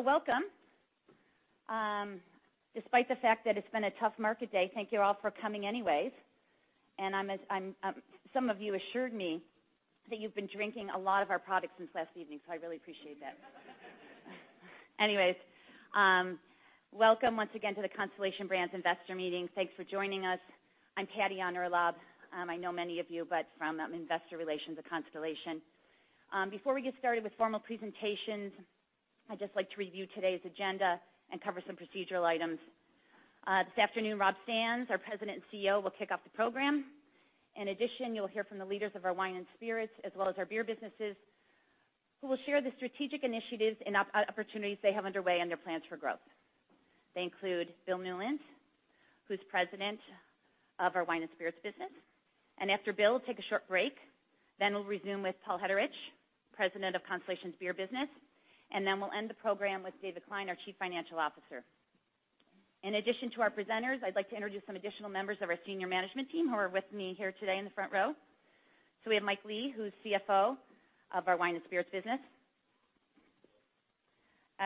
Welcome. Despite the fact that it's been a tough market day, thank you all for coming anyways. Some of you assured me that you've been drinking a lot of our products since last evening, so I really appreciate that. Welcome once again to the Constellation Brands Investor Meeting. Thanks for joining us. I'm Patty Yahn-Urlaub. I know many of you, but from Investor Relations at Constellation. Before we get started with formal presentations, I'd just like to review today's agenda and cover some procedural items. This afternoon, Rob Sands, our President and Chief Executive Officer, will kick off the program. In addition, you'll hear from the leaders of our wine and spirits, as well as our beer businesses, who will share the strategic initiatives and opportunities they have underway and their plans for growth. They include Bill Newlands, who's President of our wine and spirits business. After Bill, take a short break, we'll resume with Paul Hetterich, President of Constellation's beer business. We'll end the program with David Klein, our Chief Financial Officer. In addition to our presenters, I'd like to introduce some additional members of our senior management team who are with me here today in the front row. We have Mike Lee, who's Chief Financial Officer of our wine and spirits business.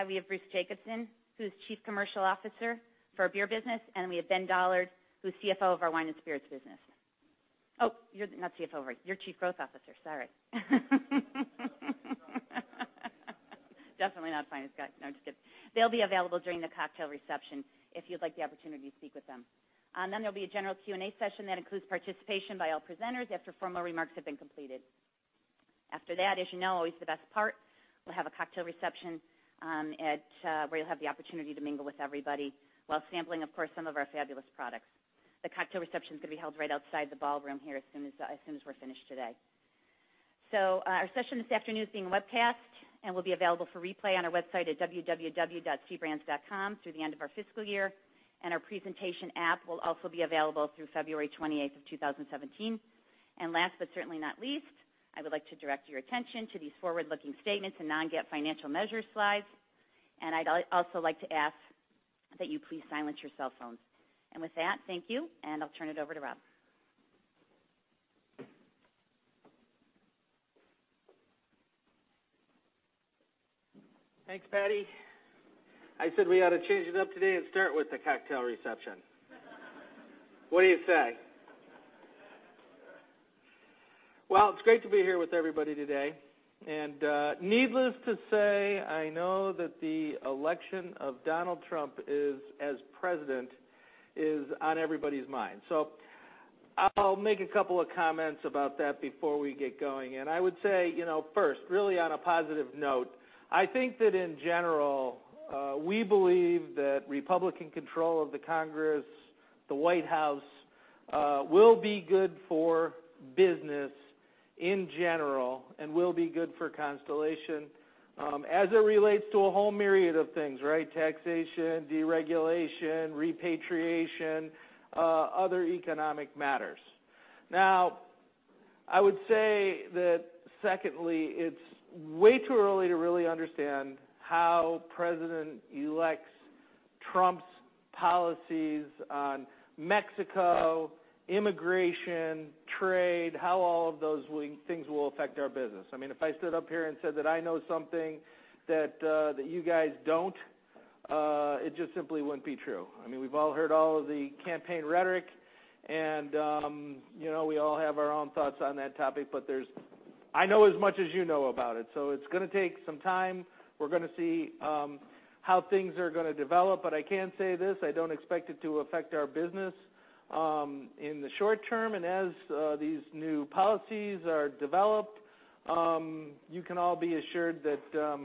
We have Bruce Jacobson, who's Chief Commercial Officer for our beer business, and we have Ben Dollard, who's Chief Financial Officer of our wine and spirits business. Oh, not Chief Financial Officer. You're Chief Growth Officer. Sorry. Definitely not finance guy. No, I'm just kidding. They'll be available during the cocktail reception if you'd like the opportunity to speak with them. There'll be a general Q&A session that includes participation by all presenters after formal remarks have been completed. After that, as you know, always the best part, we'll have a cocktail reception, where you'll have the opportunity to mingle with everybody while sampling, of course, some of our fabulous products. The cocktail reception is going to be held right outside the ballroom here as soon as we're finished today. Our session this afternoon is being webcast and will be available for replay on our website at www.cbrands.com through the end of our fiscal year. Our presentation app will also be available through February 28, 2017. Last, but certainly not least, I would like to direct your attention to these forward-looking statements and non-GAAP financial measure slides. I'd also like to ask that you please silence your cell phones. With that, thank you, and I'll turn it over to Rob. Thanks, Patty. I said we ought to change it up today and start with the cocktail reception. What do you say? It's great to be here with everybody today. Needless to say, I know that the election of Donald Trump as President is on everybody's mind. I'll make a couple of comments about that before we get going. I would say, first, really on a positive note, I think that in general, we believe that Republican control of the Congress, the White House, will be good for business in general and will be good for Constellation, as it relates to a whole myriad of things, right? Taxation, deregulation, repatriation, other economic matters. I would say that secondly, it's way too early to really understand how President-elect Trump's policies on Mexico, immigration, trade, how all of those things will affect our business. If I stood up here and said that I know something that you guys don't, it just simply wouldn't be true. We've all heard all of the campaign rhetoric, and we all have our own thoughts on that topic, but I know as much as you know about it, so it's gonna take some time. We're gonna see how things are gonna develop. I can say this: I don't expect it to affect our business in the short term. As these new policies are developed, you can all be assured that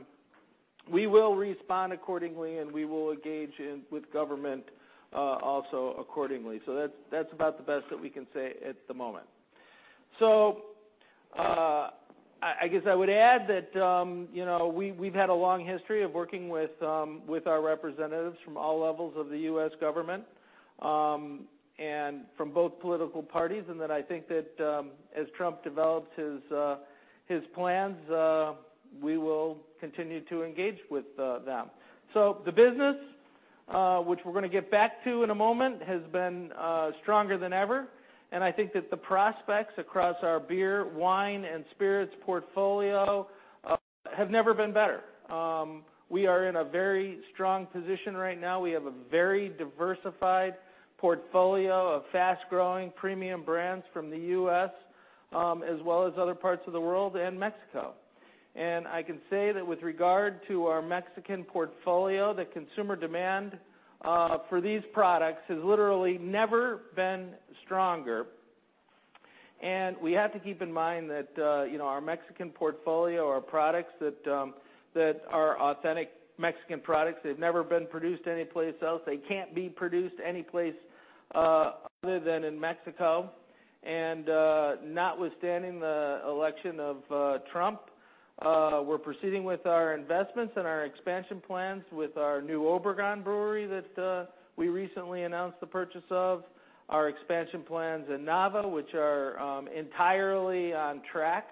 we will respond accordingly, and we will engage in with government also accordingly. That's about the best that we can say at the moment. I guess I would add that we've had a long history of working with our representatives from all levels of the U.S. government, and from both political parties, and that I think that as Trump develops his plans, we will continue to engage with them. The business, which we're gonna get back to in a moment, has been stronger than ever, and I think that the prospects across our beer, wine, and spirits portfolio have never been better. We are in a very strong position right now. We have a very diversified portfolio of fast-growing premium brands from the U.S., as well as other parts of the world and Mexico. I can say that with regard to our Mexican portfolio, the consumer demand for these products has literally never been stronger. We have to keep in mind that our Mexican portfolio are products that are authentic Mexican products. They've never been produced anyplace else. They can't be produced anyplace other than in Mexico. Notwithstanding the election of Trump, we're proceeding with our investments and our expansion plans with our new Obregon brewery that we recently announced the purchase of, our expansion plans in Nava, which are entirely on track.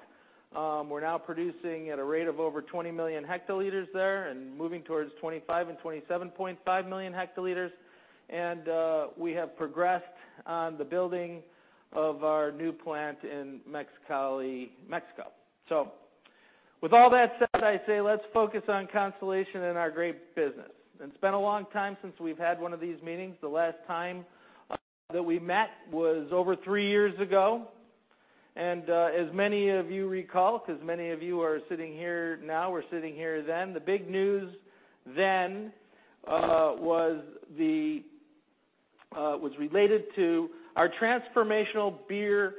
We're now producing at a rate of over 20 million hectoliters there and moving towards 25 and 27.5 million hectoliters. We have progressed on the building of our new plant in Mexicali, Mexico. With all that said, I say, let's focus on Constellation and our great business. It's been a long time since we've had one of these meetings. The last time that we met was over three years ago, and as many of you recall, because many of you are sitting here now were sitting here then, the big news then was related to our transformational beer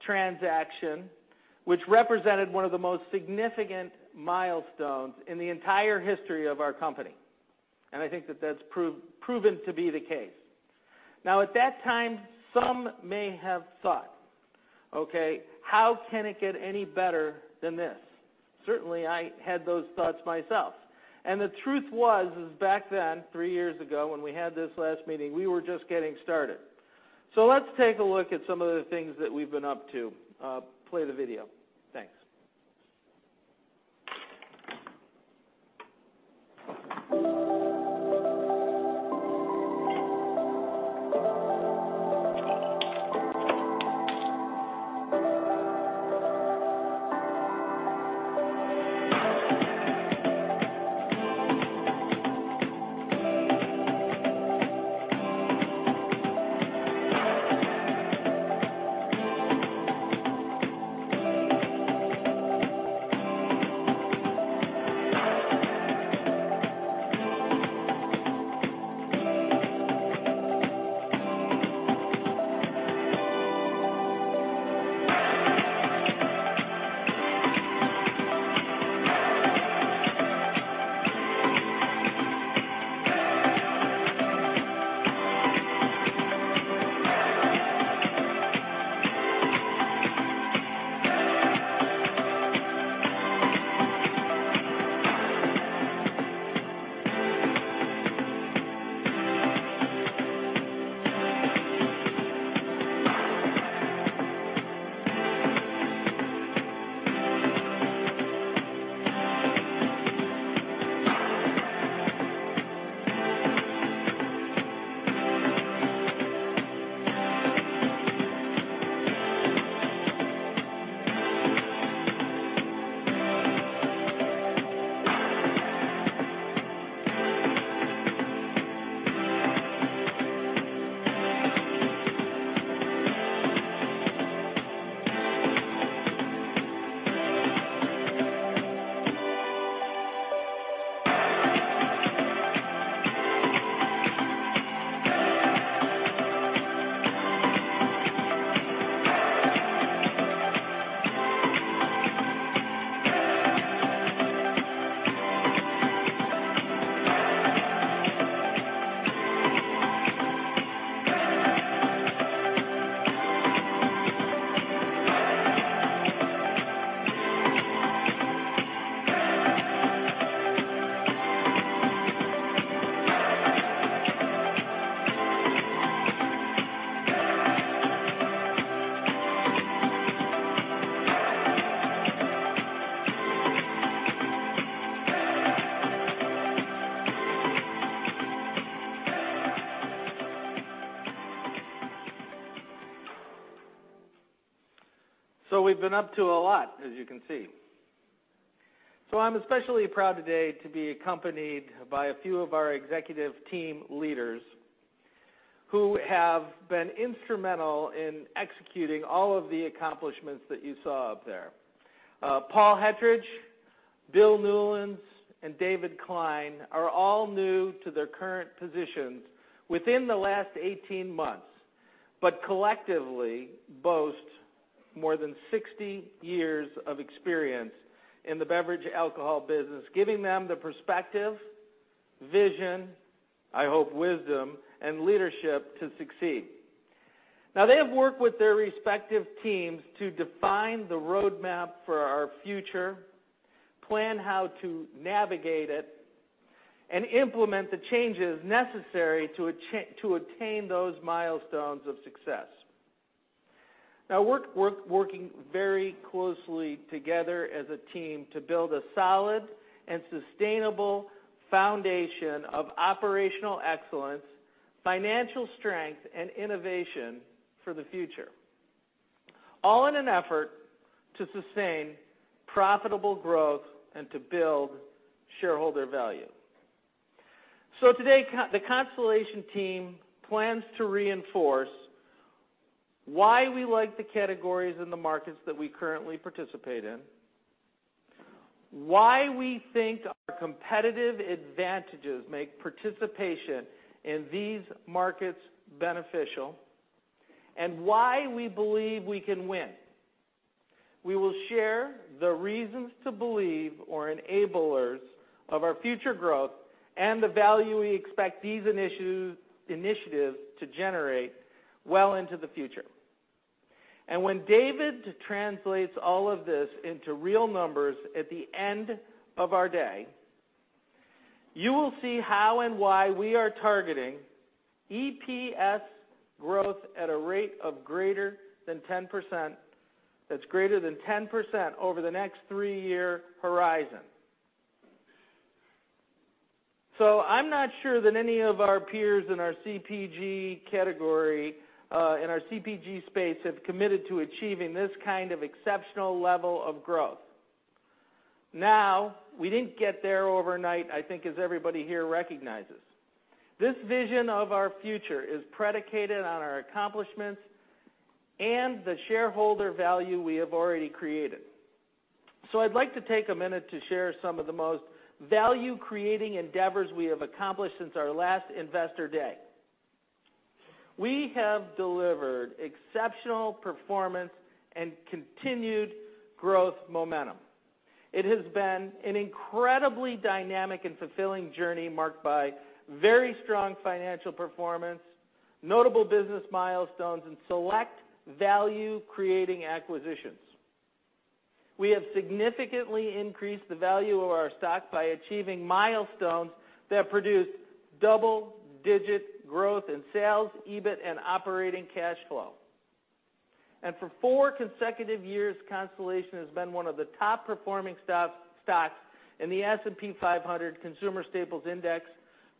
transaction, which represented one of the most significant milestones in the entire history of our company. I think that that's proven to be the case. Now, at that time, some may have thought, okay, how can it get any better than this? Certainly, I had those thoughts myself. The truth was, is back then, three years ago, when we had this last meeting, we were just getting started. Let's take a look at some of the things that we've been up to. Play the video. Thanks. We've been up to a lot, as you can see. I'm especially proud today to be accompanied by a few of our executive team leaders who have been instrumental in executing all of the accomplishments that you saw up there. Paul Hetterich, Bill Newlands, and David Klein are all new to their current positions within the last 18 months, but collectively boast more than 60 years of experience in the beverage alcohol business, giving them the perspective, vision, I hope wisdom, and leadership to succeed. They have worked with their respective teams to define the roadmap for our future, plan how to navigate it, and implement the changes necessary to attain those milestones of success. Working very closely together as a team to build a solid and sustainable foundation of operational excellence, financial strength, and innovation for the future, all in an effort to sustain profitable growth and to build shareholder value. Today, the Constellation team plans to reinforce why we like the categories and the markets that we currently participate in, why we think our competitive advantages make participation in these markets beneficial, and why we believe we can win. We will share the reasons to believe or enablers of our future growth and the value we expect these initiatives to generate well into the future. When David translates all of this into real numbers at the end of our day, you will see how and why we are targeting EPS growth at a rate of greater than 10%. That's greater than 10% over the next three-year horizon. I'm not sure that any of our peers in our CPG category, in our CPG space, have committed to achieving this kind of exceptional level of growth. We didn't get there overnight, I think as everybody here recognizes. This vision of our future is predicated on our accomplishments and the shareholder value we have already created. I'd like to take a minute to share some of the most value-creating endeavors we have accomplished since our last Investor Day. We have delivered exceptional performance and continued growth momentum. It has been an incredibly dynamic and fulfilling journey marked by very strong financial performance, notable business milestones, and select value-creating acquisitions. We have significantly increased the value of our stock by achieving milestones that produce double-digit growth in sales, EBIT, and operating cash flow. For four consecutive years, Constellation has been one of the top performing stocks in the S&P 500 Consumer Staples Index,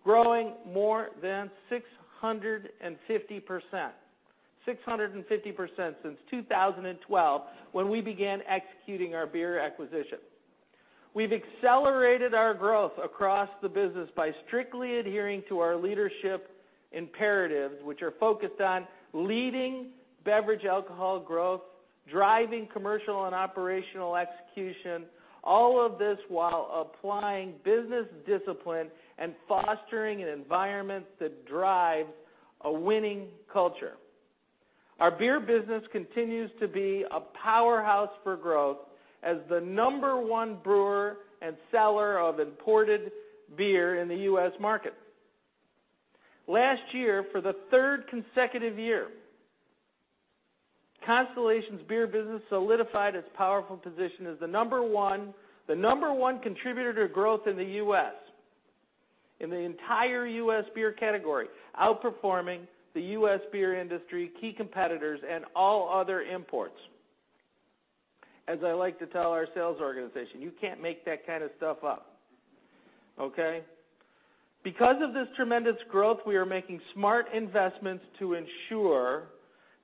growing more than 650%. 650% since 2012, when we began executing our beer acquisition. We've accelerated our growth across the business by strictly adhering to our leadership imperatives, which are focused on leading beverage alcohol growth, driving commercial and operational execution, all of this while applying business discipline and fostering an environment that drives a winning culture. Our beer business continues to be a powerhouse for growth as the number one brewer and seller of imported beer in the U.S. market. Last year, for the third consecutive year, Constellation's beer business solidified its powerful position as the number one contributor to growth in the U.S., in the entire U.S. beer category, outperforming the U.S. beer industry, key competitors, and all other imports. As I like to tell our sales organization, you can't make that kind of stuff up. Okay? Because of this tremendous growth, we are making smart investments to ensure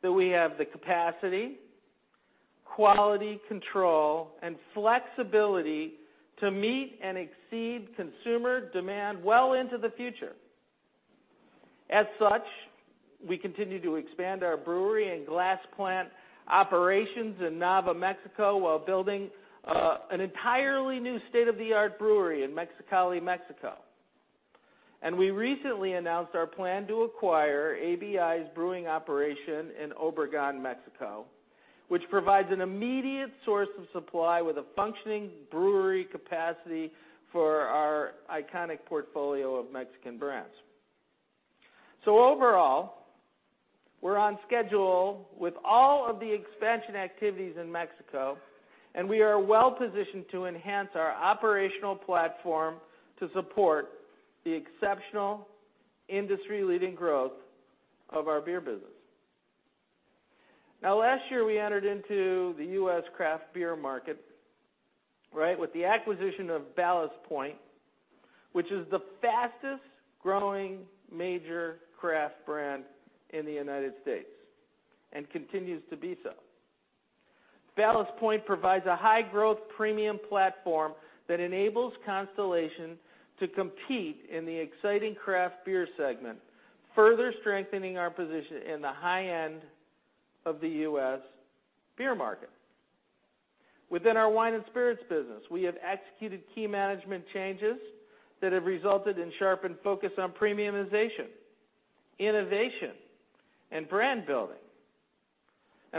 that we have the capacity, quality control, and flexibility to meet and exceed consumer demand well into the future. As such, we continue to expand our brewery and glass plant operations in Nava, Mexico, while building an entirely new state-of-the-art brewery in Mexicali, Mexico. We recently announced our plan to acquire ABI's brewing operation in Obregon, Mexico, which provides an immediate source of supply with a functioning brewery capacity for our iconic portfolio of Mexican brands. Overall, we're on schedule with all of the expansion activities in Mexico, and we are well-positioned to enhance our operational platform to support the exceptional industry-leading growth of our beer business. Last year, we entered into the U.S. craft beer market, right, with the acquisition of Ballast Point, which is the fastest-growing major craft brand in the U.S., and continues to be so. Ballast Point provides a high-growth premium platform that enables Constellation to compete in the exciting craft beer segment, further strengthening our position in the high end of the U.S. beer market. Within our wine and spirits business, we have executed key management changes that have resulted in sharpened focus on premiumization, innovation, and brand building.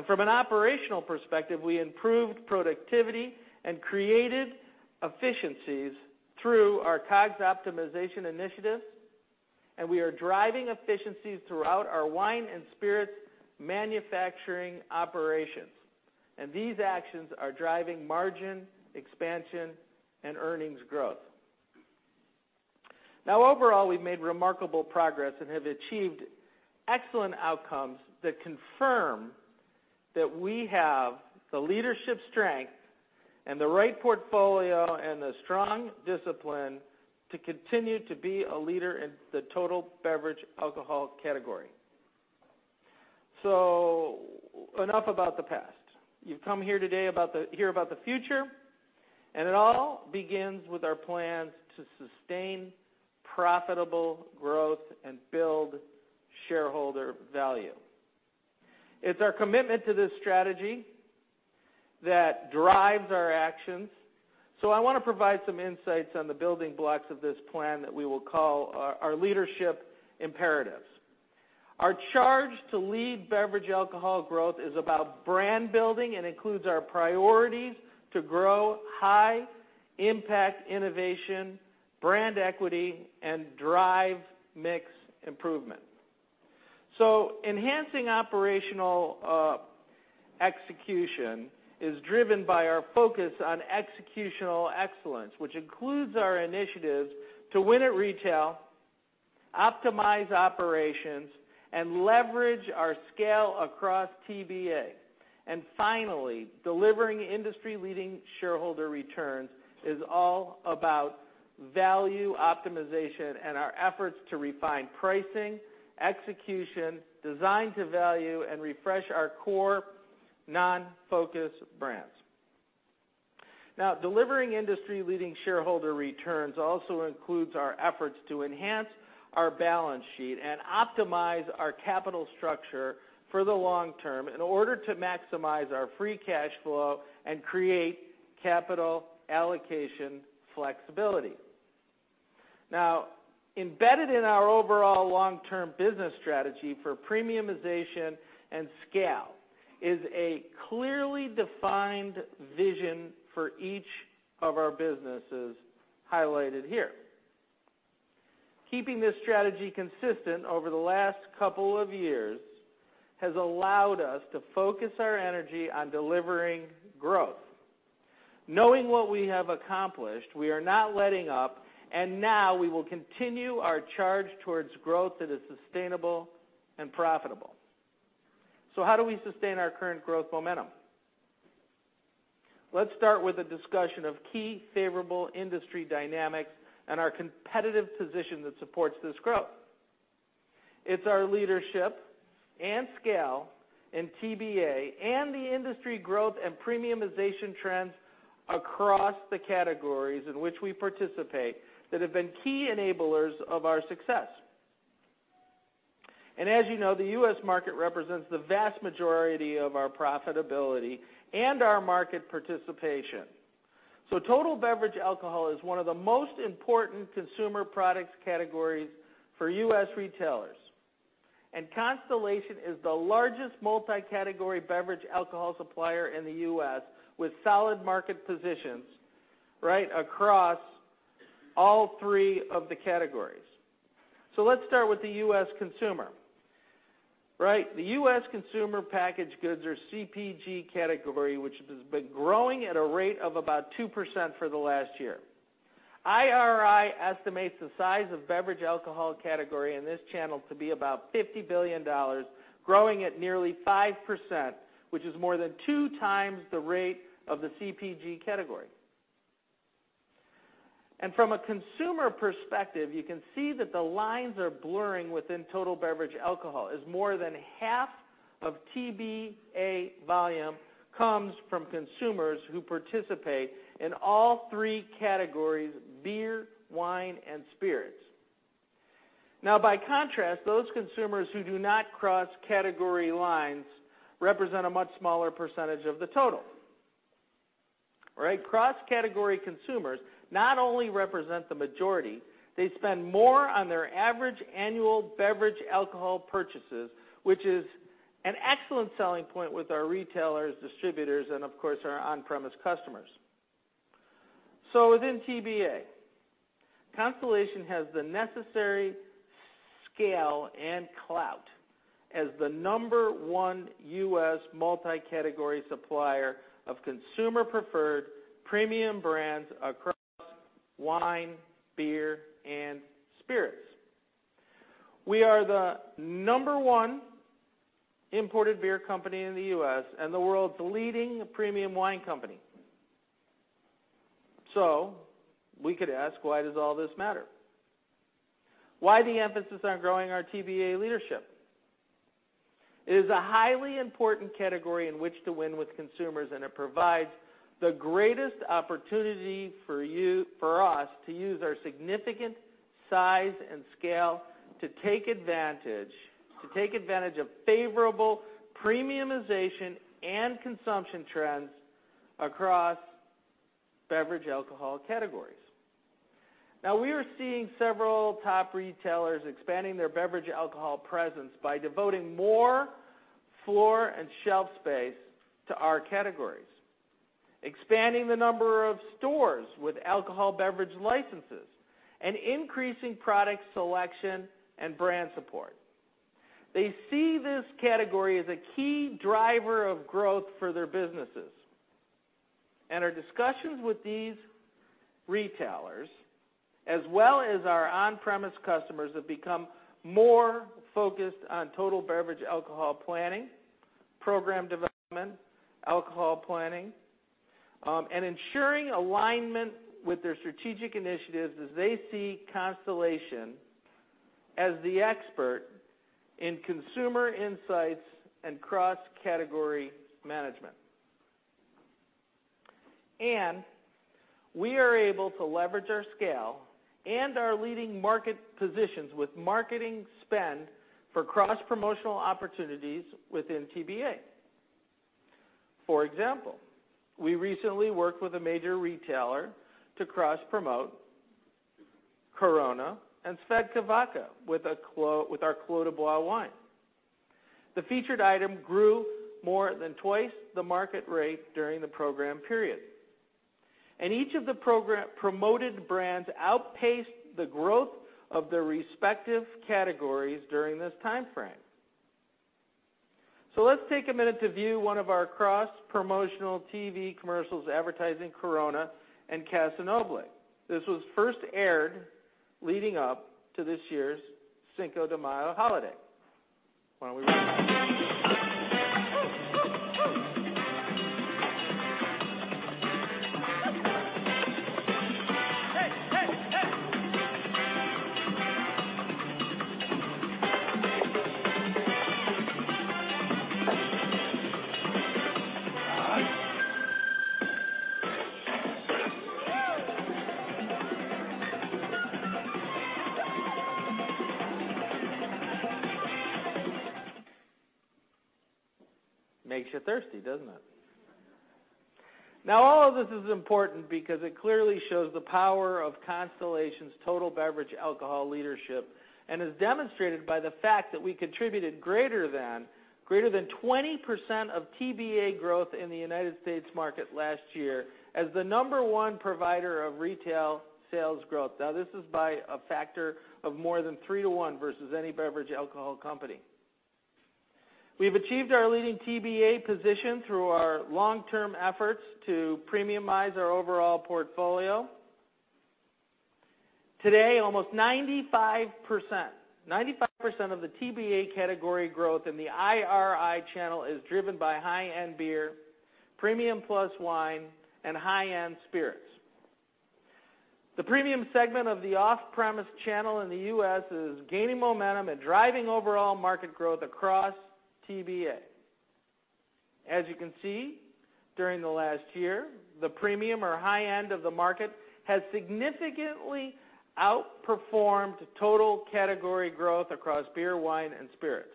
From an operational perspective, we improved productivity and created efficiencies through our COGS optimization initiatives, and we are driving efficiencies throughout our wine and spirits manufacturing operations. These actions are driving margin expansion and earnings growth. Overall, we've made remarkable progress and have achieved excellent outcomes that confirm that we have the leadership strength and the right portfolio and the strong discipline to continue to be a leader in the total beverage alcohol category. Enough about the past. You've come here today to hear about the future, and it all begins with our plans to sustain profitable growth and build shareholder value. It's our commitment to this strategy that drives our actions. I want to provide some insights on the building blocks of this plan that we will call our leadership imperatives. Our charge to lead beverage alcohol growth is about brand building and includes our priorities to grow high-impact innovation, brand equity, and drive mix improvement. Enhancing operational execution is driven by our focus on executional excellence, which includes our initiatives to win at retail, optimize operations and leverage our scale across TBA. Finally, delivering industry-leading shareholder returns is all about value optimization and our efforts to refine pricing, execution, design to value, and refresh our core non-focus brands. Delivering industry-leading shareholder returns also includes our efforts to enhance our balance sheet and optimize our capital structure for the long term in order to maximize our free cash flow and create capital allocation flexibility. Embedded in our overall long-term business strategy for premiumization and scale is a clearly defined vision for each of our businesses highlighted here. Keeping this strategy consistent over the last couple of years has allowed us to focus our energy on delivering growth. Knowing what we have accomplished, we are not letting up, now we will continue our charge towards growth that is sustainable and profitable. How do we sustain our current growth momentum? Let's start with a discussion of key favorable industry dynamics and our competitive position that supports this growth. It is our leadership and scale in TBA and the industry growth and premiumization trends across the categories in which we participate that have been key enablers of our success. As you know, the U.S. market represents the vast majority of our profitability and our market participation. Total beverage alcohol is one of the most important consumer products categories for U.S. retailers. Constellation is the largest multi-category beverage alcohol supplier in the U.S., with solid market positions right across all three of the categories. Let's start with the U.S. consumer. Right? The U.S. consumer packaged goods or CPG category, which has been growing at a rate of about 2% for the last year. IRI estimates the size of beverage alcohol category in this channel to be about $50 billion, growing at nearly 5%, which is more than two times the rate of the CPG category. From a consumer perspective, you can see that the lines are blurring within total beverage alcohol, as more than half of TBA volume comes from consumers who participate in all three categories: beer, wine, and spirits. By contrast, those consumers who do not cross category lines represent a much smaller percentage of the total. Right? Cross-category consumers not only represent the majority, they spend more on their average annual beverage alcohol purchases, which is an excellent selling point with our retailers, distributors, and, of course, our on-premise customers. Within TBA, Constellation has the necessary scale and clout as the number one U.S. multi-category supplier of consumer-preferred premium brands across wine, beer, and spirits. We are the number one imported beer company in the U.S. and the world's leading premium wine company. We could ask, why does all this matter? Why the emphasis on growing our TBA leadership? It is a highly important category in which to win with consumers, and it provides the greatest opportunity for us to use our significant size and scale to take advantage of favorable premiumization and consumption trends across beverage alcohol categories. We are seeing several top retailers expanding their beverage alcohol presence by devoting more floor and shelf space to our categories, expanding the number of stores with alcohol beverage licenses, and increasing product selection and brand support. They see this category as a key driver of growth for their businesses. Our discussions with these retailers, as well as our on-premise customers, have become more focused on total beverage alcohol planning, program development, alcohol planning, and ensuring alignment with their strategic initiatives as they see Constellation as the expert in consumer insights and cross-category management. We are able to leverage our scale and our leading market positions with marketing spend for cross-promotional opportunities within TBA. For example, we recently worked with a major retailer to cross-promote Corona and SVEDKA Vodka with our Clos du Bois wine. The featured item grew more than two times the market rate during the program period. Each of the promoted brands outpaced the growth of their respective categories during this time frame. Let's take a minute to view one of our cross-promotional TV commercials advertising Corona and Casamigos. This was first aired leading up to this year's Cinco de Mayo holiday. Why don't we roll that? Makes you thirsty, doesn't it? All of this is important because it clearly shows the power of Constellation's total beverage alcohol leadership and is demonstrated by the fact that we contributed greater than 20% of TBA growth in the U.S. market last year as the number 1 provider of retail sales growth. This is by a factor of more than 3 to 1 versus any beverage alcohol company. We've achieved our leading TBA position through our long-term efforts to premiumize our overall portfolio. Today, almost 95% of the TBA category growth in the IRI channel is driven by high-end beer, premium plus wine, and high-end spirits. The premium segment of the off-premise channel in the U.S. is gaining momentum and driving overall market growth across TBA. As you can see, during the last year, the premium or high end of the market has significantly outperformed total category growth across beer, wine, and spirits.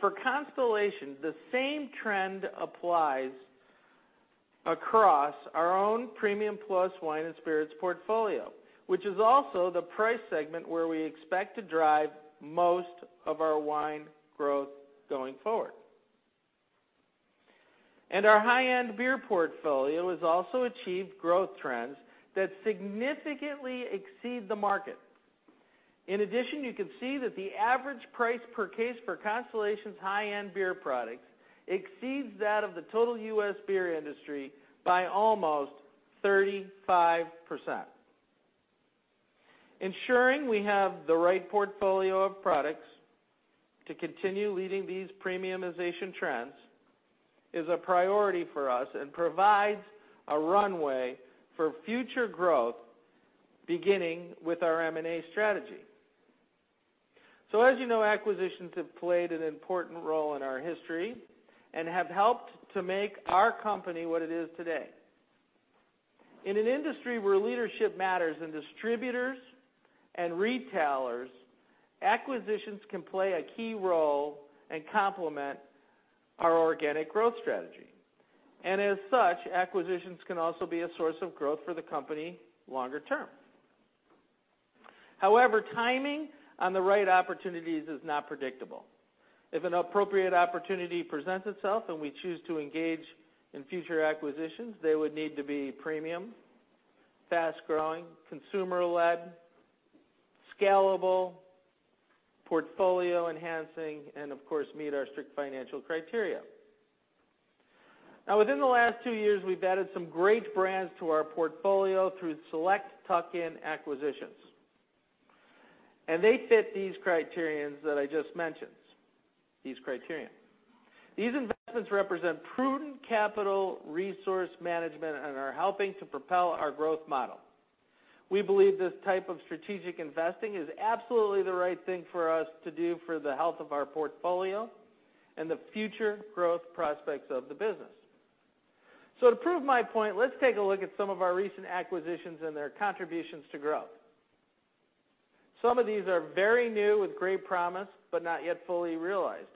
For Constellation, the same trend applies across our own premium plus wine and spirits portfolio, which is also the price segment where we expect to drive most of our wine growth going forward. Our high-end beer portfolio has also achieved growth trends that significantly exceed the market. In addition, you can see that the average price per case for Constellation's high-end beer products exceeds that of the total U.S. beer industry by almost 35%. Ensuring we have the right portfolio of products to continue leading these premiumization trends is a priority for us and provides a runway for future growth, beginning with our M&A strategy. As you know, acquisitions have played an important role in our history and have helped to make our company what it is today. In an industry where leadership matters in distributors and retailers, acquisitions can play a key role and complement our organic growth strategy. As such, acquisitions can also be a source of growth for the company longer term. However, timing on the right opportunities is not predictable. If an appropriate opportunity presents itself and we choose to engage in future acquisitions, they would need to be premium, fast-growing, consumer-led, scalable, portfolio-enhancing, and of course, meet our strict financial criteria. Within the last 2 years, we've added some great brands to our portfolio through select tuck-in acquisitions, and they fit these criterion that I just mentioned. These investments represent prudent capital resource management and are helping to propel our growth model. We believe this type of strategic investing is absolutely the right thing for us to do for the health of our portfolio and the future growth prospects of the business. To prove my point, let's take a look at some of our recent acquisitions and their contributions to growth. Some of these are very new with great promise, but not yet fully realized.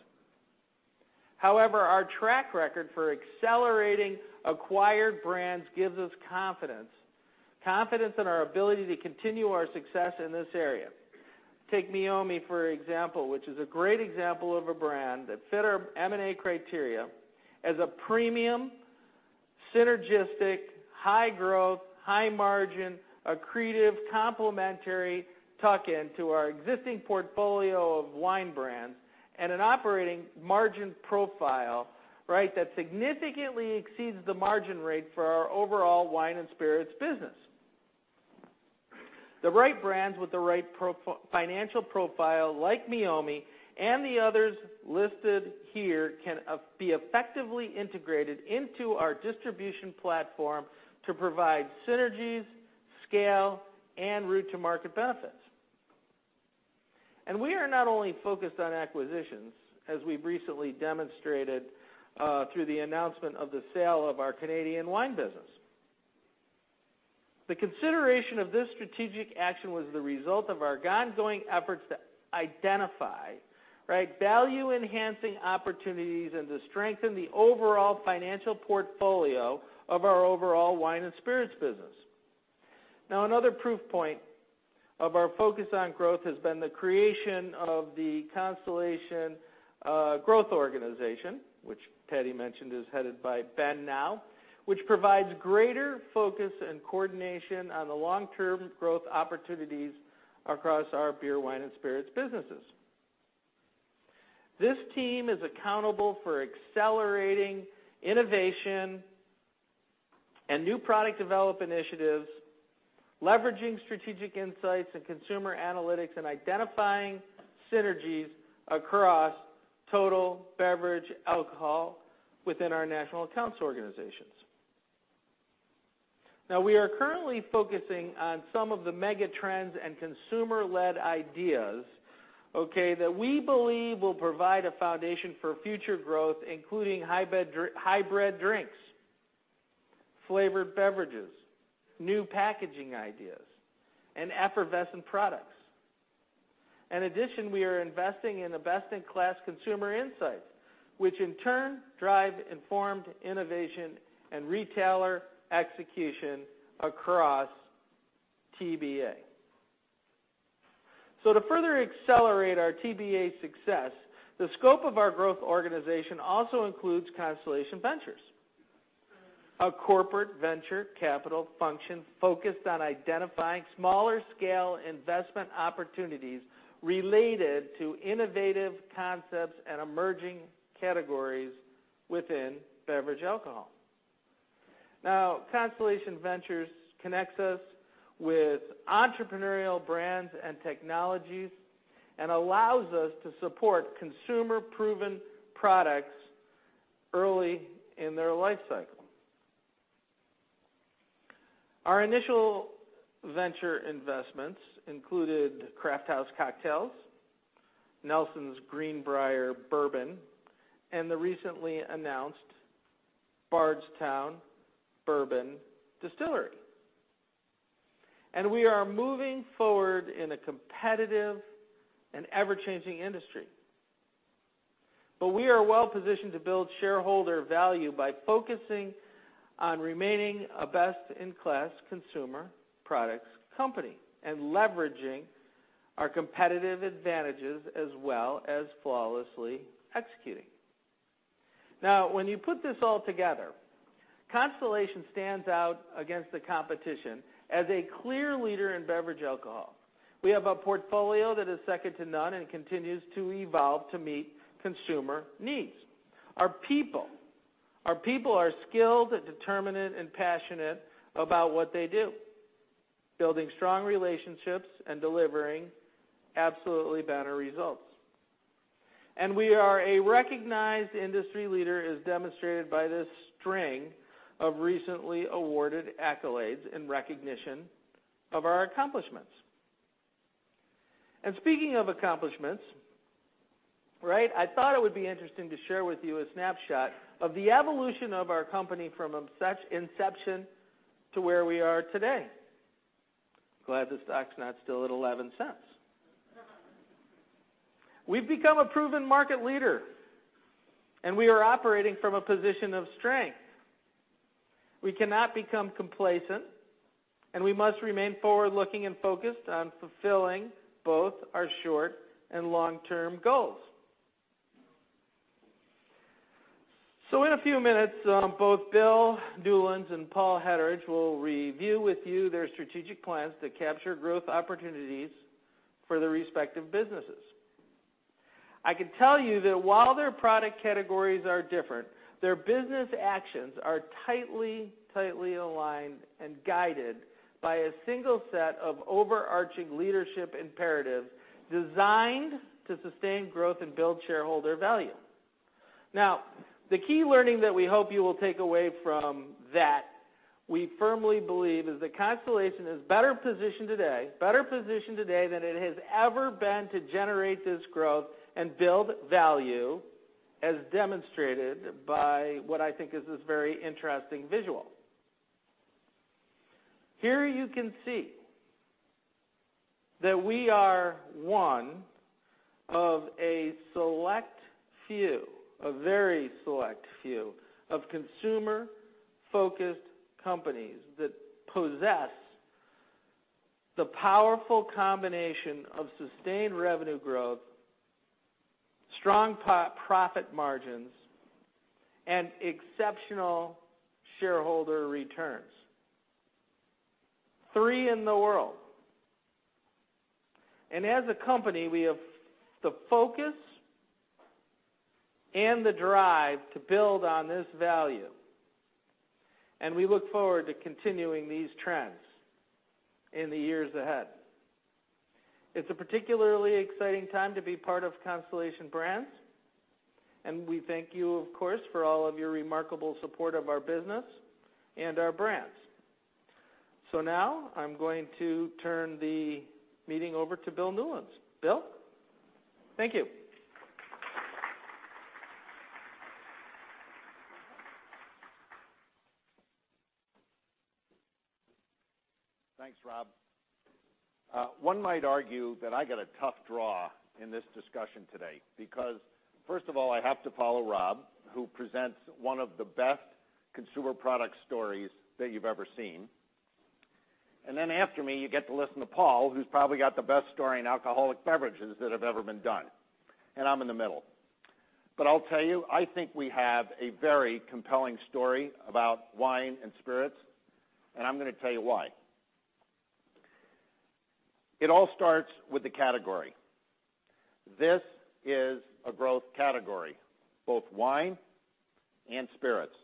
However, our track record for accelerating acquired brands gives us confidence. Confidence in our ability to continue our success in this area. Take Meiomi, for example, which is a great example of a brand that fit our M&A criteria as a premium, synergistic, high growth, high margin, accretive, complementary tuck-in to our existing portfolio of wine brands and an operating margin profile, right, that significantly exceeds the margin rate for our overall wine and spirits business. The right brands with the right financial profile, like Meiomi and the others listed here, can be effectively integrated into our distribution platform to provide synergies, scale, and route to market benefits. We are not only focused on acquisitions, as we've recently demonstrated, through the announcement of the sale of our Canadian wine business. The consideration of this strategic action was the result of our ongoing efforts to identify value-enhancing opportunities and to strengthen the overall financial portfolio of our overall wine and spirits business. Another proof point of our focus on growth has been the creation of the Constellation Growth Organization, which Patty mentioned is headed by Ben now, which provides greater focus and coordination on the long-term growth opportunities across our beer, wine, and spirits businesses. This team is accountable for accelerating innovation and new product development initiatives, leveraging strategic insights and consumer analytics, and identifying synergies across total beverage alcohol within our national accounts organizations. We are currently focusing on some of the mega trends and consumer-led ideas that we believe will provide a foundation for future growth, including hybrid drinks, flavored beverages, new packaging ideas, and effervescent products. In addition, we are investing in a best-in-class consumer insights, which in turn drive informed innovation and retailer execution across TBA. To further accelerate our TBA success, the scope of our growth organization also includes Constellation Ventures, a corporate venture capital function focused on identifying smaller scale investment opportunities related to innovative concepts and emerging categories within beverage alcohol. Constellation Ventures connects us with entrepreneurial brands and technologies and allows us to support consumer-proven products early in their life cycle. Our initial venture investments included Crafthouse Cocktails, Nelson's Green Brier Distillery, and the recently announced Bardstown Bourbon Company. We are moving forward in a competitive and ever-changing industry. We are well positioned to build shareholder value by focusing on remaining a best-in-class consumer products company, and leveraging our competitive advantages, as well as flawlessly executing. When you put this all together, Constellation stands out against the competition as a clear leader in beverage alcohol. We have a portfolio that is second to none and continues to evolve to meet consumer needs. Our people are skilled and determined and passionate about what they do, building strong relationships and delivering absolutely better results. We are a recognized industry leader, as demonstrated by this string of recently awarded accolades in recognition of our accomplishments. Speaking of accomplishments, I thought it would be interesting to share with you a snapshot of the evolution of our company from inception to where we are today. Glad the stock's not still at $0.11. We've become a proven market leader, and we are operating from a position of strength. We cannot become complacent, and we must remain forward-looking and focused on fulfilling both our short and long-term goals. In a few minutes, both Bill Newlands and Paul Hetterich will review with you their strategic plans to capture growth opportunities for their respective businesses. I can tell you that while their product categories are different, their business actions are tightly aligned and guided by a single set of overarching leadership imperatives designed to sustain growth and build shareholder value. The key learning that we hope you will take away from that, we firmly believe, is that Constellation is better positioned today than it has ever been to generate this growth and build value, as demonstrated by what I think is this very interesting visual. Here, you can see that we are one of a select few, a very select few, of consumer-focused companies that possess the powerful combination of sustained revenue growth, strong profit margins, and exceptional shareholder returns. Three in the world. As a company, we have the focus and the drive to build on this value, and we look forward to continuing these trends in the years ahead. It's a particularly exciting time to be part of Constellation Brands, and we thank you, of course, for all of your remarkable support of our business and our brands. Now I'm going to turn the meeting over to Bill Newlands. Bill? Thank you. Thanks, Rob. One might argue that I got a tough draw in this discussion today because, first of all, I have to follow Rob, who presents one of the best consumer product stories that you've ever seen. After me, you get to listen to Paul, who's probably got the best story in alcoholic beverages that have ever been done. I'm in the middle. I'll tell you, I think we have a very compelling story about wine and spirits, and I'm going to tell you why. It all starts with the category. This is a growth category, both wine and spirits.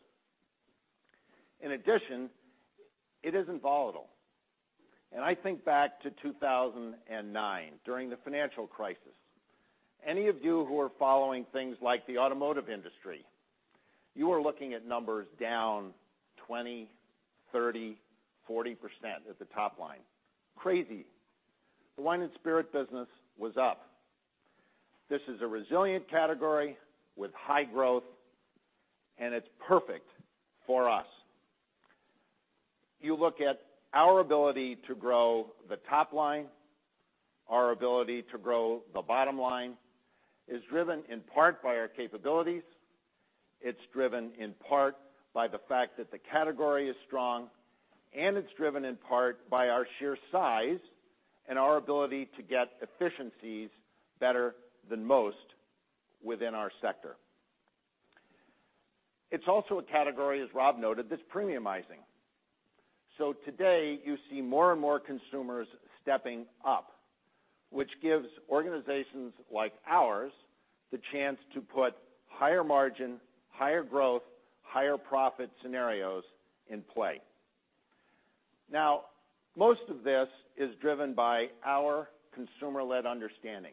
In addition, it isn't volatile. I think back to 2009, during the financial crisis. Any of you who were following things like the automotive industry, you were looking at numbers down 20%, 30%, 40% at the top line. Crazy. The wine and spirit business was up. This is a resilient category with high growth, it's perfect for us. You look at our ability to grow the top line, our ability to grow the bottom line, is driven in part by our capabilities. It's driven in part by the fact that the category is strong, it's driven in part by our sheer size and our ability to get efficiencies better than most within our sector. It's also a category, as Rob noted, that's premiumizing. Today, you see more and more consumers stepping up, which gives organizations like ours the chance to put higher margin, higher growth, higher profit scenarios in play. Most of this is driven by our consumer-led understanding.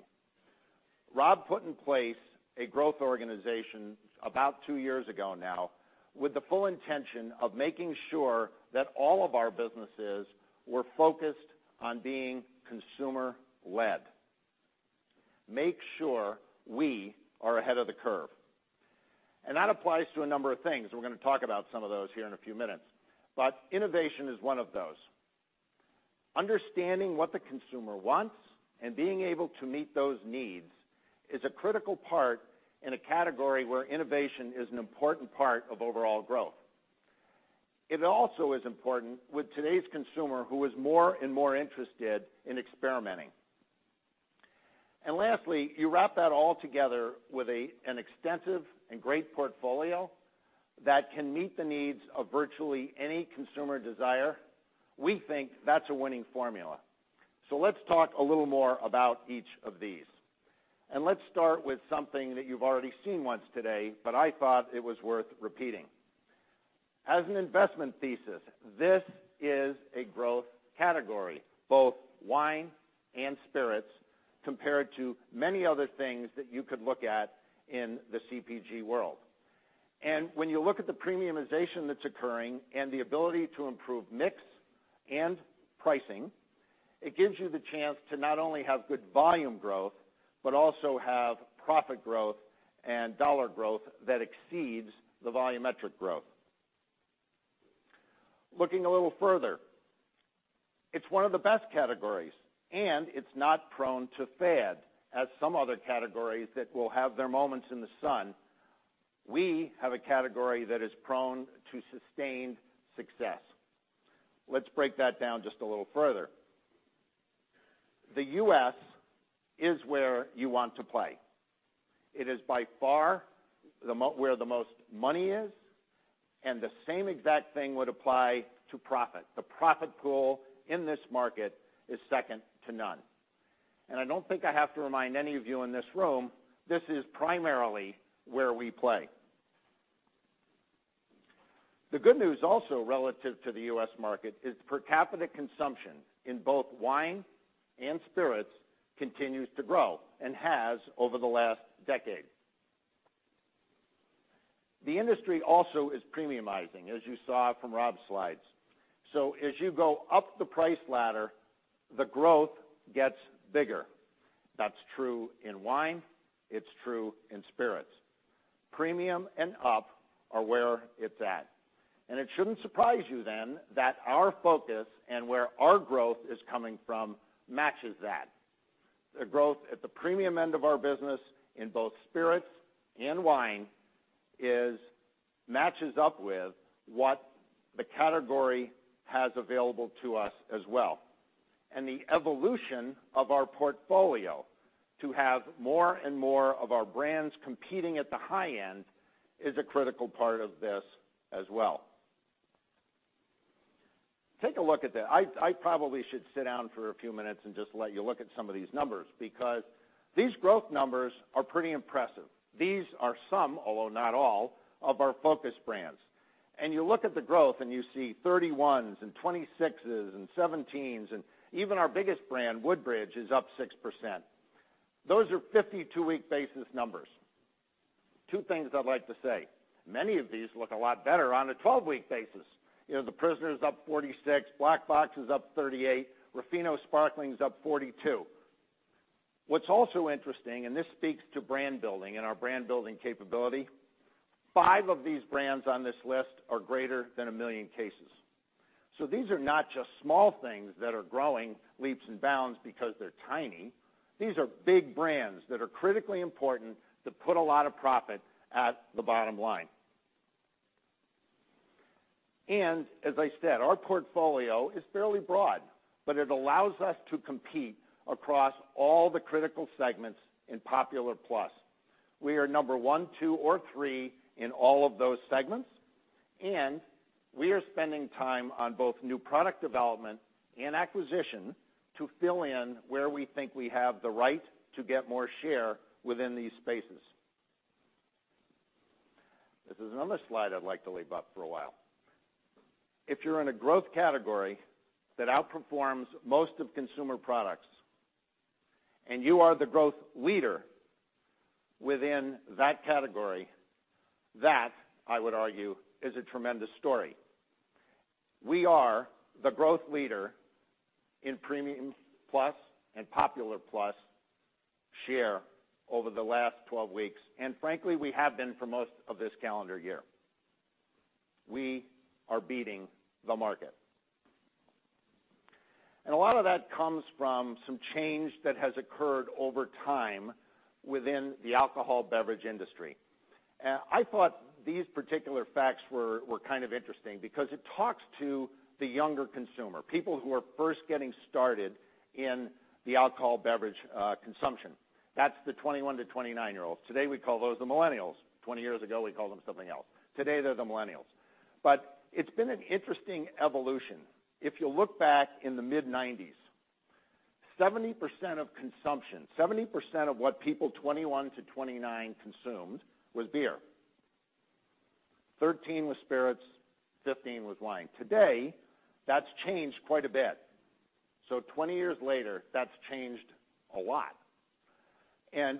Rob put in place a growth organization about two years ago now, with the full intention of making sure that all of our businesses were focused on being consumer led. Make sure we are ahead of the curve. That applies to a number of things. We are going to talk about some of those here in a few minutes. Innovation is one of those. Understanding what the consumer wants and being able to meet those needs is a critical part in a category where innovation is an important part of overall growth. It also is important with today's consumer, who is more and more interested in experimenting. Lastly, you wrap that all together with an extensive and great portfolio that can meet the needs of virtually any consumer desire. We think that is a winning formula. Let us talk a little more about each of these. Let us start with something that you have already seen once today, but I thought it was worth repeating. As an investment thesis, this is a growth category, both wine and spirits, compared to many other things that you could look at in the CPG world. When you look at the premiumization that is occurring and the ability to improve mix and pricing, it gives you the chance to not only have good volume growth, but also have profit growth and dollar growth that exceeds the volumetric growth. Looking a little further. It is one of the best categories, and it is not prone to fad as some other categories that will have their moments in the sun. We have a category that is prone to sustained success. Let us break that down just a little further. The U.S. is where you want to play. It is by far where the most money is, the same exact thing would apply to profit. The profit pool in this market is second to none. I do not think I have to remind any of you in this room, this is primarily where we play. The good news also relative to the U.S. market is per capita consumption in both wine and spirits continues to grow and has over the last decade. The industry also is premiumizing, as you saw from Rob's slides. As you go up the price ladder, the growth gets bigger. That is true in wine. It is true in spirits. Premium and up are where it is at. It should not surprise you then that our focus and where our growth is coming from matches that. The growth at the premium end of our business in both spirits and wine matches up with what the category has available to us as well. The evolution of our portfolio to have more and more of our brands competing at the high end is a critical part of this as well. Take a look at that. I probably should sit down for a few minutes and just let you look at some of these numbers because these growth numbers are pretty impressive. These are some, although not all, of our focus brands. You look at the growth and you see 31s and 26s and 17s, and even our biggest brand, Woodbridge, is up 6%. Those are 52-week basis numbers. Two things I would like to say. Many of these look a lot better on a 12-week basis. The Prisoner is up 46, Black Box is up 38, Ruffino Sparkling's up 42. What's also interesting, this speaks to brand building and our brand building capability, five of these brands on this list are greater than 1 million cases. These are not just small things that are growing leaps and bounds because they're tiny. These are big brands that are critically important to put a lot of profit at the bottom line. As I said, our portfolio is fairly broad, but it allows us to compete across all the critical segments in Popular Plus. We are number one, two, or three in all of those segments. We are spending time on both new product development and acquisition to fill in where we think we have the right to get more share within these spaces. This is another slide I'd like to leave up for a while. If you're in a growth category that outperforms most of consumer products, and you are the growth leader within that category, that, I would argue, is a tremendous story. We are the growth leader in premium plus and popular plus share over the last 12 weeks, and frankly, we have been for most of this calendar year. We are beating the market. A lot of that comes from some change that has occurred over time within the alcohol beverage industry. I thought these particular facts were kind of interesting because it talks to the younger consumer, people who are first getting started in the alcohol beverage consumption. That's the 21 to 29-year-olds. Today, we call those the millennials. 20 years ago, we called them something else. Today, they're the millennials. It's been an interesting evolution. If you look back in the mid-'90s, 70% of consumption, 70% of what people 21 to 29 consumed was beer, 13 was spirits, 15 was wine. Today, that's changed quite a bit. 20 years later, that's changed a lot.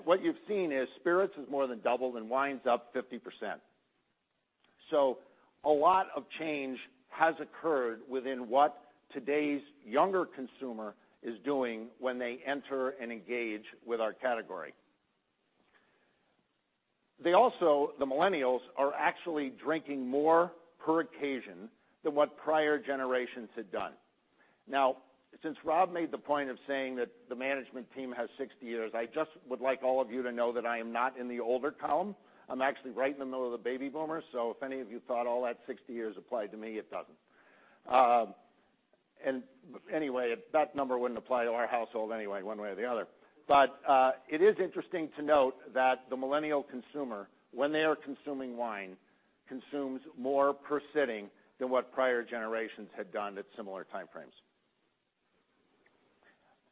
What you've seen is spirits has more than doubled, and wine's up 50%. A lot of change has occurred within what today's younger consumer is doing when they enter and engage with our category. They also, the millennials, are actually drinking more per occasion than what prior generations had done. Now, since Rob made the point of saying that the management team has 60 years, I just would like all of you to know that I am not in the older column. I'm actually right in the middle of the baby boomers. If any of you thought all that 60 years applied to me, it doesn't. Anyway, that number wouldn't apply to our household anyway, one way or the other. It is interesting to note that the millennial consumer, when they are consuming wine, consumes more per sitting than what prior generations had done at similar time frames.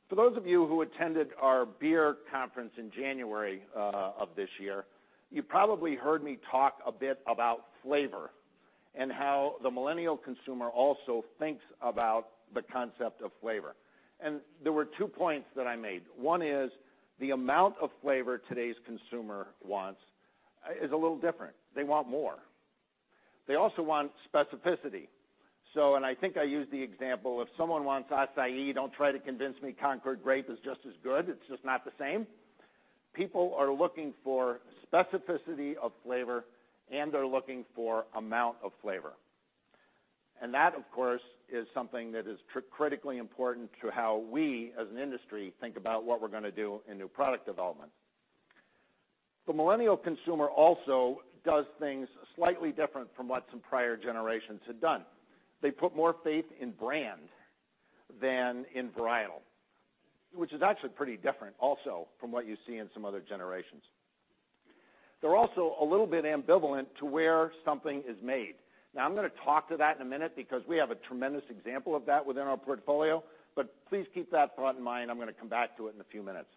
For those of you who attended our beer conference in January of this year, you probably heard me talk a bit about flavor and how the millennial consumer also thinks about the concept of flavor. There were two points that I made. One is the amount of flavor today's consumer wants is a little different. They want more. They also want specificity. I think I used the example, if someone wants acai, don't try to convince me concord grape is just as good. It's just not the same. People are looking for specificity of flavor, and they're looking for amount of flavor. That, of course, is something that is critically important to how we, as an industry, think about what we're going to do in new product development. The millennial consumer also does things slightly different from what some prior generations had done. They put more faith in brand than in varietal, which is actually pretty different also from what you see in some other generations. They're also a little bit ambivalent to where something is made. I'm going to talk to that in a minute because we have a tremendous example of that within our portfolio, but please keep that thought in mind. I'm going to come back to it in a few minutes.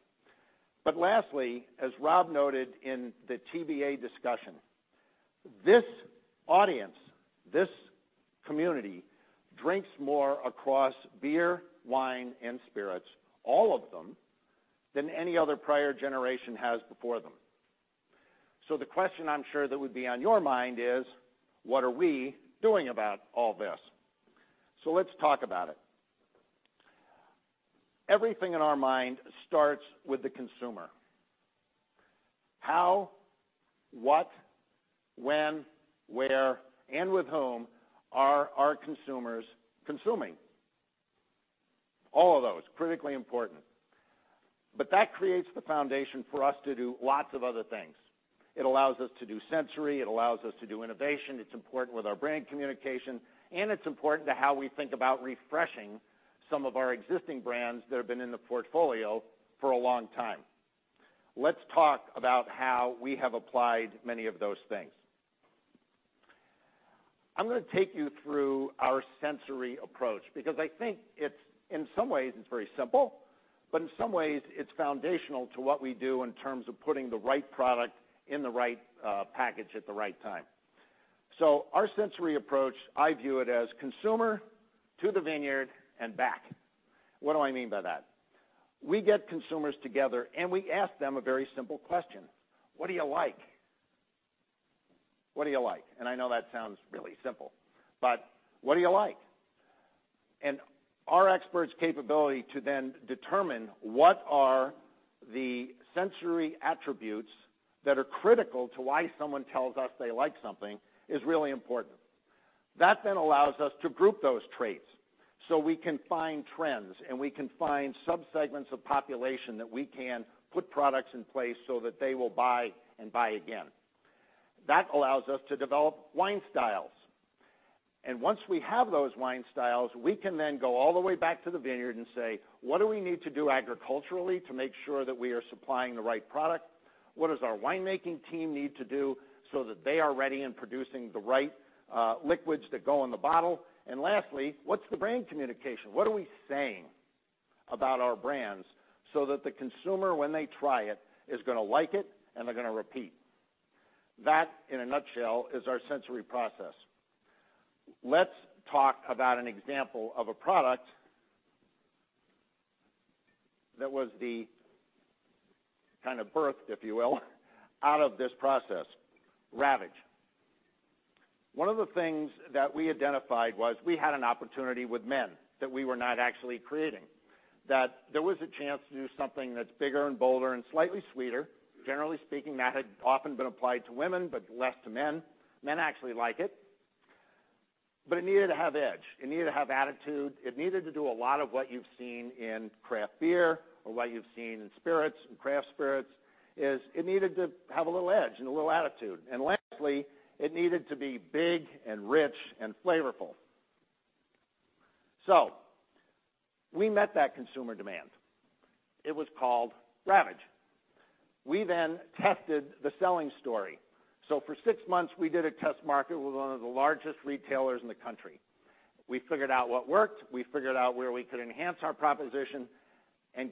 Lastly, as Rob noted in the TBA discussion, this audience, this community, drinks more across beer, wine, and spirits, all of them, than any other prior generation has before them. The question I'm sure that would be on your mind is, what are we doing about all this? Let's talk about it. Everything in our mind starts with the consumer. How, what, when, where, and with whom are our consumers consuming? All of those, critically important. That creates the foundation for us to do lots of other things. It allows us to do sensory. It allows us to do innovation. It's important with our brand communication. It's important to how we think about refreshing some of our existing brands that have been in the portfolio for a long time. Let's talk about how we have applied many of those things. I'm going to take you through our sensory approach because I think in some ways, it's very simple, but in some ways, it's foundational to what we do in terms of putting the right product in the right package at the right time. Our sensory approach, I view it as consumer to the vineyard and back. What do I mean by that? We get consumers together, and we ask them a very simple question: What do you like? What do you like? I know that sounds really simple, but what do you like? Our experts' capability to then determine what are the sensory attributes that are critical to why someone tells us they like something is really important. That then allows us to group those traits so we can find trends, and we can find subsegments of population that we can put products in place so that they will buy and buy again. That allows us to develop wine styles. Once we have those wine styles, we can then go all the way back to the vineyard and say, "What do we need to do agriculturally to make sure that we are supplying the right product? What does our wine-making team need to do so that they are ready and producing the right liquids that go in the bottle?" Lastly, "What's the brand communication? What are we saying about our brands so that the consumer, when they try it, is going to like it and they're going to repeat?" That, in a nutshell, is our sensory process. Let's talk about an example of a product that was the kind of birth, if you will, out of this process, Ravage. One of the things that we identified was we had an opportunity with men that we were not actually creating, that there was a chance to do something that's bigger and bolder and slightly sweeter. Generally speaking, that had often been applied to women, but less to men. Men actually like it. It needed to have edge. It needed to have attitude. It needed to do a lot of what you've seen in craft beer or what you've seen in spirits and craft spirits, it needed to have a little edge and a little attitude. Lastly, it needed to be big and rich and flavorful. We met that consumer demand. It was called Ravage. We tested the selling story. For six months, we did a test market with one of the largest retailers in the country. We figured out what worked. We figured out where we could enhance our proposition.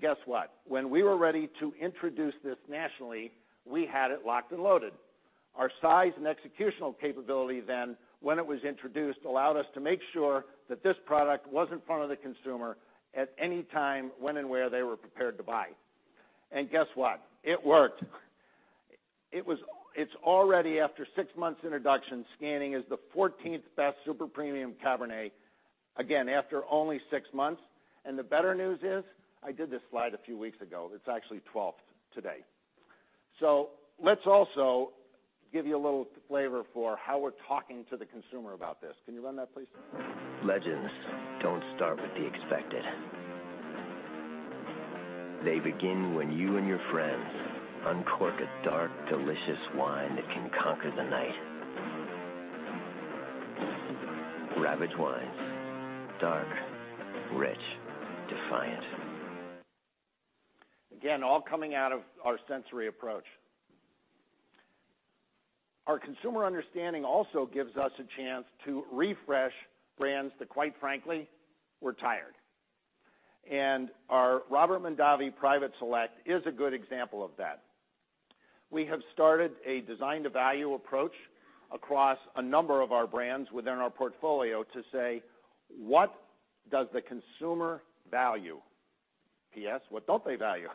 Guess what? When we were ready to introduce this nationally, we had it locked and loaded. Our size and executional capability then, when it was introduced, allowed us to make sure that this product was in front of the consumer at any time, when and where they were prepared to buy. Guess what? It worked. It's already, after six months' introduction, scanning as the 14th best super premium Cabernet, again, after only six months. The better news is, I did this slide a few weeks ago; it's actually 12th today. Let's also give you a little flavor for how we're talking to the consumer about this. Can you run that, please? Legends don't start with the expected. They begin when you and your friends uncork a dark, delicious wine that can conquer the night. Ravage wines: dark, rich, defiant. Again, all coming out of our sensory approach. Our consumer understanding also gives us a chance to refresh brands that, quite frankly, were tired. Our Robert Mondavi Private Selection is a good example of that. We have started a design-to-value approach across a number of our brands within our portfolio to say, "What does the consumer value, PS, what don't they value?"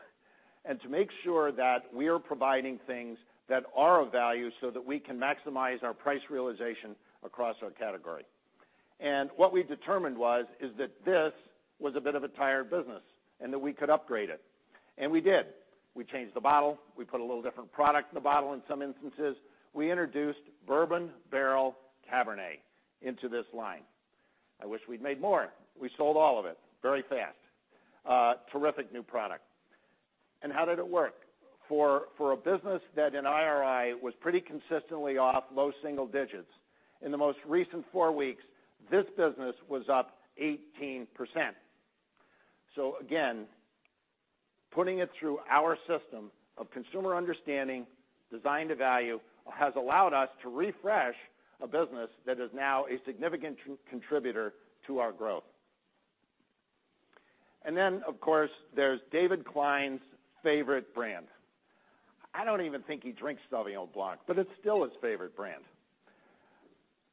To make sure that we are providing things that are of value so that we can maximize our price realization across our category. What we determined was, is that this was a bit of a tired business, and that we could upgrade it. We did. We changed the bottle. We put a little different product in the bottle in some instances. We introduced Bourbon Barrel Cabernet into this line. I wish we'd made more. We sold all of it very fast. Terrific new product. How did it work? For a business that in IRI was pretty consistently off low single digits, in the most recent 4 weeks, this business was up 18%. Again, putting it through our system of consumer understanding, design to value, has allowed us to refresh a business that is now a significant contributor to our growth. Then, of course, there's David Klein's favorite brand. I don't even think he drinks Sauvignon Blanc, but it's still his favorite brand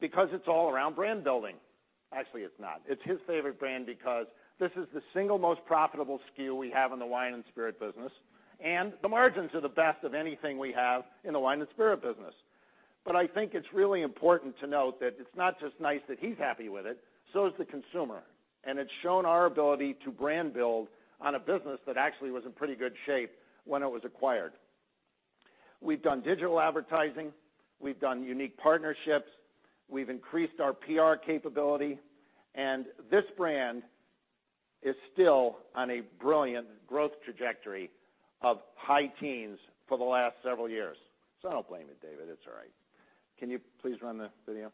because it's all-around brand building. Actually, it's not. It's his favorite brand because this is the single most profitable SKU we have in the wine and spirit business, and the margins are the best of anything we have in the wine and spirit business. I think it's really important to note that it's not just nice that he's happy with it; so is the consumer. It's shown our ability to brand build on a business that actually was in pretty good shape when it was acquired. We've done digital advertising. We've done unique partnerships. We've increased our PR capability, and this brand is still on a brilliant growth trajectory of high teens for the last several years. I don't blame you, David. It's all right. Can you please run the video?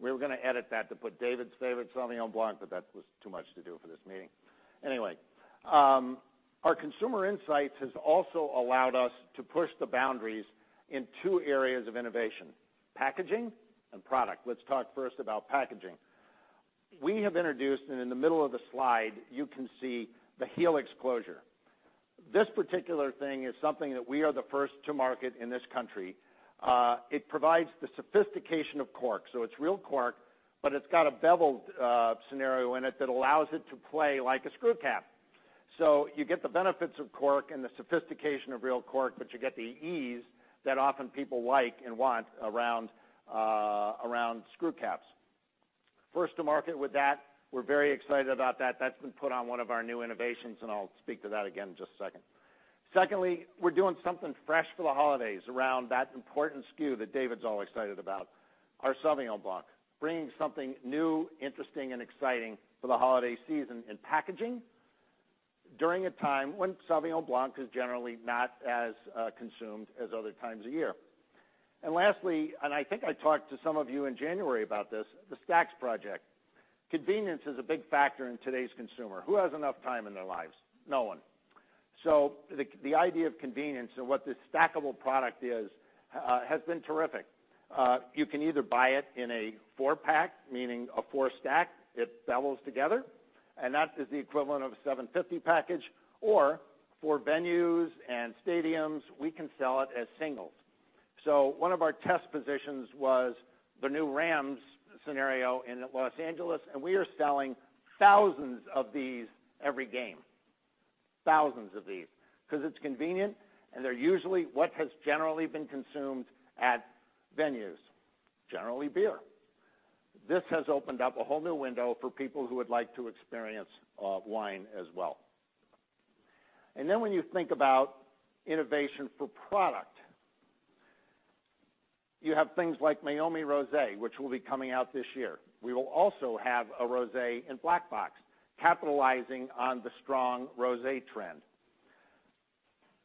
We were going to edit that to put David's favorite Sauvignon Blanc, but that was too much to do for this meeting. Anyway, our consumer insights has also allowed us to push the boundaries in two areas of innovation, packaging and product. Let's talk first about packaging. We have introduced, and in the middle of the slide, you can see the Helix closure. This particular thing is something that we are the first to market in this country. It provides the sophistication of cork. It's real cork, but it's got a beveled scenario in it that allows it to play like a screw cap. You get the benefits of cork and the sophistication of real cork, but you get the ease that often people like and want around screw caps. First to market with that. We're very excited about that. That's been put on one of our new innovations, and I'll speak to that again in just a second. Secondly, we're doing something fresh for the holidays around that important SKU that David's all excited about, our Sauvignon Blanc. Bringing something new, interesting, and exciting for the holiday season in packaging, during a time when Sauvignon Blanc is generally not as consumed as other times of year. Lastly, I think I talked to some of you in January about this, the Stacks project. Convenience is a big factor in today's consumer. Who has enough time in their lives? No one. The idea of convenience and what this stackable product is, has been terrific. You can either buy it in a 4-pack, meaning a 4-stack, it bevels together, and that is the equivalent of a 750 package, or for venues and stadiums, we can sell it as singles. One of our test positions was the new Rams scenario in Los Angeles, and we are selling thousands of these every game. Thousands of these, because it's convenient, and they're usually what has generally been consumed at venues. Generally beer. This has opened up a whole new window for people who would like to experience wine as well. Then when you think about innovation for product, you have things like Meiomi Rosé, which will be coming out this year. We will also have a rosé in Black Box, capitalizing on the strong rosé trend.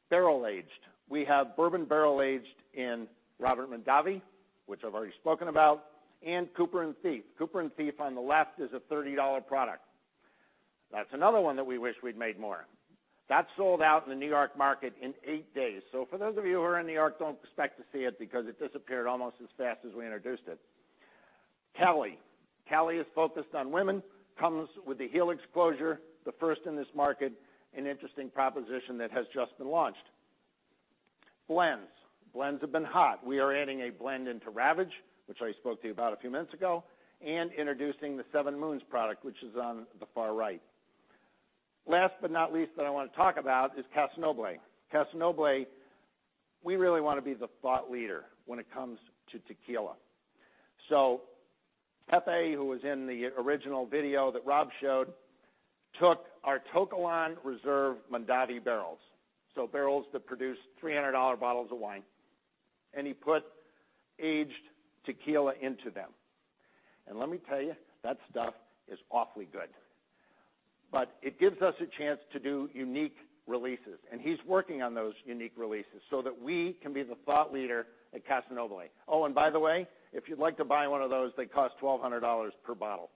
Barrel-aged. We have bourbon barrel-aged in Robert Mondavi, which I've already spoken about, and Cooper & Thief. Cooper & Thief on the left is a $30 product. That's another one that we wish we'd made more of. That sold out in the New York market in eight days. For those of you who are in New York, don't expect to see it because it disappeared almost as fast as we introduced it. Cali. Cali is focused on women, comes with a Helix closure, the first in this market, an interesting proposition that has just been launched. Blends. Blends have been hot. We are adding a blend into Ravage, which I spoke to you about a few minutes ago, and introducing the 7 Moons product, which is on the far right. Last but not least that I want to talk about is Casamigos. Casamigos, we really want to be the thought leader when it comes to tequila. Pepe, who was in the original video that Rob showed, took our To Kalon Reserve Robert Mondavi barrels, so barrels that produce $300 bottles of wine, and he put aged tequila into them. Let me tell you, that stuff is awfully good. It gives us a chance to do unique releases, and he's working on those unique releases so that we can be the thought leader at Casamigos. By the way, if you'd like to buy one of those, they cost $1,200 per bottle.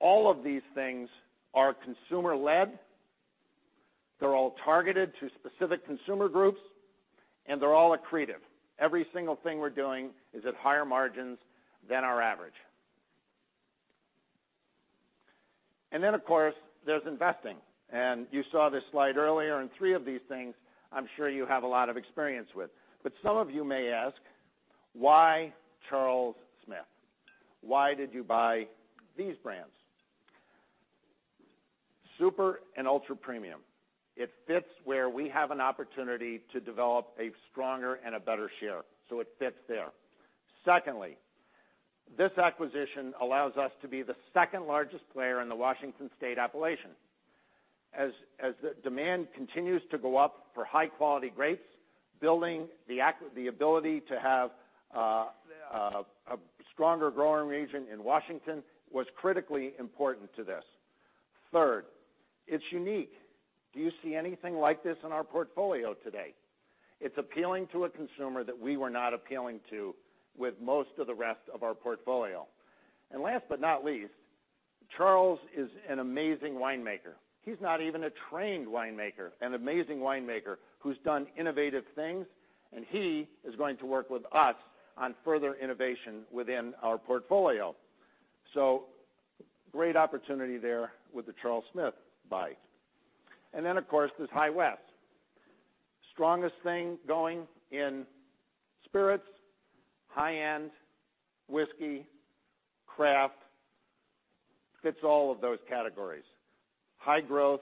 All of these things are consumer-led, they're all targeted to specific consumer groups, and they're all accretive. Every single thing we're doing is at higher margins than our average. Of course, there's investing. You saw this slide earlier, and three of these things I'm sure you have a lot of experience with. Some of you may ask, why Charles Smith? Why did you buy these brands? Super and ultra-premium. It fits where we have an opportunity to develop a stronger and a better share. It fits there. Secondly, this acquisition allows us to be the second-largest player in the Washington State appellation. As the demand continues to go up for high-quality grapes, building the ability to have a stronger growing region in Washington was critically important to this. Third, it's unique. Do you see anything like this in our portfolio today? It's appealing to a consumer that we were not appealing to with most of the rest of our portfolio. Last but not least, Charles is an amazing winemaker. He's not even a trained winemaker. An amazing winemaker who's done innovative things, and he is going to work with us on further innovation within our portfolio. Great opportunity there with the Charles Smith buy. Of course, there's High West. Strongest thing going in spirits, high-end whiskey, craft, fits all of those categories. High growth.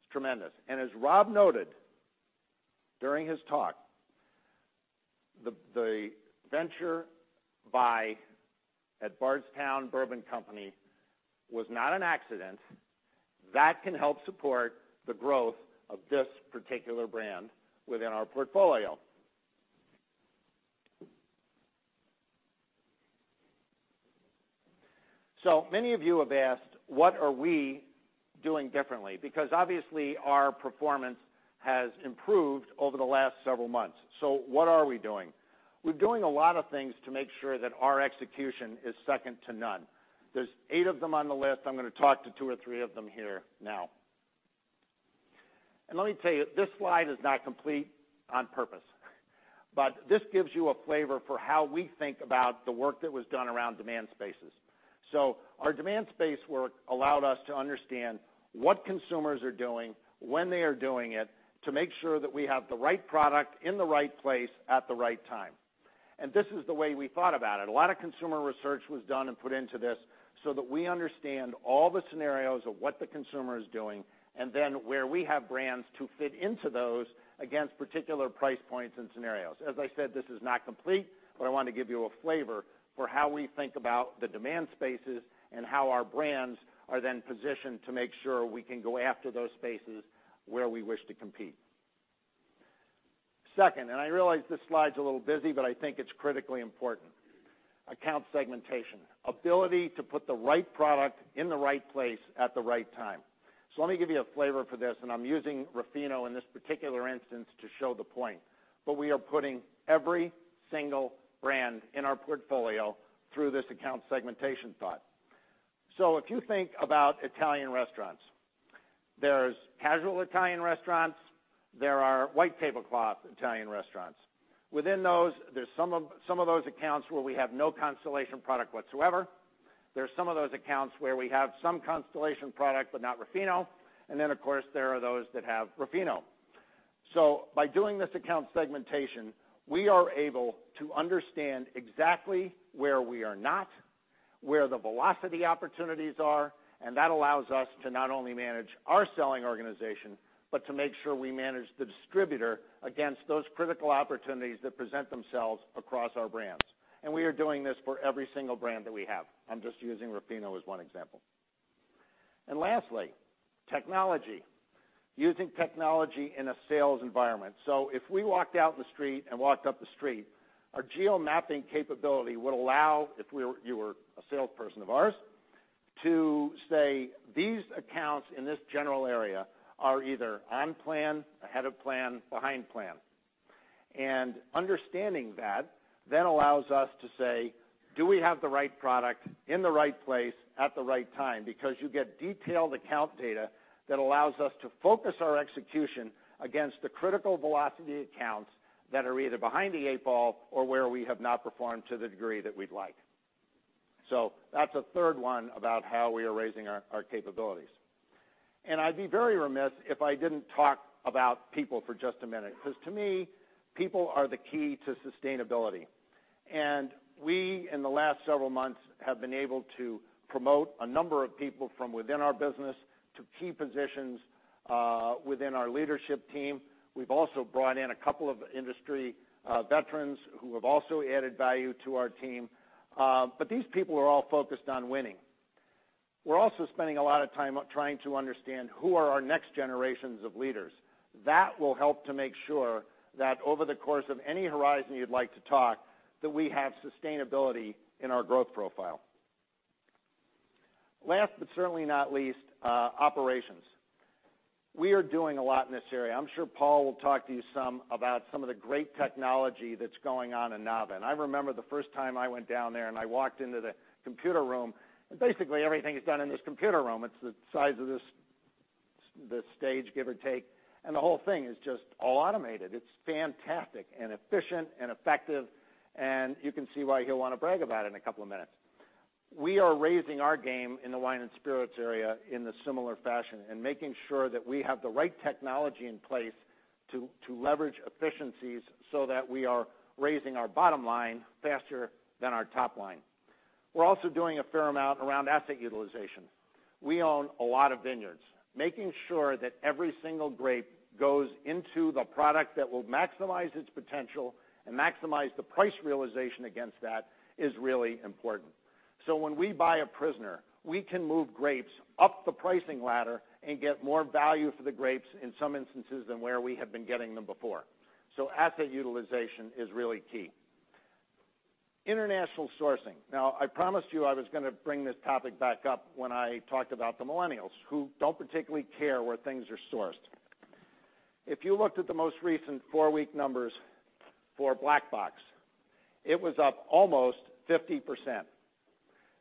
It's tremendous. As Rob noted during his talk, the venture buy at Bardstown Bourbon Company was not an accident. That can help support the growth of this particular brand within our portfolio. Many of you have asked, what are we doing differently? Because obviously, our performance has improved over the last several months. What are we doing? We're doing a lot of things to make sure that our execution is second to none. There's eight of them on the list. I'm going to talk to two or three of them here now. Let me tell you, this slide is not complete on purpose. This gives you a flavor for how we think about the work that was done around demand spaces. Our demand space work allowed us to understand what consumers are doing, when they are doing it, to make sure that we have the right product in the right place at the right time. This is the way we thought about it. A lot of consumer research was done and put into this so that we understand all the scenarios of what the consumer is doing, then where we have brands to fit into those against particular price points and scenarios. As I said, this is not complete, I want to give you a flavor for how we think about the demand spaces and how our brands are then positioned to make sure we can go after those spaces where we wish to compete. Second, I realize this slide's a little busy, I think it's critically important. Account segmentation, ability to put the right product in the right place at the right time. Let me give you a flavor for this, I'm using Ruffino in this particular instance to show the point, we are putting every single brand in our portfolio through this account segmentation thought. If you think about Italian restaurants, there's casual Italian restaurants. There are white tablecloth Italian restaurants. Within those, there's some of those accounts where we have no Constellation product whatsoever. There are some of those accounts where we have some Constellation product, not Ruffino. Then, of course, there are those that have Ruffino. By doing this account segmentation, we are able to understand exactly where we are not, where the velocity opportunities are, that allows us to not only manage our selling organization, but to make sure we manage the distributor against those critical opportunities that present themselves across our brands. We are doing this for every single brand that we have. I'm just using Ruffino as one example. Lastly, technology. Using technology in a sales environment. If we walked out in the street and walked up the street, our geo-mapping capability would allow, if you were a salesperson of ours, to say, these accounts in this general area are either on plan, ahead of plan, behind plan. Understanding that then allows us to say, do we have the right product in the right place at the right time? Because you get detailed account data that allows us to focus our execution against the critical velocity accounts that are either behind the eight ball or where we have not performed to the degree that we'd like. That's a third one about how we are raising our capabilities. I'd be very remiss if I didn't talk about people for just a minute, because to me, people are the key to sustainability. We, in the last several months, have been able to promote a number of people from within our business to key positions within our leadership team. We've also brought in a couple of industry veterans who have also added value to our team. These people are all focused on winning. We're also spending a lot of time trying to understand who are our next generations of leaders. That will help to make sure that over the course of any horizon you'd like to talk, that we have sustainability in our growth profile. Last, but certainly not least, operations. We are doing a lot in this area. I'm sure Paul will talk to you about some of the great technology that's going on in Nava. I remember the first time I went down there, and I walked into the computer room, and basically everything is done in this computer room. It's the size of this stage, give or take, and the whole thing is just all automated. It's fantastic and efficient and effective, and you can see why he'll want to brag about it in a couple of minutes. We are raising our game in the wine and spirits area in a similar fashion and making sure that we have the right technology in place to leverage efficiencies so that we are raising our bottom line faster than our top line. We're also doing a fair amount around asset utilization. We own a lot of vineyards. Making sure that every single grape goes into the product that will maximize its potential and maximize the price realization against that is really important. When we buy a Prisoner, we can move grapes up the pricing ladder and get more value for the grapes in some instances than where we have been getting them before. Asset utilization is really key. International sourcing. I promised you I was going to bring this topic back up when I talked about the millennials, who don't particularly care where things are sourced. If you looked at the most recent four-week numbers for Black Box, it was up almost 50%.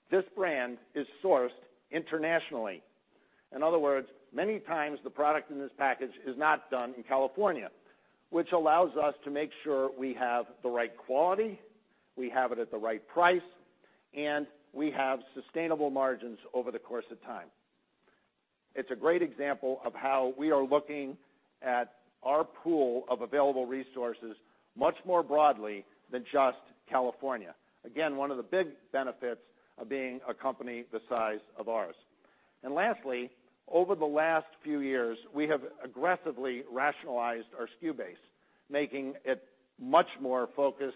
This brand is sourced internationally. In other words, many times the product in this package is not done in California, which allows us to make sure we have the right quality, we have it at the right price, and we have sustainable margins over the course of time. It's a great example of how we are looking at our pool of available resources much more broadly than just California. Again, one of the big benefits of being a company the size of ours. Lastly, over the last few years, we have aggressively rationalized our SKU base, making it much more focused,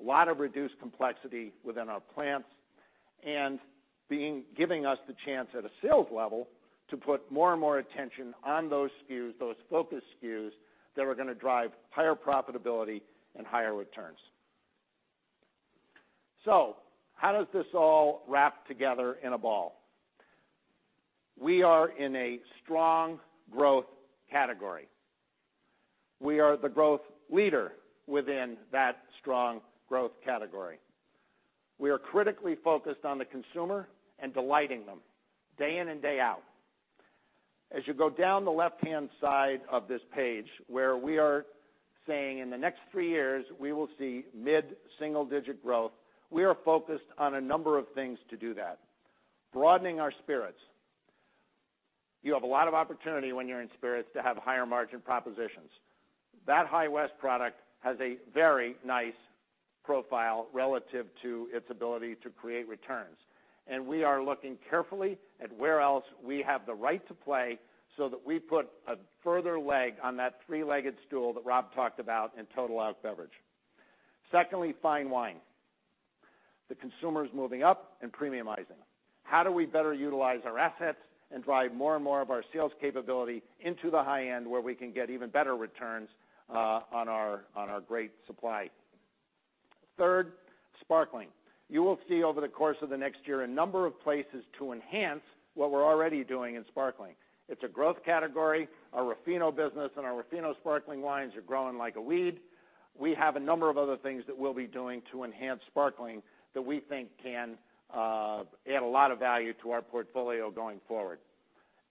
a lot of reduced complexity within our plants, and giving us the chance at a sales level to put more and more attention on those SKUs, those focus SKUs, that are going to drive higher profitability and higher returns. How does this all wrap together in a ball? We are in a strong growth category. We are the growth leader within that strong growth category. We are critically focused on the consumer and delighting them day in and day out. As you go down the left-hand side of this page where we are saying in the next three years, we will see mid-single digit growth. We are focused on a number of things to do that. Broadening our spirits. You have a lot of opportunity when you're in spirits to have higher margin propositions. That High West product has a very nice profile relative to its ability to create returns, and we are looking carefully at where else we have the right to play so that we put a further leg on that three-legged stool that Rob talked about in total beverage alcohol. Fine wine. The consumer's moving up and premiumizing. How do we better utilize our assets and drive more and more of our sales capability into the high end where we can get even better returns on our great supply? Sparkling. You will see over the course of the next year a number of places to enhance what we're already doing in sparkling. It's a growth category. Our Ruffino business and our Ruffino sparkling wines are growing like a weed. We have a number of other things that we'll be doing to enhance sparkling that we think can add a lot of value to our portfolio going forward.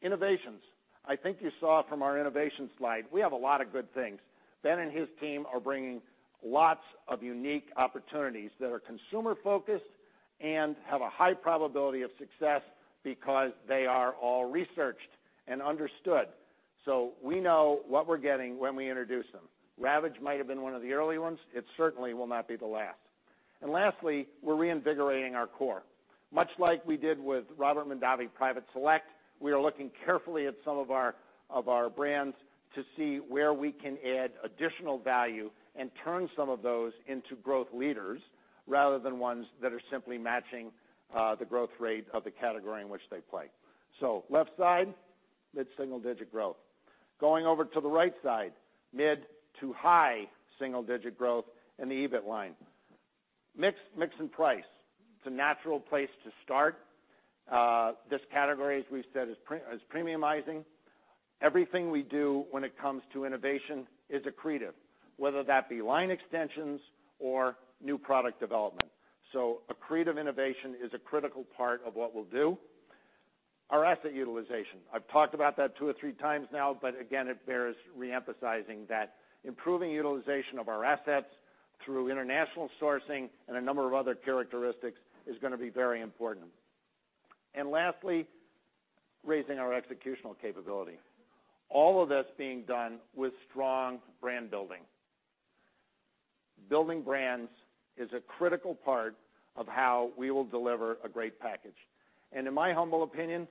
Innovations. I think you saw from our innovation slide, we have a lot of good things. Ben and his team are bringing lots of unique opportunities that are consumer-focused and have a high probability of success because they are all researched and understood. We know what we're getting when we introduce them. Ravage might've been one of the early ones. It certainly will not be the last. Lastly, we're reinvigorating our core. Much like we did with Robert Mondavi Private Selection, we are looking carefully at some of our brands to see where we can add additional value and turn some of those into growth leaders rather than ones that are simply matching the growth rate of the category in which they play. Left side, mid-single-digit growth. Going over to the right side, mid to high single-digit growth in the EBIT line. Mix and price. It's a natural place to start. This category, as we've said, is premiumizing. Everything we do when it comes to innovation is accretive, whether that be line extensions or new product development. Accretive innovation is a critical part of what we'll do. Our asset utilization. I've talked about that two or three times now, but again, it bears re-emphasizing that improving utilization of our assets through international sourcing and a number of other characteristics is going to be very important. Lastly, raising our executional capability. All of this being done with strong brand building. Building brands is a critical part of how we will deliver a great package. In my humble opinion,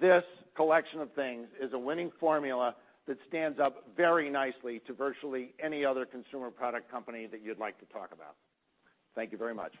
this collection of things is a winning formula that stands up very nicely to virtually any other consumer product company that you'd like to talk about. Thank you very much.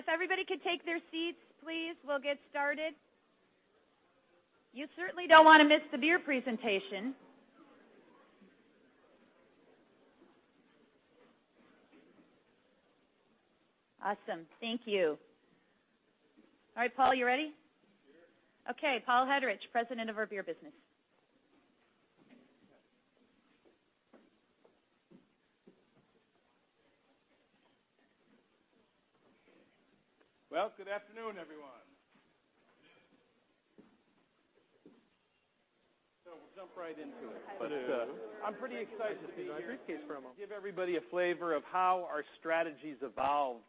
Hello. If everybody could take their seats, please, we'll get started. You certainly don't want to miss the beer presentation. Awesome. Thank you. All right, Paul, you ready? Sure. Okay, Paul Hetterich, President of our beer business. Well, good afternoon, everyone. Good afternoon. We'll jump right into it. I'm pretty excited to be here and give everybody a flavor of how our strategy's evolved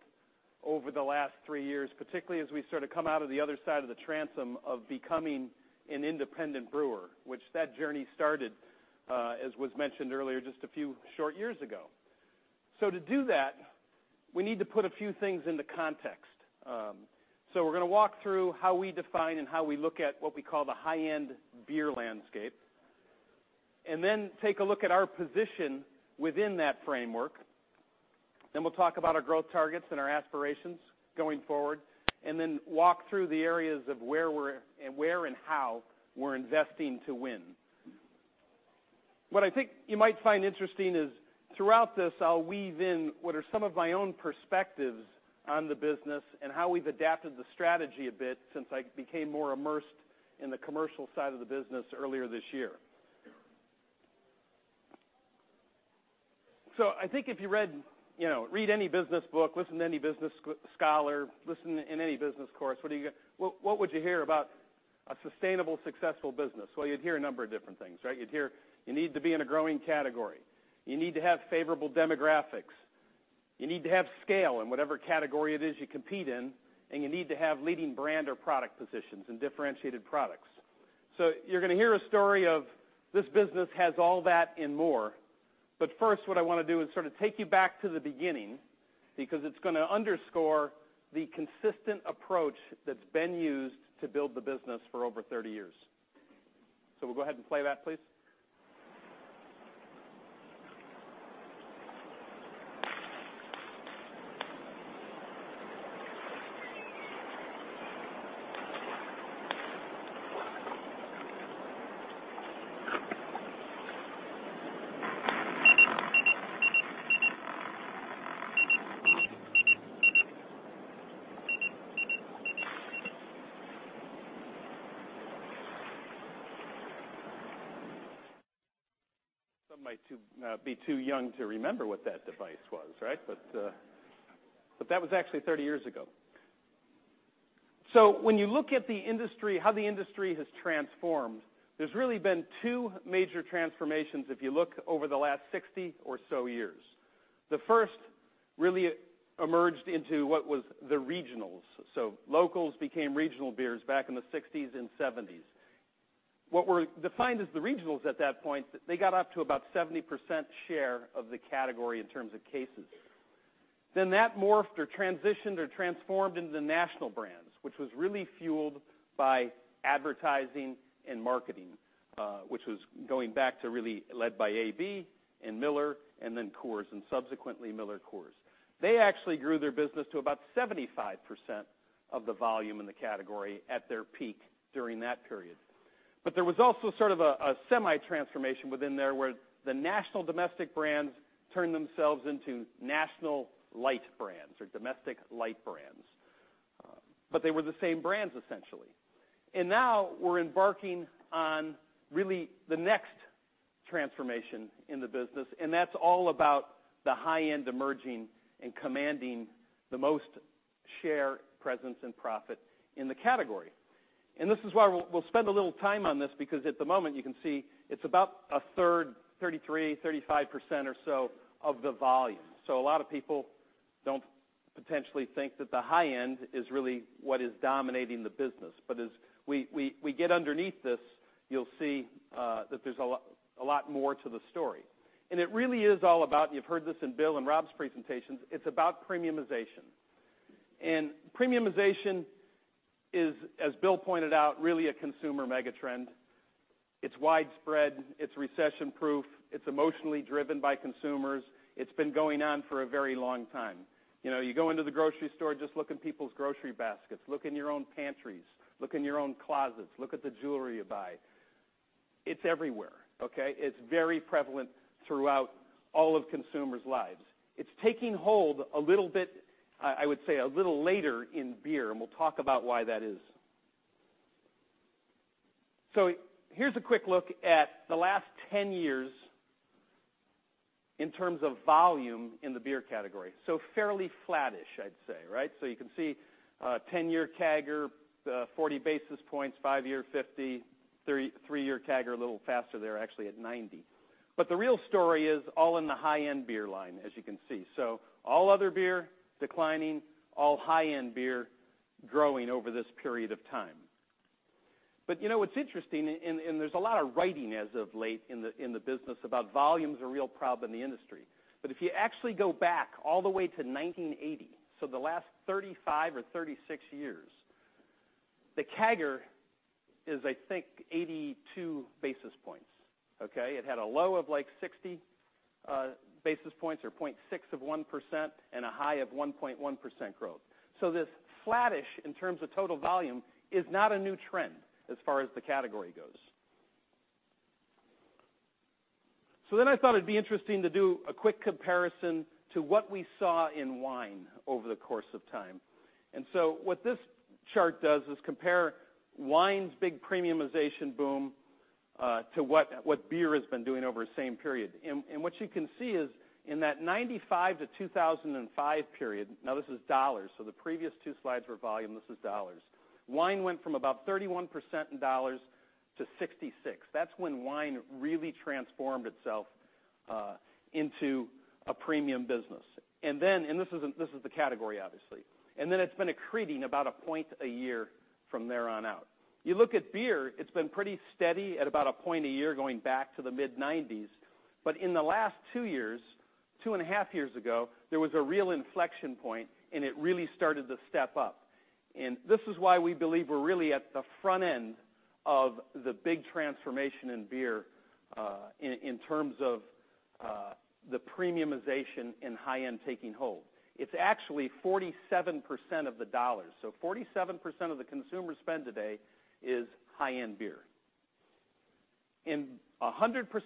over the last 3 years, particularly as we sort of come out of the other side of the transom of becoming an independent brewer, which that journey started, as was mentioned earlier, just a few short years ago. To do that, we need to put a few things into context. We're going to walk through how we define and how we look at what we call the high-end beer landscape, and then take a look at our position within that framework. We'll talk about our growth targets and our aspirations going forward, and then walk through the areas of where and how we're investing to win. What I think you might find interesting is throughout this, I'll weave in what are some of my own perspectives on the business and how we've adapted the strategy a bit since I became more immersed in the commercial side of the business earlier this year. I think if you read any business book, listen to any business scholar, listen in any business course, what would you hear about a sustainable, successful business? You'd hear a number of different things, right? You'd hear you need to be in a growing category. You need to have favorable demographics. You need to have scale in whatever category it is you compete in, and you need to have leading brand or product positions and differentiated products. You're going to hear a story of this business has all that and more. First, what I want to do is sort of take you back to the beginning, because it's going to underscore the consistent approach that's been used to build the business for over 30 years. We'll go ahead and play that, please. Some might be too young to remember what that device was, right? That was actually 30 years ago. When you look at how the industry has transformed, there's really been two major transformations if you look over the last 60 or so years. The first really emerged into what was the regionals. Locals became regional beers back in the '60s and '70s. What were defined as the regionals at that point, they got up to about 70% share of the category in terms of cases. That morphed or transitioned or transformed into the national brands, which was really fueled by advertising and marketing, which was going back to really led by AB and Miller, Coors, and subsequently MillerCoors. They actually grew their business to about 75% of the volume in the category at their peak during that period. There was also sort of a semi-transformation within there, where the national domestic brands turned themselves into national light brands or domestic light brands. They were the same brands, essentially. Now we're embarking on really the next transformation in the business, that's all about the high end emerging and commanding the most share, presence, and profit in the category. This is why we'll spend a little time on this, because at the moment, you can see it's about a third, 33%, 35% or so of the volume. A lot of people don't potentially think that the high end is really what is dominating the business. As we get underneath this, you'll see that there's a lot more to the story. It really is all about, and you've heard this in Bill and Rob's presentations, it's about premiumization. Premiumization is, as Bill pointed out, really a consumer mega trend. It's widespread, it's recession-proof, it's emotionally driven by consumers. It's been going on for a very long time. You go into the grocery store, just look in people's grocery baskets, look in your own pantries, look in your own closets, look at the jewelry you buy. It's everywhere. Okay? It's very prevalent throughout all of consumers' lives. It's taking hold a little bit, I would say, a little later in beer, and we'll talk about why that is. Here's a quick look at the last 10 years in terms of volume in the beer category. Fairly flattish, I'd say, right? You can see a 10-year CAGR, 40 basis points, five-year, 50, three-year CAGR, a little faster there, actually at 90. The real story is all in the high-end beer line, as you can see. All other beer declining, all high-end beer growing over this period of time. You know what's interesting, and there's a lot of writing as of late in the business about volume is a real problem in the industry. If you actually go back all the way to 1980, the last 35 or 36 years, the CAGR is, I think, 82 basis points. Okay? It had a low of 60 basis points or 0.6 of 1% and a high of 1.1% growth. This flattish in terms of total volume is not a new trend as far as the category goes. I thought it'd be interesting to do a quick comparison to what we saw in wine over the course of time. What this chart does is compare wine's big premiumization boom, to what beer has been doing over the same period. What you can see is in that 1995 to 2005 period, now this is dollars, the previous two slides were volume, this is dollars. Wine went from about 31% in dollars to 66%. That's when wine really transformed itself into a premium business. This is the category, obviously. It's been accreting about a point a year from there on out. You look at beer, it's been pretty steady at about a point a year going back to the mid-1990s. In the last two years, two and a half years ago, there was a real inflection point, and it really started to step up. This is why we believe we're really at the front end of the big transformation in beer, in terms of the premiumization and high-end taking hold. It's actually 47% of the dollars. 47% of the consumer spend today is high-end beer. 100%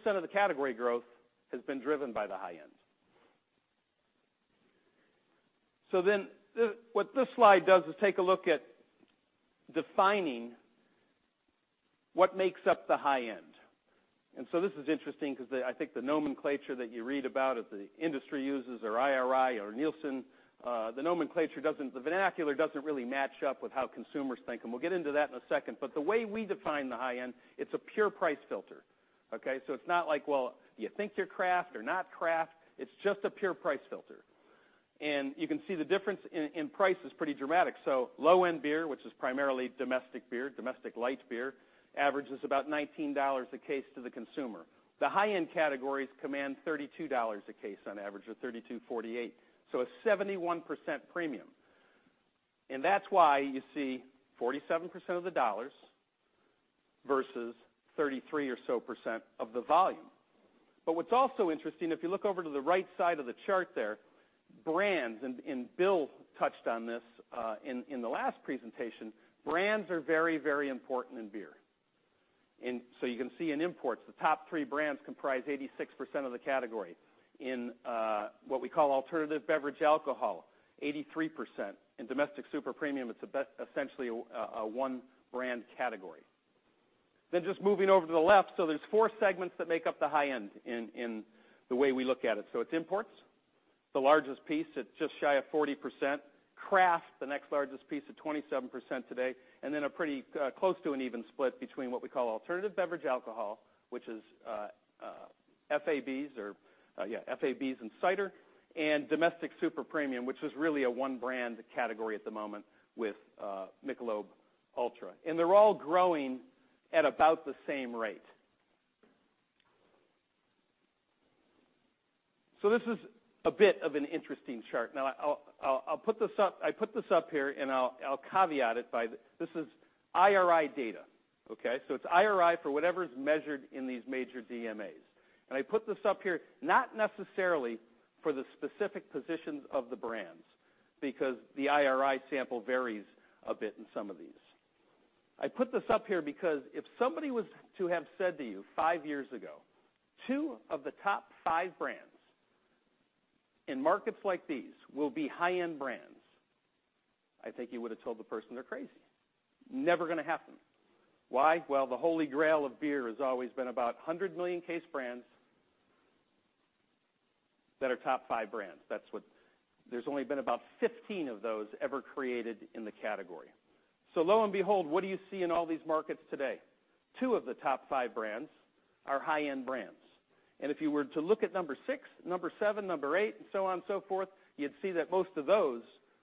of the category growth has been driven by the high end. What this slide does is take a look at defining what makes up the high end. This is interesting because I think the nomenclature that you read about that the industry uses or IRI or Nielsen, the vernacular doesn't really match up with how consumers think. We'll get into that in a second. The way we define the high end, it's a pure price filter. Okay. It's not like, well, you think you're craft or not craft. It's just a pure price filter. You can see the difference in price is pretty dramatic. Low-end beer, which is primarily domestic beer, domestic light beer, averages about $19 a case to the consumer. The high-end categories command $32 a case on average, or $32.48. A 71% premium. That's why you see 47% of the dollars versus 33 or so % of the volume. What's also interesting, if you look over to the right side of the chart there, brands, and Bill touched on this in the last presentation, brands are very important in beer. You can see in imports, the top three brands comprise 86% of the category. In what we call alternative beverage alcohol, 83%. In domestic super premium, it's essentially a one-brand category. Just moving over to the left, there's four segments that make up the high end in the way we look at it. It's imports, the largest piece at just shy of 40%. Craft, the next largest piece at 27% today. Then a pretty close to an even split between what we call alternative beverage alcohol, which is, FABs and cider, and domestic super premium, which is really a one-brand category at the moment with Michelob Ultra. They're all growing at about the same rate. This is a bit of an interesting chart. Now, I put this up here, and I'll caveat it by, this is IRI data. Okay. It's IRI for whatever's measured in these major DMAs. I put this up here not necessarily for the specific positions of the brands, because the IRI sample varies a bit in some of these. I put this up here because if somebody was to have said to you 5 years ago, two of the top five brands in markets like these will be high-end brands, I think you would have told the person they're crazy. Never going to happen. Why? Well, the holy grail of beer has always been about 100 million case brands that are top five brands. There's only been about 15 of those ever created in the category. Lo and behold, what do you see in all these markets today? Two of the top five brands are high-end brands. If you were to look at number 6, number 7, number 8, and so on and so forth, you'd see that most of those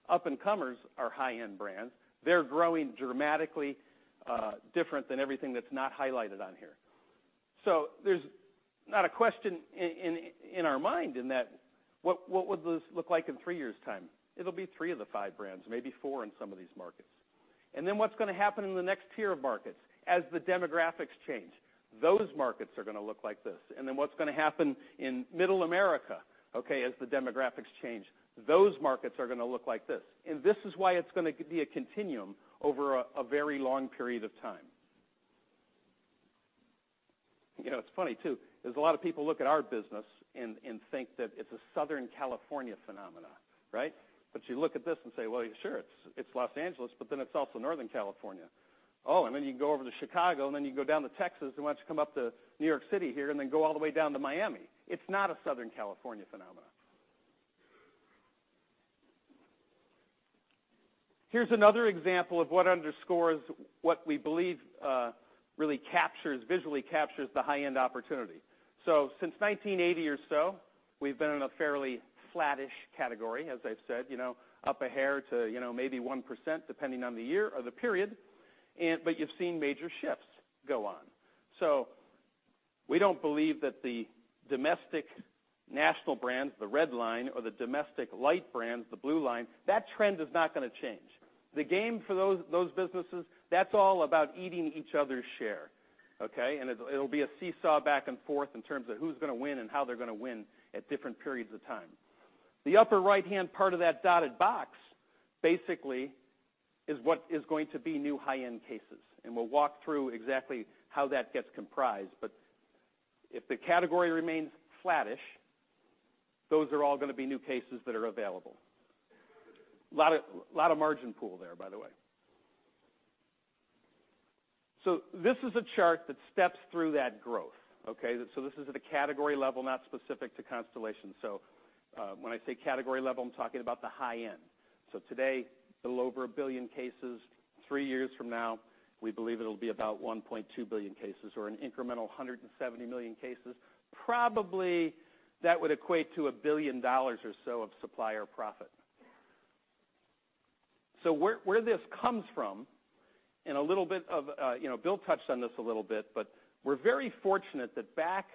up-and-comers are high-end brands. They're growing dramatically different than everything that's not highlighted on here. There's not a question in our mind in that, what would this look like in three years' time? It'll be three of the five brands, maybe four in some of these markets. What's going to happen in the next tier of markets as the demographics change? Those markets are going to look like this. What's going to happen in middle America, okay, as the demographics change. Those markets are going to look like this. This is why it's going to be a continuum over a very long period of time. It's funny too, because a lot of people look at our business and think that it's a Southern California phenomenon, right? You look at this and say, well, sure, it's Los Angeles, but then it's also Northern California. You can go over to Chicago, and then you can go down to Texas. Why don't you come up to New York City here and then go all the way down to Miami. It's not a Southern California phenomenon. Here's another example of what underscores what we believe really visually captures the high-end opportunity. Since 1980 or so, we've been in a fairly flattish category, as I've said. Up a hair to maybe 1%, depending on the year or the period, but you've seen major shifts go on. We don't believe that the domestic national brands, the red line, or the domestic light brands, the blue line, that trend is not going to change. The game for those businesses, that's all about eating each other's share. Okay? It'll be a seesaw back and forth in terms of who's going to win and how they're going to win at different periods of time. The upper right-hand part of that dotted box, basically, is what is going to be new high-end cases, and we'll walk through exactly how that gets comprised. If the category remains flattish, those are all going to be new cases that are available. A lot of margin pool there, by the way. This is a chart that steps through that growth. Okay? This is at a category level, not specific to Constellation. When I say category level, I'm talking about the high end. Today, a little over a billion cases. Three years from now, we believe it'll be about 1.2 billion cases or an incremental 170 million cases. Probably that would equate to $1 billion or so of supplier profit. Where this comes from, and Bill touched on this a little bit, but we're very fortunate that back,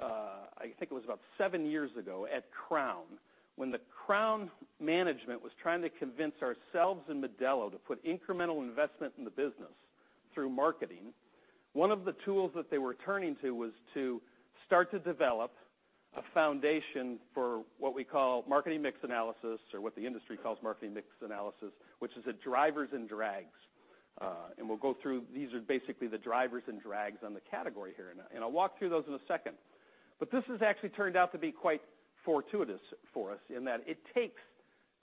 I think it was about seven years ago at Crown, when the Crown management was trying to convince ourselves and Modelo to put incremental investment in the business through marketing, one of the tools that they were turning to was to start to develop a foundation for what we call marketing mix analysis, or what the industry calls marketing mix analysis, which is a drivers and drags. We'll go through. These are basically the drivers and drags on the category here. I'll walk through those in a second. This has actually turned out to be quite fortuitous for us in that it takes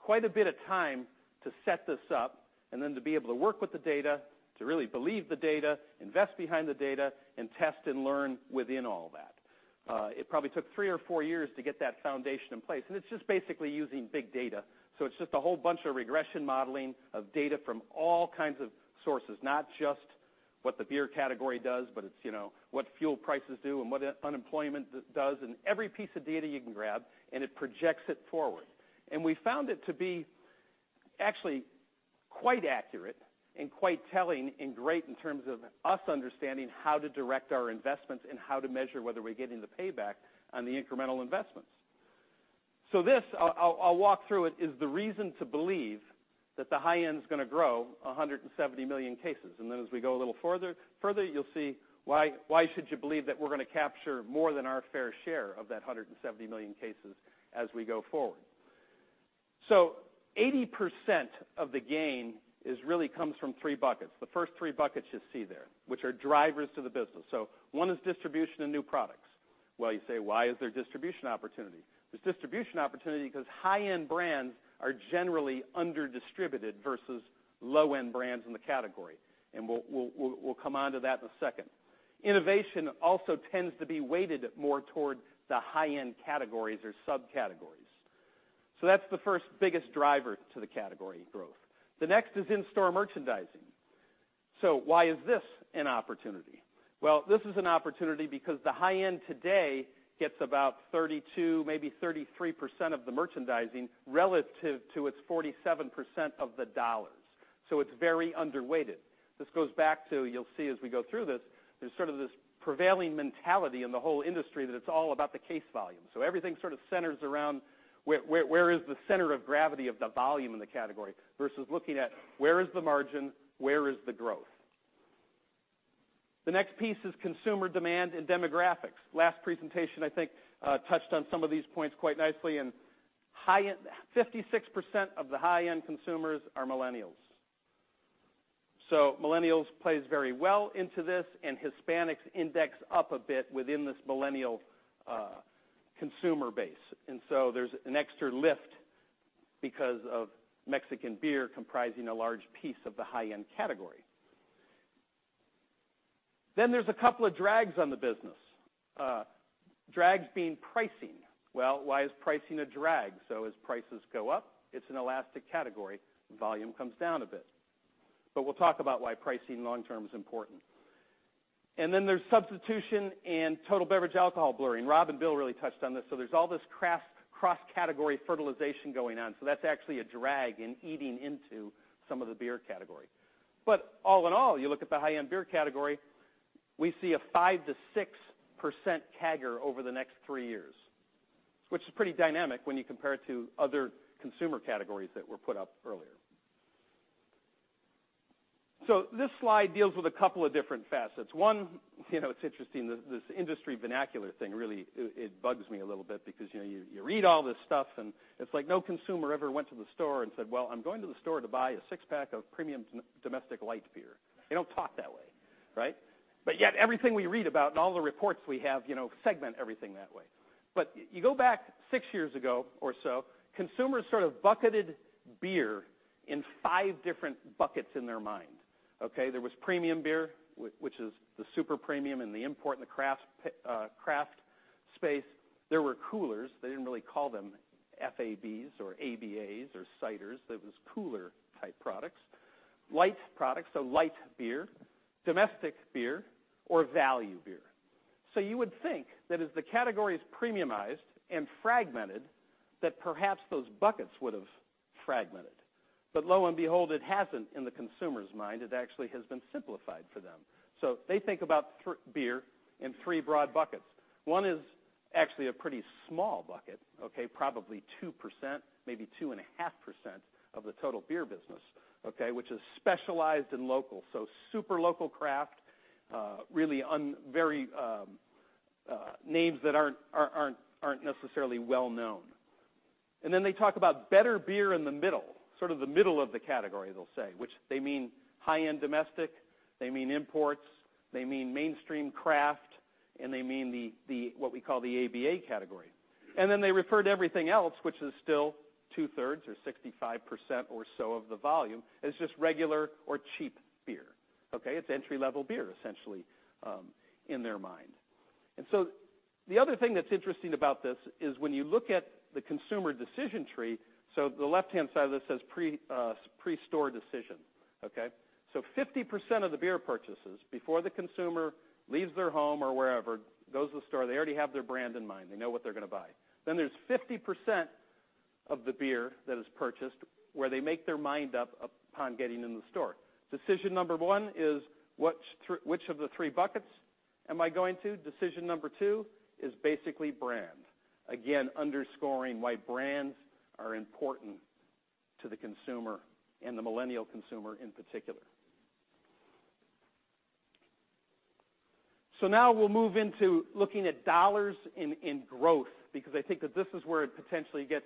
quite a bit of time to set this up and then to be able to work with the data, to really believe the data, invest behind the data, and test and learn within all that. It probably took three or four years to get that foundation in place, and it's just basically using big data. It's just a whole bunch of regression modeling of data from all kinds of sources. Not just what the beer category does, but it's what fuel prices do and what unemployment does, and every piece of data you can grab, and it projects it forward. We found it to be actually quite accurate and quite telling and great in terms of us understanding how to direct our investments and how to measure whether we're getting the payback on the incremental investments. This, I'll walk through it, is the reason to believe that the high end's going to grow 170 million cases. As we go a little further, you'll see why should you believe that we're going to capture more than our fair share of that 170 million cases as we go forward. 80% of the gain really comes from three buckets. The first three buckets you see there, which are drivers to the business. One is distribution and new products. Well, you say, why is there distribution opportunity? There's distribution opportunity because high-end brands are generally under-distributed versus low-end brands in the category, and we'll come onto that in a second. Innovation also tends to be weighted more toward the high-end categories or subcategories. That's the first biggest driver to the category growth. The next is in-store merchandising. Why is this an opportunity? Well, this is an opportunity because the high end today gets about 32%, maybe 33% of the merchandising relative to its 47% of the dollars. It's very underweighted. This goes back to, you'll see as we go through this, there's sort of this prevailing mentality in the whole industry that it's all about the case volume. Everything sort of centers around where is the center of gravity of the volume in the category versus looking at where is the margin, where is the growth. The next piece is consumer demand and demographics. Last presentation, I think touched on some of these points quite nicely. 56% of the high-end consumers are millennials. Millennials plays very well into this, Hispanics index up a bit within this millennial consumer base. There's an extra lift because of Mexican beer comprising a large piece of the high-end category. There's a couple of drags on the business. Drags being pricing. Well, why is pricing a drag? As prices go up, it's an elastic category, volume comes down a bit. We'll talk about why pricing long term is important. There's substitution and total beverage alcohol blurring. Rob and Bill really touched on this. There's all this cross-category fertilization going on. That's actually a drag in eating into some of the beer category. All in all, you look at the high-end beer category, we see a 5%-6% CAGR over the next three years, which is pretty dynamic when you compare it to other consumer categories that were put up earlier. This slide deals with a couple of different facets. One, it's interesting, this industry vernacular thing, really, it bugs me a little bit because you read all this stuff and it's like no consumer ever went to the store and said, "Well, I'm going to the store to buy a six-pack of premium domestic light beer." They don't talk that way, right? Everything we read about and all the reports we have segment everything that way. You go back six years ago or so, consumers sort of bucketed beer in five different buckets in their mind. Okay? There was premium beer, which is the super premium and the import and the craft space. There were coolers. They didn't really call them FABs or ABAs or ciders. It was cooler type products, light products, light beer, domestic beer, or value beer. You would think that as the category is premiumized and fragmented, that perhaps those buckets would have fragmented. Lo and behold, it hasn't in the consumer's mind. It actually has been simplified for them. They think about beer in three broad buckets. One is actually a pretty small bucket, okay? Probably 2%, maybe 2.5% of the total beer business, okay, which is specialized and local, super local craft, really names that aren't necessarily well-known. They talk about better beer in the middle, sort of the middle of the category, they'll say, which they mean high-end domestic, they mean imports, they mean mainstream craft, and they mean what we call the ABA category. They refer to everything else, which is still 2/3 or 65% or so of the volume, as just regular or cheap beer, okay? It's entry-level beer, essentially, in their mind. The other thing that's interesting about this is when you look at the consumer decision tree, the left-hand side of this says pre-store decision, okay? 50% of the beer purchases before the consumer leaves their home or wherever, goes to the store, they already have their brand in mind. They know what they're going to buy. There's 50% of the beer that is purchased where they make their mind up upon getting in the store. Decision number 1 is which of the three buckets am I going to? Decision number 2 is basically brand. Again, underscoring why brands are important to the consumer and the millennial consumer in particular. Now we'll move into looking at dollars in growth because I think that this is where it potentially gets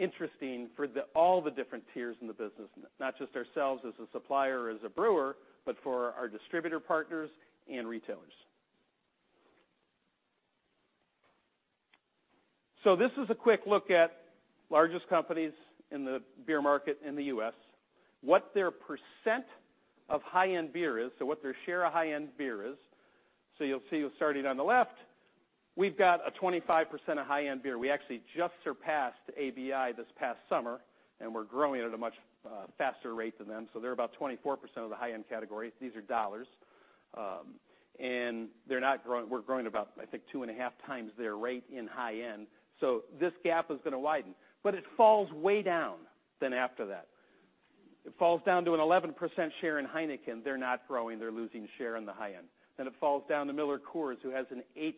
interesting for all the different tiers in the business, not just ourselves as a supplier, as a brewer, but for our distributor partners and retailers. This is a quick look at largest companies in the beer market in the U.S., what their percent of high-end beer is, what their share of high-end beer is. You'll see, starting on the left, we've got a 25% of high-end beer. We actually just surpassed ABI this past summer, and we're growing at a much faster rate than them. They're about 24% of the high-end category. These are dollars. We're growing about, I think, two and a half times their rate in high end. This gap is going to widen, it falls way down then after that. It falls down to an 11% share in Heineken. They're not growing. They're losing share in the high end. It falls down to MillerCoors, who has an eight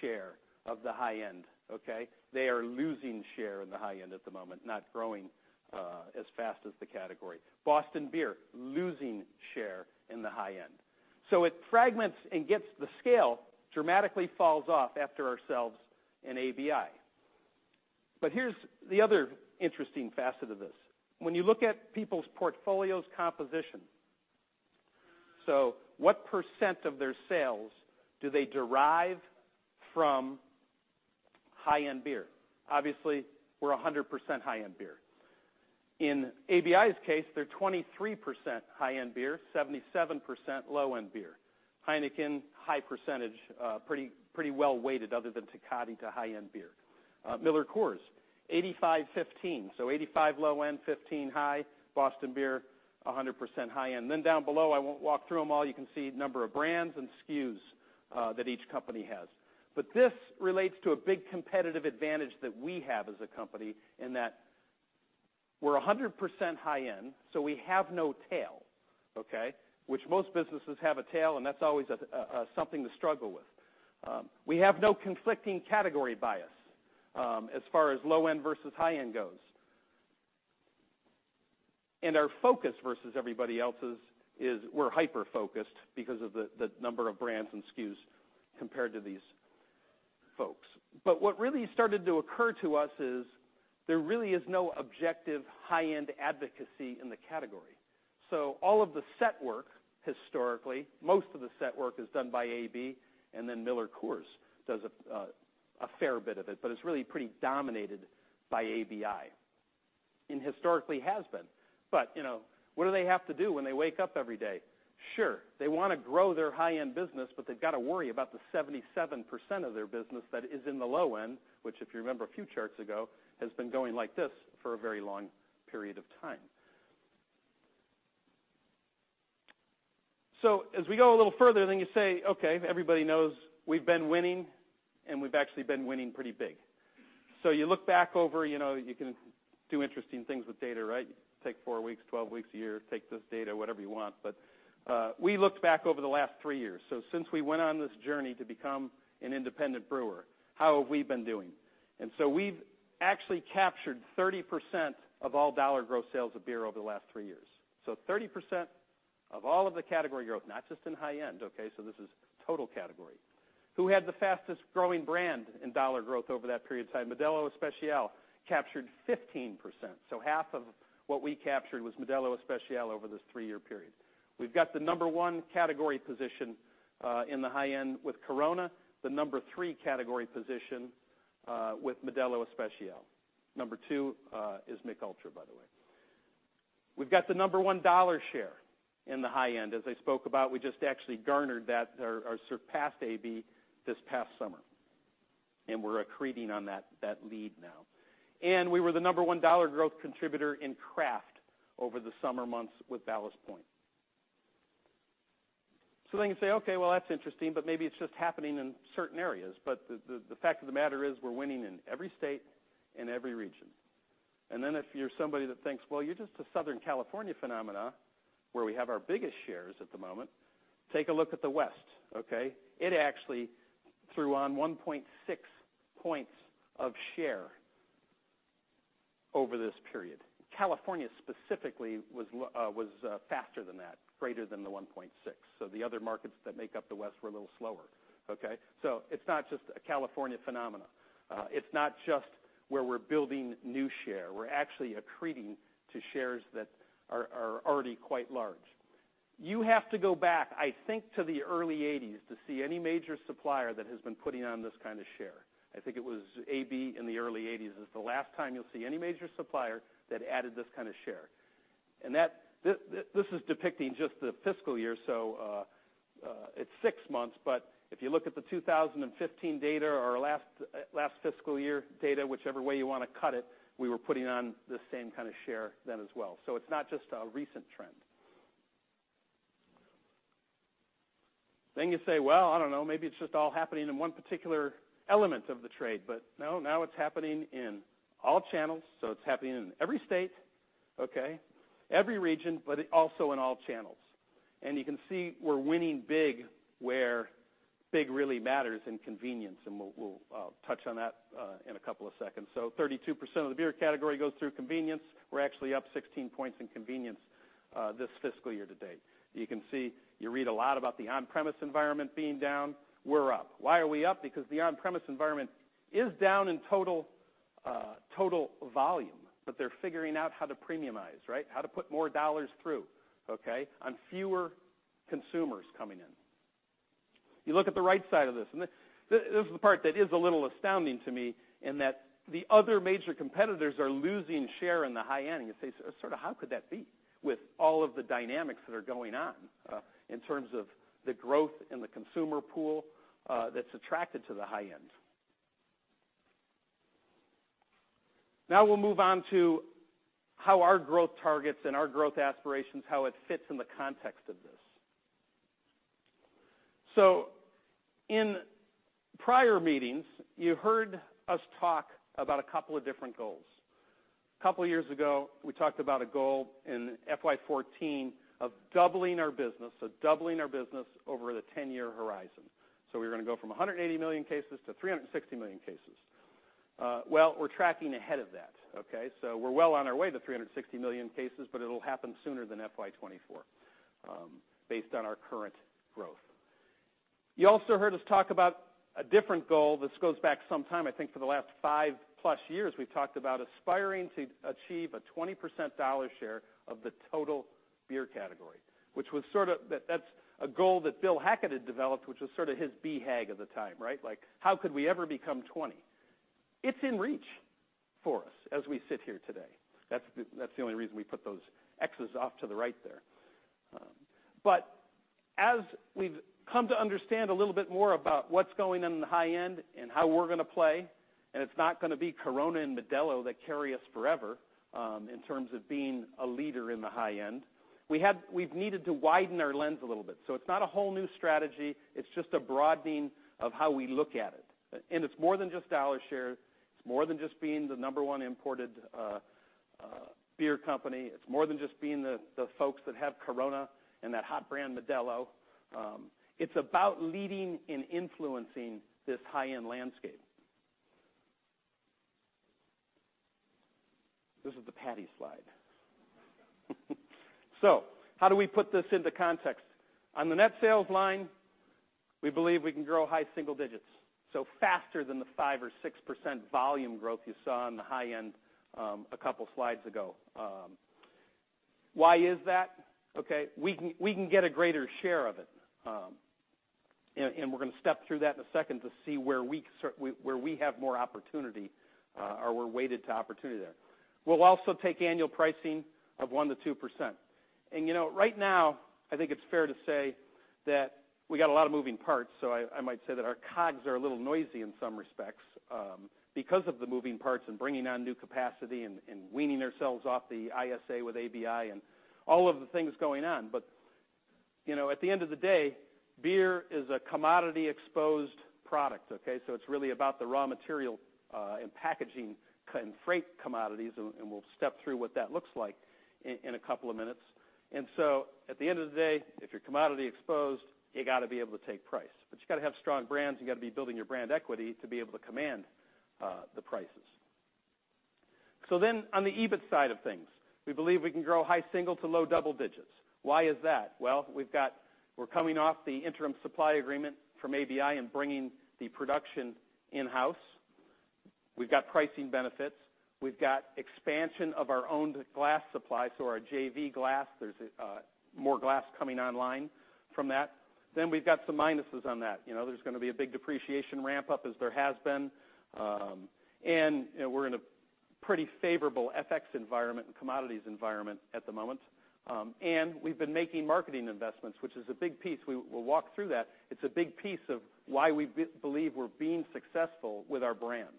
share of the high end, okay? They are losing share in the high end at the moment, not growing as fast as the category. Boston Beer, losing share in the high end. It fragments and gets the scale dramatically falls off after ourselves and ABI. Here's the other interesting facet of this. When you look at people's portfolios composition, what percent of their sales do they derive from high-end beer? Obviously, we're 100% high-end beer. In ABI's case, they're 23% high-end beer, 77% low-end beer. Heineken, high percentage, pretty well-weighted other than Tecate to high-end beer. MillerCoors, 85/15, so 85 low end, 15 high. Boston Beer, 100% high end. Down below, I won't walk through them all, you can see number of brands and SKUs that each company has. This relates to a big competitive advantage that we have as a company in that we're 100% high end, so we have no tail, okay? Which most businesses have a tail, and that's always something to struggle with. We have no conflicting category bias as far as low end versus high end goes. Our focus versus everybody else's is we're hyper-focused because of the number of brands and SKUs compared to these folks. What really started to occur to us is there really is no objective high-end advocacy in the category. All of the set work historically, most of the set work is done by AB, then MillerCoors does a fair bit of it, but it's really pretty dominated by ABI, and historically has been. What do they have to do when they wake up every day? Sure, they want to grow their high-end business, but they've got to worry about the 77% of their business that is in the low end, which, if you remember a few charts ago, has been going like this for a very long period of time. As we go a little further, you say, okay, everybody knows we've been winning, we've actually been winning pretty big. You look back over, you can do interesting things with data, right? Take four weeks, 12 weeks, a year, take this data, whatever you want. We looked back over the last three years. Since we went on this journey to become an independent brewer, how have we been doing? We've actually captured 30% of all dollar growth sales of beer over the last three years. 30% of all of the category growth, not just in high end, okay, this is total category. Who had the fastest growing brand in dollar growth over that period of time? Modelo Especial captured 15%. Half of what we captured was Modelo Especial over this three-year period. We've got the number 1 category position in the high end with Corona, the number 3 category position with Modelo Especial. Number 2 is Mich Ultra, by the way. We've got the number 1 dollar share in the high end. As I spoke about, we just actually garnered that, or surpassed AB this past summer, and we're accreting on that lead now. We were the number 1 dollar growth contributor in craft over the summer months with Ballast Point. You say, okay, well, that's interesting, maybe it's just happening in certain areas. The fact of the matter is, we're winning in every state and every region. If you're somebody that thinks, well, you're just a Southern California phenomena, where we have our biggest shares at the moment, take a look at the West. Okay? It actually threw on 1.6 points of share over this period. California, specifically, was faster than that, greater than the 1.6. The other markets that make up the West were a little slower. Okay? It's not just a California phenomena. It's not just where we're building new share. We're actually accreting to shares that are already quite large. You have to go back, I think, to the early '80s to see any major supplier that has been putting on this kind of share. I think it was AB in the early '80s. It's the last time you'll see any major supplier that added this kind of share. This is depicting just the fiscal year, so it's six months, if you look at the 2015 data or last fiscal year data, whichever way you want to cut it, we were putting on the same kind of share then as well. It's not just a recent trend. You say, well, I don't know, maybe it's just all happening in one particular element of the trade. No, now it's happening in all channels. It's happening in every state, every region, but also in all channels. You can see we're winning big where big really matters in convenience, and we'll touch on that in a couple of seconds. 32% of the beer category goes through convenience. We're actually up 16 points in convenience this fiscal year to date. You can see, you read a lot about the on-premise environment being down. We're up. Why are we up? The on-premise environment is down in total volume, but they're figuring out how to premiumize, how to put more dollars through on fewer consumers coming in. You look at the right side of this is the part that is a little astounding to me, in that the other major competitors are losing share in the high end. You say, sort of how could that be with all of the dynamics that are going on in terms of the growth in the consumer pool that's attracted to the high end. We'll move on to how our growth targets and our growth aspirations, how it fits in the context of this. In prior meetings, you heard us talk about a couple of different goals. A couple of years ago, we talked about a goal in FY14 of doubling our business, doubling our business over the 10-year horizon. We were going to go from 180 million cases to 360 million cases. We're tracking ahead of that. We're well on our way to 360 million cases, but it'll happen sooner than FY24 based on our current growth. You also heard us talk about a different goal. This goes back some time. I think for the last five-plus years, we've talked about aspiring to achieve a 20% dollar share of the total beer category, which that's a goal that Bill Hackett had developed, which was sort of his BHAG at the time. How could we ever become 20? It's in reach for us as we sit here today. That's the only reason we put those Xs off to the right there. As we've come to understand a little bit more about what's going on in the high end and how we're going to play, it's not going to be Corona and Modelo that carry us forever in terms of being a leader in the high end. We've needed to widen our lens a little bit. It's not a whole new strategy, it's just a broadening of how we look at it. It's more than just dollar share. It's more than just being the number one imported beer company. It's more than just being the folks that have Corona and that hot brand, Modelo. It's about leading and influencing this high-end landscape. This is the Patty slide. How do we put this into context? On the net sales line, we believe we can grow high single digits, faster than the 5% or 6% volume growth you saw on the high end a couple of slides ago. Why is that? We can get a greater share of it. We're going to step through that in a second to see where we have more opportunity, or we're weighted to opportunity there. We'll also take annual pricing of 1%-2%. Right now, I think it's fair to say that we got a lot of moving parts, so I might say that our COGS are a little noisy in some respects because of the moving parts and bringing on new capacity and weaning ourselves off the ISA with ABI and all of the things going on. At the end of the day, beer is a commodity-exposed product. It's really about the raw material and packaging and freight commodities, we'll step through what that looks like in a couple of minutes. At the end of the day, if you're commodity exposed, you got to be able to take price. You got to have strong brands, you got to be building your brand equity to be able to command the prices. On the EBIT side of things, we believe we can grow high single to low double digits. Why is that? Well, we're coming off the interim supply agreement from ABI and bringing the production in-house. We've got pricing benefits. We've got expansion of our own glass supply, so our JV glass, there's more glass coming online from that. We've got some minuses on that. There's going to be a big depreciation ramp-up as there has been. We're in a pretty favorable FX environment and commodities environment at the moment. We've been making marketing investments, which is a big piece. We'll walk through that. It's a big piece of why we believe we're being successful with our brands.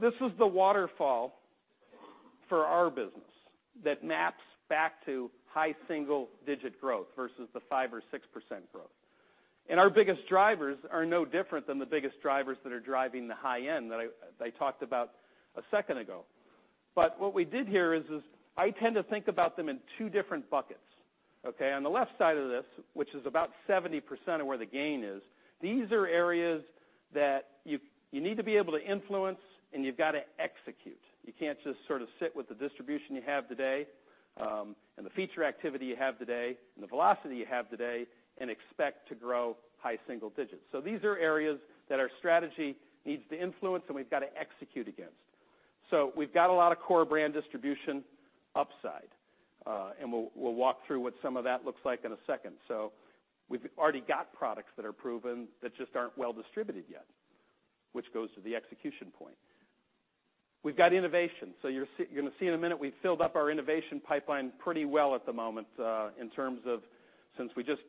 This is the waterfall for our business that maps back to high single-digit growth versus the 5% or 6% growth. Our biggest drivers are no different than the biggest drivers that are driving the high end that I talked about a second ago. What we did here is, I tend to think about them in two different buckets. Okay? On the left side of this, which is about 70% of where the gain is, these are areas that you need to be able to influence, and you've got to execute. You can't just sort of sit with the distribution you have today, and the feature activity you have today, and the velocity you have today, and expect to grow high single digits. These are areas that our strategy needs to influence and we've got to execute against. We've got a lot of core brand distribution upside. We'll walk through what some of that looks like in a second. We've already got products that are proven that just aren't well distributed yet, which goes to the execution point. We've got innovation. You're going to see in a minute, we've filled up our innovation pipeline pretty well at the moment, in terms of since we just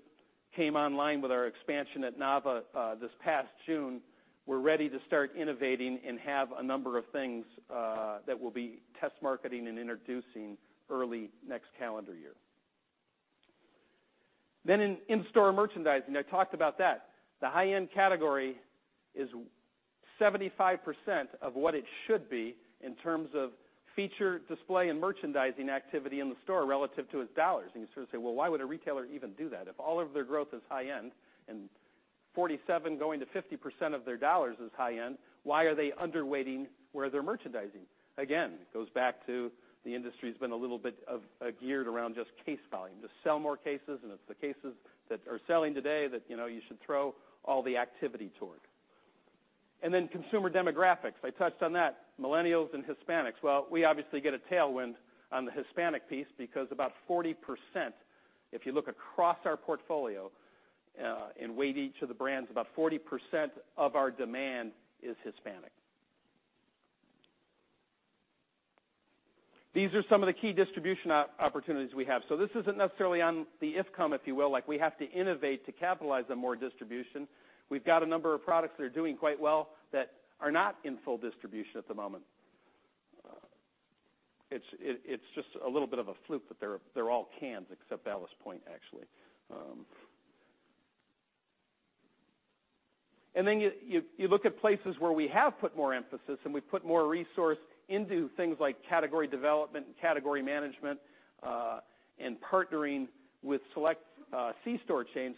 came online with our expansion at Nava this past June. We're ready to start innovating and have a number of things that we'll be test marketing and introducing early next calendar year. In in-store merchandising, I talked about that. The high-end category is 75% of what it should be in terms of feature display and merchandising activity in the store relative to its dollars. You sort of say, well, why would a retailer even do that? If all of their growth is high end and 47%-50% of their dollars is high end, why are they underweighting where they're merchandising? It goes back to the industry's been a little bit geared around just case volume. Just sell more cases, and it's the cases that are selling today that you should throw all the activity toward. Consumer demographics. I touched on that. Millennials and Hispanics. We obviously get a tailwind on the Hispanic piece because about 40%, if you look across our portfolio and weight each of the brands, about 40% of our demand is Hispanic. These are some of the key distribution opportunities we have. This isn't necessarily on the if come, if you will, like we have to innovate to capitalize on more distribution. We've got a number of products that are doing quite well that are not in full distribution at the moment. It's just a little bit of a fluke that they're all cans except Ballast Point, actually. You look at places where we have put more emphasis, and we've put more resource into things like category development and category management, and partnering with select C-store chains,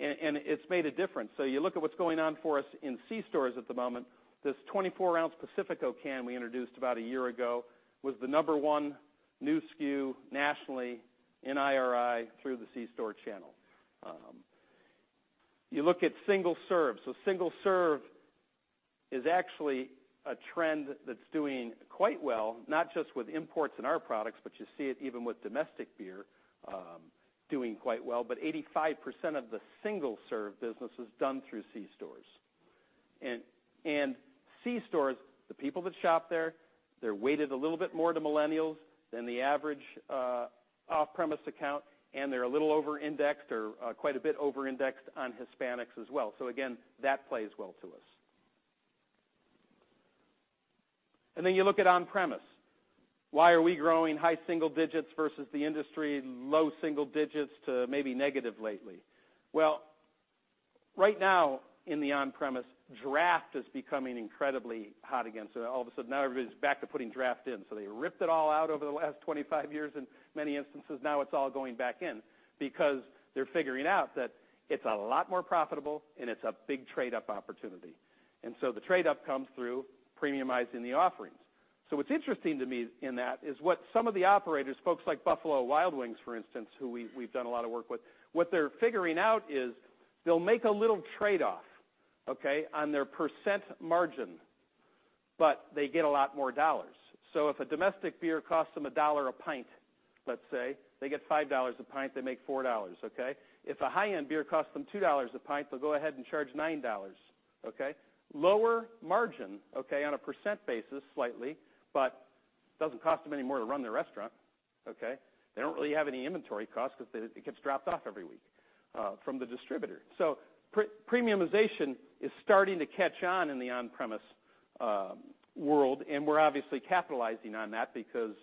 and it's made a difference. You look at what's going on for us in C-stores at the moment. This 24-ounce Pacifico can we introduced about a year ago was the number one new SKU nationally in IRI through the C-store channel. You look at single serve. Single serve is actually a trend that's doing quite well, not just with imports in our products, but you see it even with domestic beer doing quite well. 85% of the single-serve business is done through C-stores. C-stores, the people that shop there, they're weighted a little bit more to millennials than the average off-premise account, and they're a little over-indexed or quite a bit over-indexed on Hispanics as well. Again, that plays well to us. You look at on-premise. Why are we growing high single digits versus the industry in low single digits to maybe negative lately? Right now in the on-premise, draft is becoming incredibly hot again. All of a sudden, now everybody's back to putting draft in. They ripped it all out over the last 25 years in many instances. Now it's all going back in because they're figuring out that it's a lot more profitable, and it's a big trade-up opportunity. The trade up comes through premiumizing the offerings. What's interesting to me in that is what some of the operators, folks like Buffalo Wild Wings, for instance, who we've done a lot of work with, what they're figuring out is they'll make a little trade-off, okay, on their percent margin, but they get a lot more dollars. If a domestic beer costs them $1 a pint, let's say, they get $5 a pint, they make $4, okay? If a high-end beer costs them $2 a pint, they'll go ahead and charge $9, okay? Lower margin, okay, on a percent basis slightly, doesn't cost them any more to run their restaurant, okay? They don't really have any inventory cost because it gets dropped off every week from the distributor. Premiumization is starting to catch on in the on-premise world, and we're obviously capitalizing on that because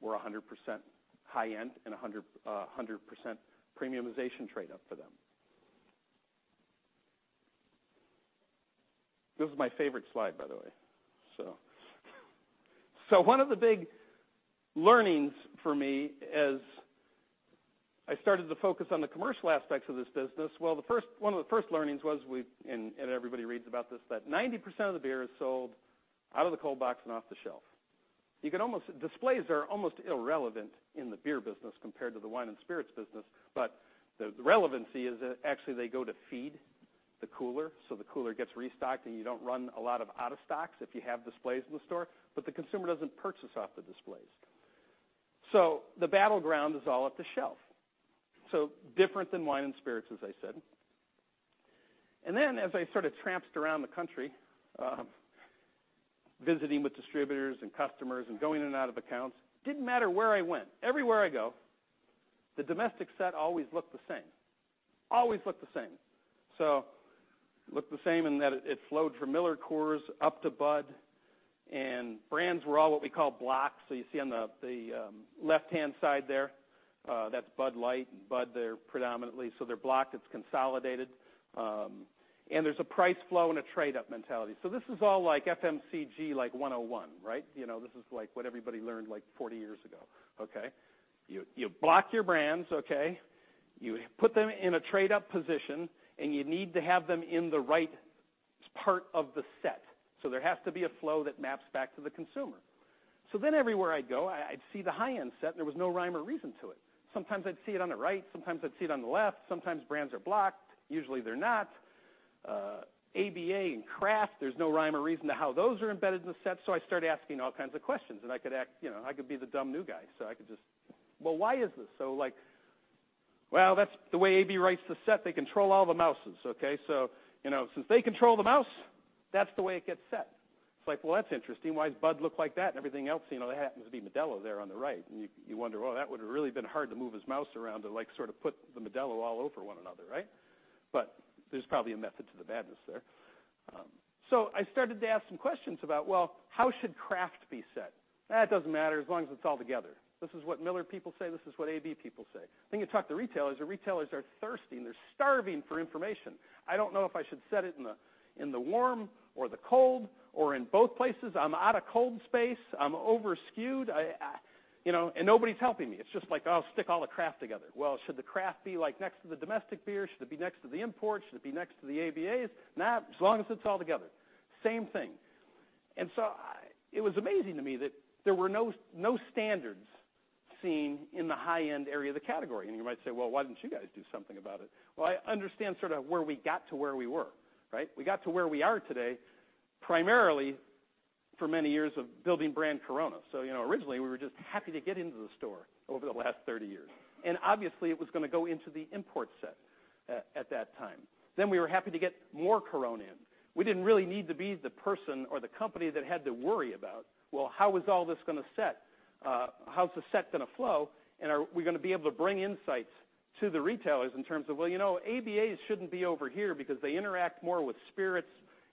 we're 100% high end and 100% premiumization trade up for them. This is my favorite slide, by the way. One of the big learnings for me as I started to focus on the commercial aspects of this business, well, one of the first learnings was we, and everybody reads about this, that 90% of the beer is sold out of the cold box and off the shelf. Displays are almost irrelevant in the beer business compared to the wine and spirits business, the relevancy is that actually they go to feed the cooler, so the cooler gets restocked, and you don't run a lot of out-of-stocks if you have displays in the store, but the consumer doesn't purchase off the displays. The battleground is all at the shelf. Different than wine and spirits, as I said. As I sort of tramped around the country, visiting with distributors and customers and going in and out of accounts, didn't matter where I went, everywhere I go, the domestic set always looked the same. Always looked the same. Looked the same in that it flowed from MillerCoors up to Bud, and brands were all what we call blocks. You see on the left-hand side there, that's Bud Light and Bud there predominantly. They're blocked, it's consolidated. There's a price flow and a trade-up mentality. This is all like FMCG 101, right? This is what everybody learned 40 years ago. Okay? You block your brands, okay? You put them in a trade-up position, you need to have them in the right part of the set. There has to be a flow that maps back to the consumer. Everywhere I'd go, I'd see the high-end set, and there was no rhyme or reason to it. Sometimes I'd see it on the right, sometimes I'd see it on the left, sometimes brands are blocked. Usually they're not. ABA and craft, there's no rhyme or reason to how those are embedded in the set, so I started asking all kinds of questions, and I could be the dumb new guy. I could just, "Well, why is this?" "Well, that's the way AB writes the set. They control all the mouses, okay? Since they control the mouse, that's the way it gets set." Well, that's interesting. Why does Bud look like that and everything else happens to be Modelo there on the right? You wonder, well, that would've really been hard to move his mouse around to put the Modelo all over one another, right? There's probably a method to the madness there. I started to ask some questions about, well, how should craft be set? "It doesn't matter, as long as it's all together." This is what Miller people say, this is what AB people say. You talk to retailers, the retailers are thirsty and they're starving for information. I don't know if I should set it in the warm or the cold or in both places. I'm out of cold space. I'm over-skewed. Nobody's helping me. "Stick all the craft together." Should the craft be next to the domestic beer? Should it be next to the imports? Should it be next to the ABAs? As long as it's all together. Same thing. It was amazing to me that there were no standards seen in the high end area of the category. You might say, "Well, why didn't you guys do something about it?" I understand where we got to where we were. Right? We got to where we are today, primarily for many years of building brand Corona. Originally, we were just happy to get into the store over the last 30 years. Obviously, it was going to go into the import set at that time. We were happy to get more Corona in. We didn't really need to be the person or the company that had to worry about, how is all this going to set? How's the set going to flow? Are we going to be able to bring insights to the retailers in terms of ABA shouldn't be over here because they interact more with spirits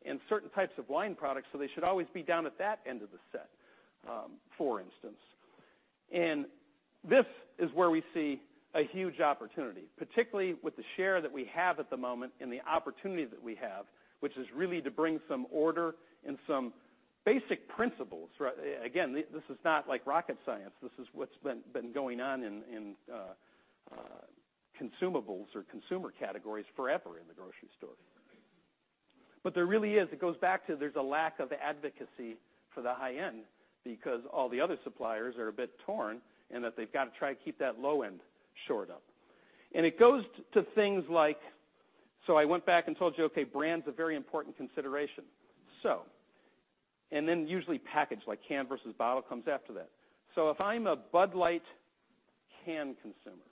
and certain types of wine products, so they should always be down at that end of the set, for instance. This is where we see a huge opportunity, particularly with the share that we have at the moment and the opportunity that we have, which is really to bring some order and some basic principles, right? Again, this is not like rocket science. This is what's been going on in consumables or consumer categories forever in the grocery store. There really is. It goes back to, there's a lack of advocacy for the high end because all the other suppliers are a bit torn in that they've got to try to keep that low end shored up. It goes to things like, I went back and told you, okay, brand's a very important consideration. Usually package, like can versus bottle comes after that. If I'm a Bud Light can consumer,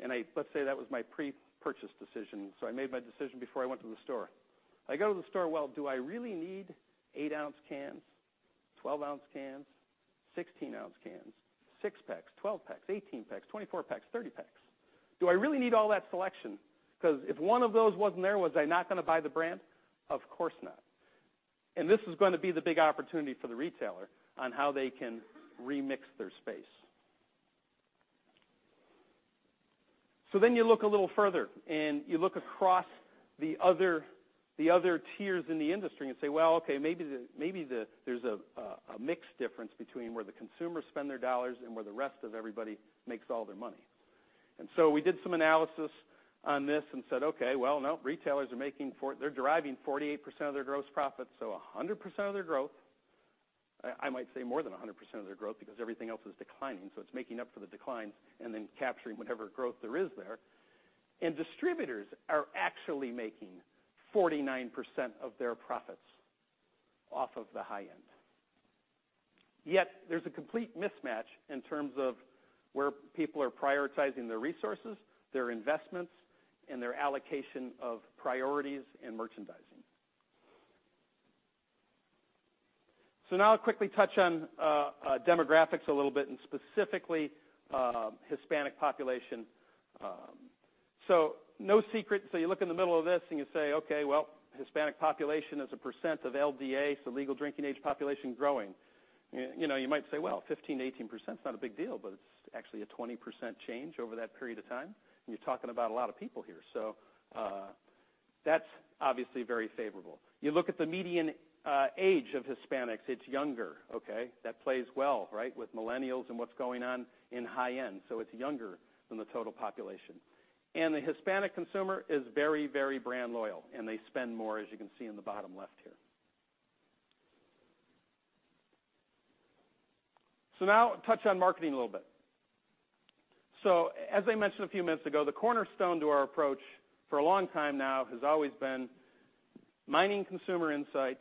and let's say that was my pre-purchase decision, I made my decision before I went to the store. I go to the store, do I really need 8-ounce cans, 12-ounce cans, 16-ounce cans, 6 packs, 12 packs, 18 packs, 24 packs, 30 packs? Do I really need all that selection? Because if one of those wasn't there, was I not going to buy the brand? Of course not. This is going to be the big opportunity for the retailer on how they can remix their space. You look a little further, and you look across the other tiers in the industry and say, well, okay, maybe there's a mix difference between where the consumers spend their dollars and where the rest of everybody makes all their money. We did some analysis on this and said, okay, well, no, retailers are making. They're deriving 48% of their gross profit, so 100% of their growth. I might say more than 100% of their growth because everything else is declining, so it's making up for the decline and then capturing whatever growth there is there. Distributors are actually making 49% of their profits off of the high end. Yet, there's a complete mismatch in terms of where people are prioritizing their resources, their investments, and their allocation of priorities and merchandising. Now I'll quickly touch on demographics a little bit, and specifically Hispanic population. No secret. You look in the middle of this and you say, okay, well, Hispanic population as a percent of LDA, so legal drinking age population, growing. You might say, well, 15%-18% is not a big deal, but it's actually a 20% change over that period of time, and you're talking about a lot of people here. That's obviously very favorable. You look at the median age of Hispanics, it's younger, okay? That plays well, right, with millennials and what's going on in high end. It's younger than the total population. The Hispanic consumer is very brand loyal, and they spend more, as you can see in the bottom left here. Now touch on marketing a little bit. As I mentioned a few minutes ago, the cornerstone to our approach for a long time now has always been mining consumer insights,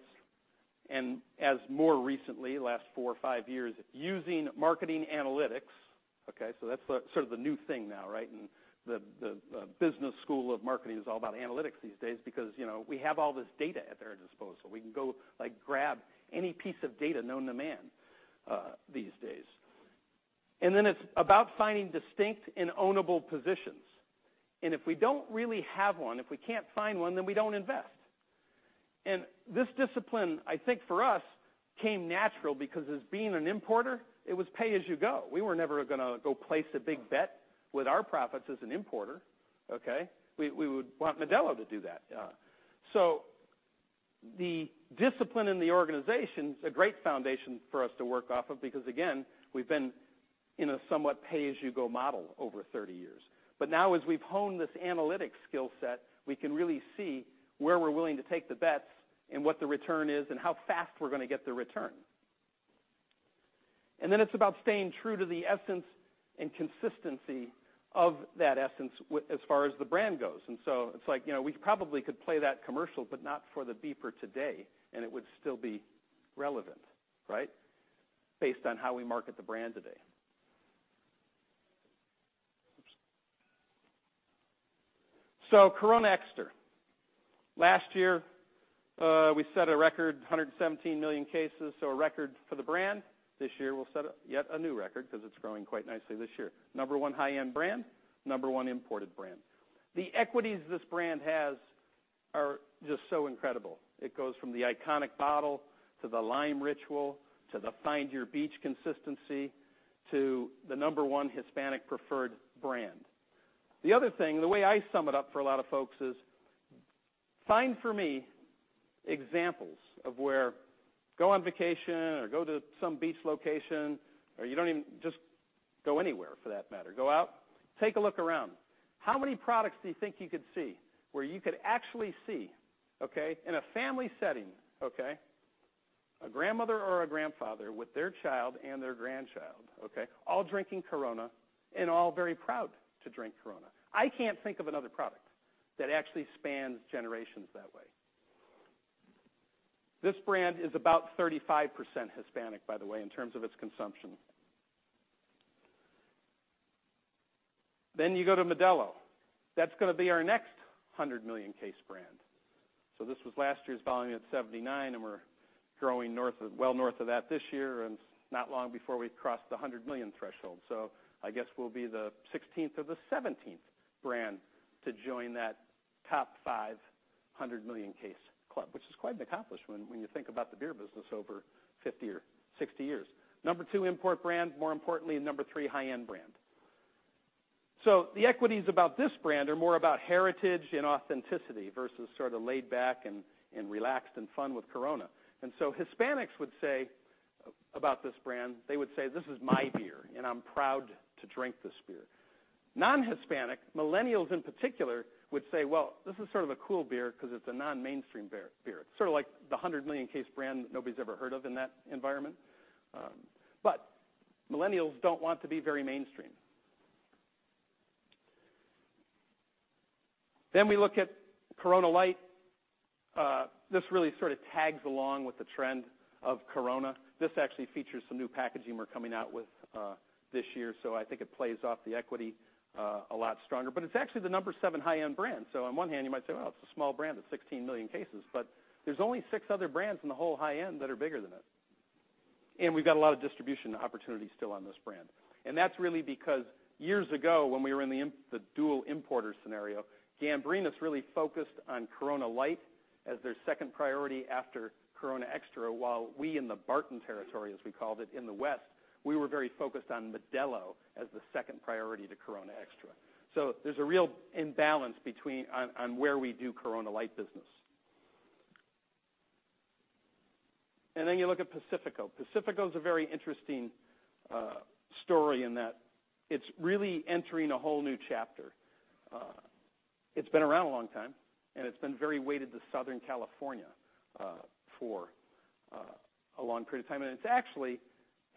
and as more recently, the last four or five years, using marketing analytics, okay? That's sort of the new thing now, right? The business school of marketing is all about analytics these days because we have all this data at our disposal. We can go grab any piece of data known to man these days. Then it's about finding distinct and ownable positions. If we don't really have one, if we can't find one, then we don't invest. This discipline, I think for us, came natural because as being an importer, it was pay-as-you-go. We were never going to go place a big bet with our profits as an importer, okay? We would want Modelo to do that. The discipline in the organization is a great foundation for us to work off of because, again, we've been in a somewhat pay-as-you-go model over 30 years. Now as we've honed this analytics skill set, we can really see where we're willing to take the bets and what the return is and how fast we're going to get the return. Then it's about staying true to the essence and consistency of that essence as far as the brand goes. It is like we probably could play that commercial, but not for the beeper today, and it would still be relevant, right, based on how we market the brand today. Oops. Corona Extra. Last year, we set a record, 117 million cases, a record for the brand. This year, we will set yet a new record because it is growing quite nicely this year. Number one high-end brand, number one imported brand. The equities this brand has are just so incredible. It goes from the iconic bottle, to the lime ritual, to the find your beach consistency, to the number one Hispanic preferred brand. The other thing, the way I sum it up for a lot of folks is, find for me examples of where go on vacation or go to some beach location, or you do not even just go anywhere for that matter. Go out, take a look around. How many products do you think you could see where you could actually see, okay, in a family setting, okay, a grandmother or a grandfather with their child and their grandchild, okay, all drinking Corona and all very proud to drink Corona? I cannot think of another product that actually spans generations that way. This brand is about 35% Hispanic, by the way, in terms of its consumption. You go to Modelo. That is going to be our next 100 million case brand. This was last year's volume at 79, and we are growing well north of that this year, and it is not long before we cross the 100 million threshold. I guess we will be the 16th or the 17th brand to join that top 500 million case club, which is quite an accomplishment when you think about the beer business over 50 or 60 years. Number two import brand, more importantly, number three high-end brand. The equities about this brand are more about heritage and authenticity versus sort of laid back and relaxed and fun with Corona. Hispanics would say about this brand, they would say, "This is my beer, and I am proud to drink this beer." Non-Hispanic, millennials in particular, would say, "Well, this is sort of a cool beer because it is a non-mainstream beer." Sort of like the 100 million case brand that nobody is ever heard of in that environment. Millennials do not want to be very mainstream. We look at Corona Light. This really sort of tags along with the trend of Corona. This actually features some new packaging we are coming out with this year, so I think it plays off the equity a lot stronger. It is actually the number seven high-end brand. On one hand, you might say, "Well, it is a small brand at 16 million cases," but there is only six other brands in the whole high-end that are bigger than it. We have got a lot of distribution opportunities still on this brand. That is really because years ago, when we were in the dual importer scenario, Gambrinus really focused on Corona Light as their second priority after Corona Extra, while we in the Barton territory, as we called it, in the West, we were very focused on Modelo as the second priority to Corona Extra. There is a real imbalance on where we do Corona Light business. You look at Pacifico. Pacifico's a very interesting story in that it's really entering a whole new chapter. It's been around a long time, and it's been very weighted to Southern California for a long period of time. It's actually,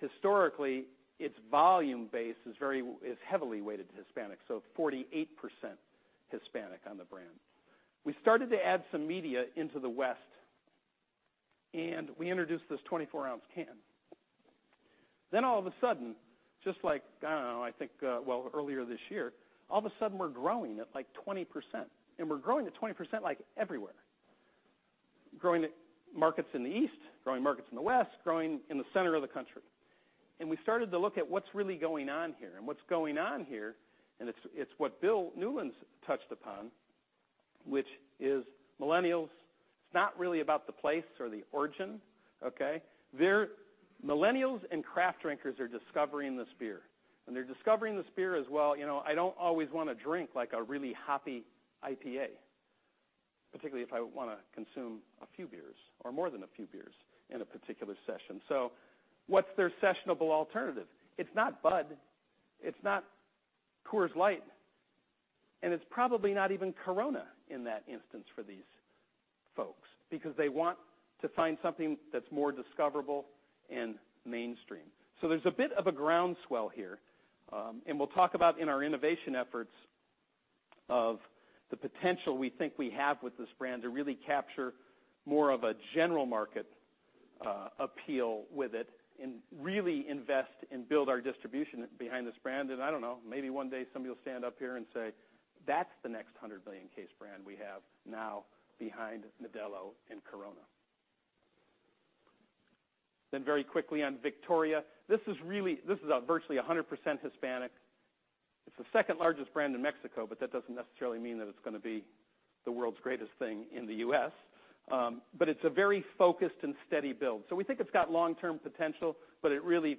historically, its volume base is heavily weighted to Hispanic, so 48% Hispanic on the brand. We started to add some media into the West, and we introduced this 24-ounce can. All of a sudden, just like, I don't know, I think, well, earlier this year. We're growing at, like 20%, and we're growing at 20% everywhere. Growing the markets in the East, growing markets in the West, growing in the center of the country. We started to look at what's really going on here, and what's going on here, and it's what Bill Newlands touched upon, which is millennials. It's not really about the place or the origin, okay? Millennials and craft drinkers are discovering this beer, and they're discovering this beer as, well, I don't always want to drink like a really hoppy IPA, particularly if I want to consume a few beers or more than a few beers in a particular session. What's their sessionable alternative? It's not Bud. It's not Coors Light. It's probably not even Corona in that instance for these folks, because they want to find something that's more discoverable and mainstream. There's a bit of a groundswell here. We'll talk about in our innovation efforts of the potential we think we have with this brand to really capture more of a general market appeal with it, and really invest and build our distribution behind this brand. I don't know, maybe one day somebody will stand up here and say, "That's the next 100-million case brand we have now behind Modelo and Corona." Very quickly on Victoria. This is virtually 100% Hispanic. It's the second-largest brand in Mexico, but that doesn't necessarily mean that it's going to be the world's greatest thing in the U.S. It's a very focused and steady build. We think it's got long-term potential, but it really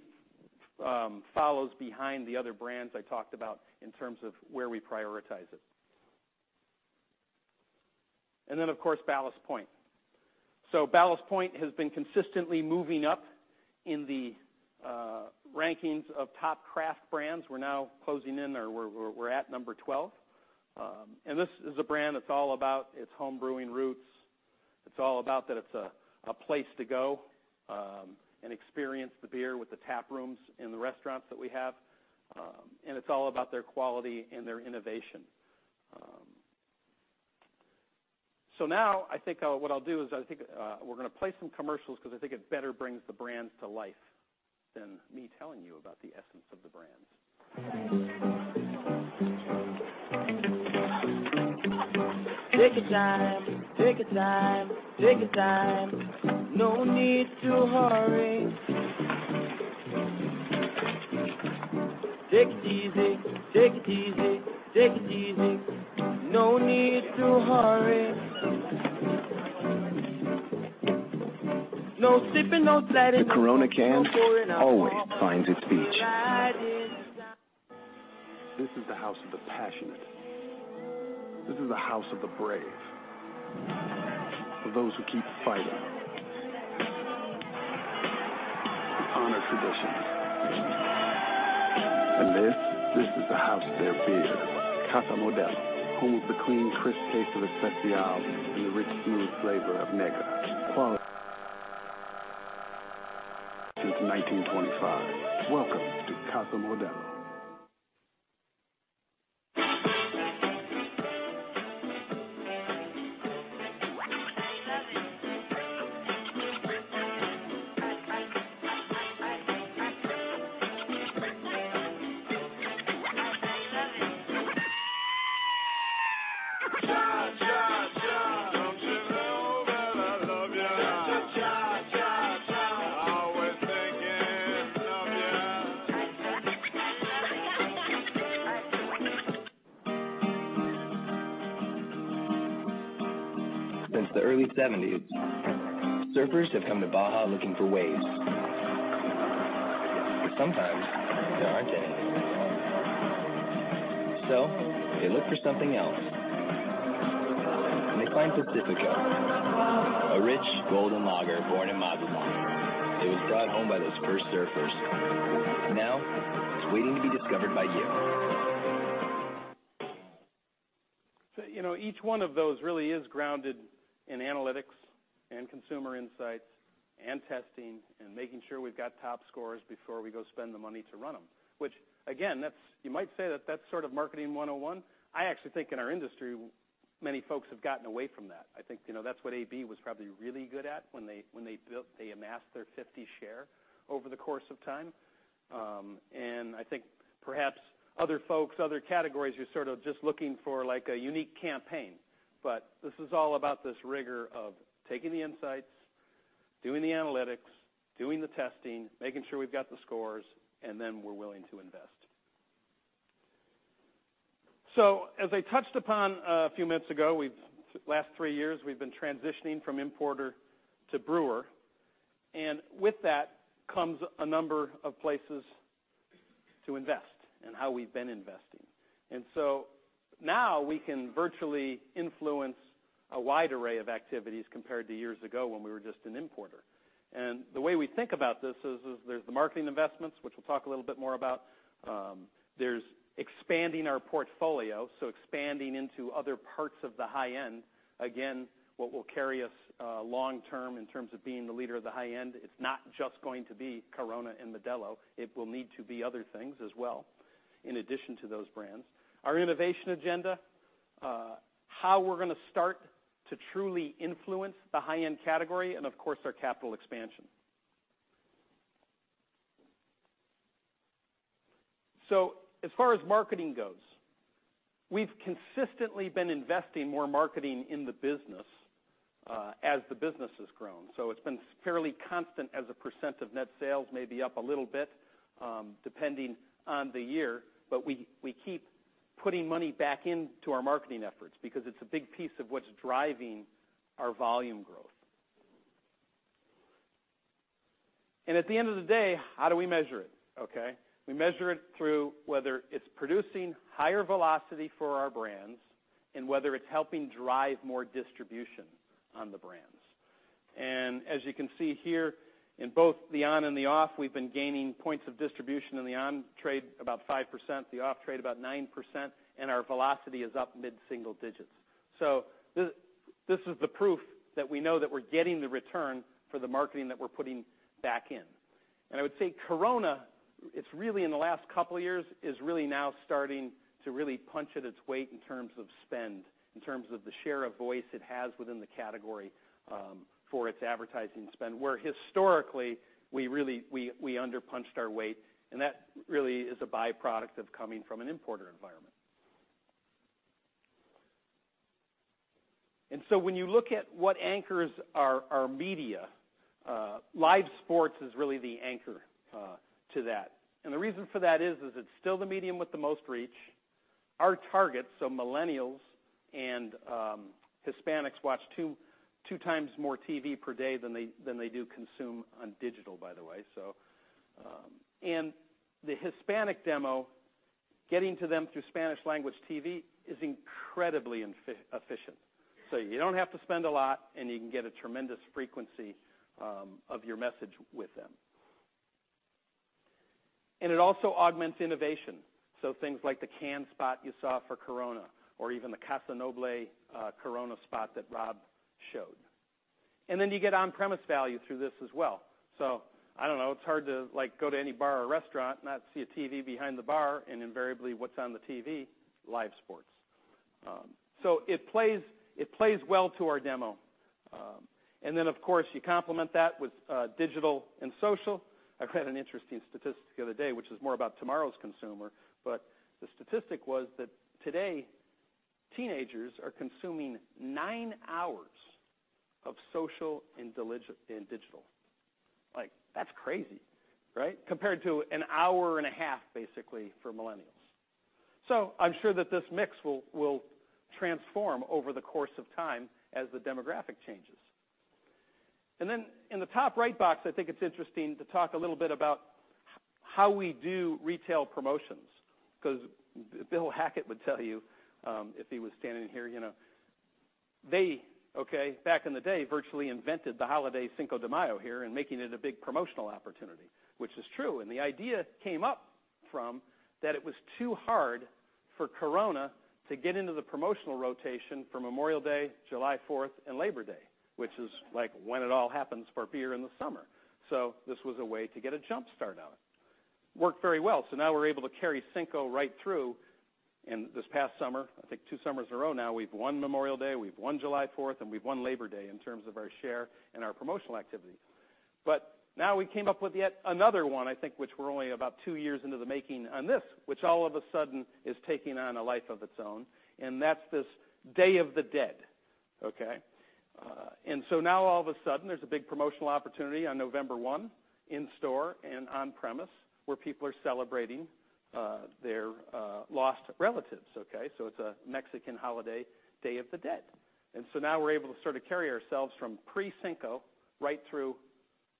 follows behind the other brands I talked about in terms of where we prioritize it. Of course, Ballast Point. Ballast Point has been consistently moving up in the rankings of top craft brands. We're now closing in, or we're at number 12. This is a brand that's all about its home brewing roots. It's all about that it's a place to go, and experience the beer with the tap rooms in the restaurants that we have. It's all about their quality and their innovation. I think what I'll do is, I think we're going to play some commercials because I think it better brings the brands to life than me telling you about the essence of the brands. Take your time, take your time, take your time. No need to hurry. Take it easy, take it easy, take it easy. No need to hurry. No sippin', no tippin'. The Corona can always finds its beach. Ridin' the sun. This is the house of the passionate. This is the house of the brave. For those who keep fighting. Honor traditions. This is the house of their beer. Casa Modelo pours the clean, crisp taste of Especial and the rich, smooth flavor of Negra. Quality. Since 1925. Welcome to Casa Modelo. Cha, cha. Don't you know that I love ya. Cha, cha, cha. Always thinking of ya. Since the early '70s, surfers have come to Baja looking for waves. Sometimes there aren't any. They look for something else, and they find Pacifico. A rich, golden lager born in Mazatlán. It was brought home by those first surfers. Now it's waiting to be discovered by you. Each one of those really is grounded in analytics, and consumer insights, and testing, and making sure we've got top scores before we go spend the money to run them. Which, again, you might say that's sort of marketing 101. I actually think in our industry, many folks have gotten away from that. I think, that's what AB was probably really good at when they amassed their 50 share over the course of time. I think perhaps other folks, other categories are sort of just looking for a unique campaign. This is all about this rigor of taking the insights, doing the analytics, doing the testing, making sure we've got the scores, and then we're willing to invest. As I touched upon a few minutes ago, the last three years, we've been transitioning from importer to brewer. With that comes a number of places to invest and how we've been investing. Now we can virtually influence a wide array of activities compared to years ago when we were just an importer. The way we think about this is, there's the marketing investments, which we'll talk a little bit more about. There's expanding our portfolio, so expanding into other parts of the high-end. Again, what will carry us long-term in terms of being the leader of the high-end, it's not just going to be Corona and Modelo. It will need to be other things as well, in addition to those brands. Our innovation agenda, how we're going to start to truly influence the high-end category, and of course, our capital expansion. As far as marketing goes, we've consistently been investing more marketing in the business, as the business has grown. It's been fairly constant as a percent of net sales, maybe up a little bit, depending on the year. We keep putting money back into our marketing efforts because it's a big piece of what's driving our volume growth. At the end of the day, how do we measure it, okay? We measure it through whether it's producing higher velocity for our brands and whether it's helping drive more distribution on the brands. As you can see here, in both the on and the off, we've been gaining points of distribution. In the on-trade about 5%, the off-trade about 9%, and our velocity is up mid-single digits. This is the proof that we know that we're getting the return for the marketing that we're putting back in. I would say Corona, in the last couple of years, is really now starting to really punch at its weight in terms of spend, in terms of the share of voice it has within the category, for its advertising spend. Where historically, we under punched our weight, and that really is a by-product of coming from an importer environment. When you look at what anchors our media, live sports is really the anchor to that. The reason for that is it's still the medium with the most reach. Our targets, so millennials and Hispanics, watch two times more TV per day than they do consume on digital, by the way. The Hispanic demo, getting to them through Spanish language TV is incredibly efficient. You don't have to spend a lot, and you can get a tremendous frequency of your message with them. It also augments innovation. Things like the can spot you saw for Corona or even the Casa Noble Corona spot that Rob showed. You get on-premise value through this as well. I don't know. It's hard to go to any bar or restaurant and not see a TV behind the bar and invariably what's on the TV, live sports. It plays well to our demo. Of course, you complement that with digital and social. I read an interesting statistic the other day, which is more about tomorrow's consumer, but the statistic was that today teenagers are consuming nine hours of social and digital. That's crazy, right? Compared to an hour and a half, basically, for millennials. I'm sure that this mix will transform over the course of time as the demographic changes. In the top right box, I think it's interesting to talk a little bit about how we do retail promotions, because Bill Hackett would tell you, if he was standing here. They, back in the day, virtually invented the holiday Cinco de Mayo here and making it a big promotional opportunity, which is true. The idea came up from that it was too hard for Corona to get into the promotional rotation for Memorial Day, July 4th, and Labor Day, which is when it all happens for beer in the summer. This was a way to get a jumpstart on it. Worked very well. Now we're able to carry Cinco right through. This past summer, I think two summers in a row now, we've won Memorial Day, we've won July 4th, and we've won Labor Day in terms of our share and our promotional activities. Now we came up with yet another one, I think, which we're only about two years into the making on this, which all of a sudden is taking on a life of its own. That's this Day of the Dead. Now all of a sudden, there's a big promotional opportunity on November 1 in store and on premise where people are celebrating their lost relatives. It's a Mexican holiday, Day of the Dead. Now we're able to sort of carry ourselves from pre-Cinco right through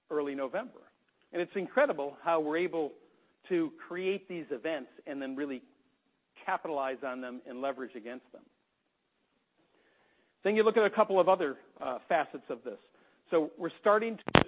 early November. It's incredible how we're able to create these events and then really capitalize on them and leverage against them. You look at a couple of other facets of this. We're starting to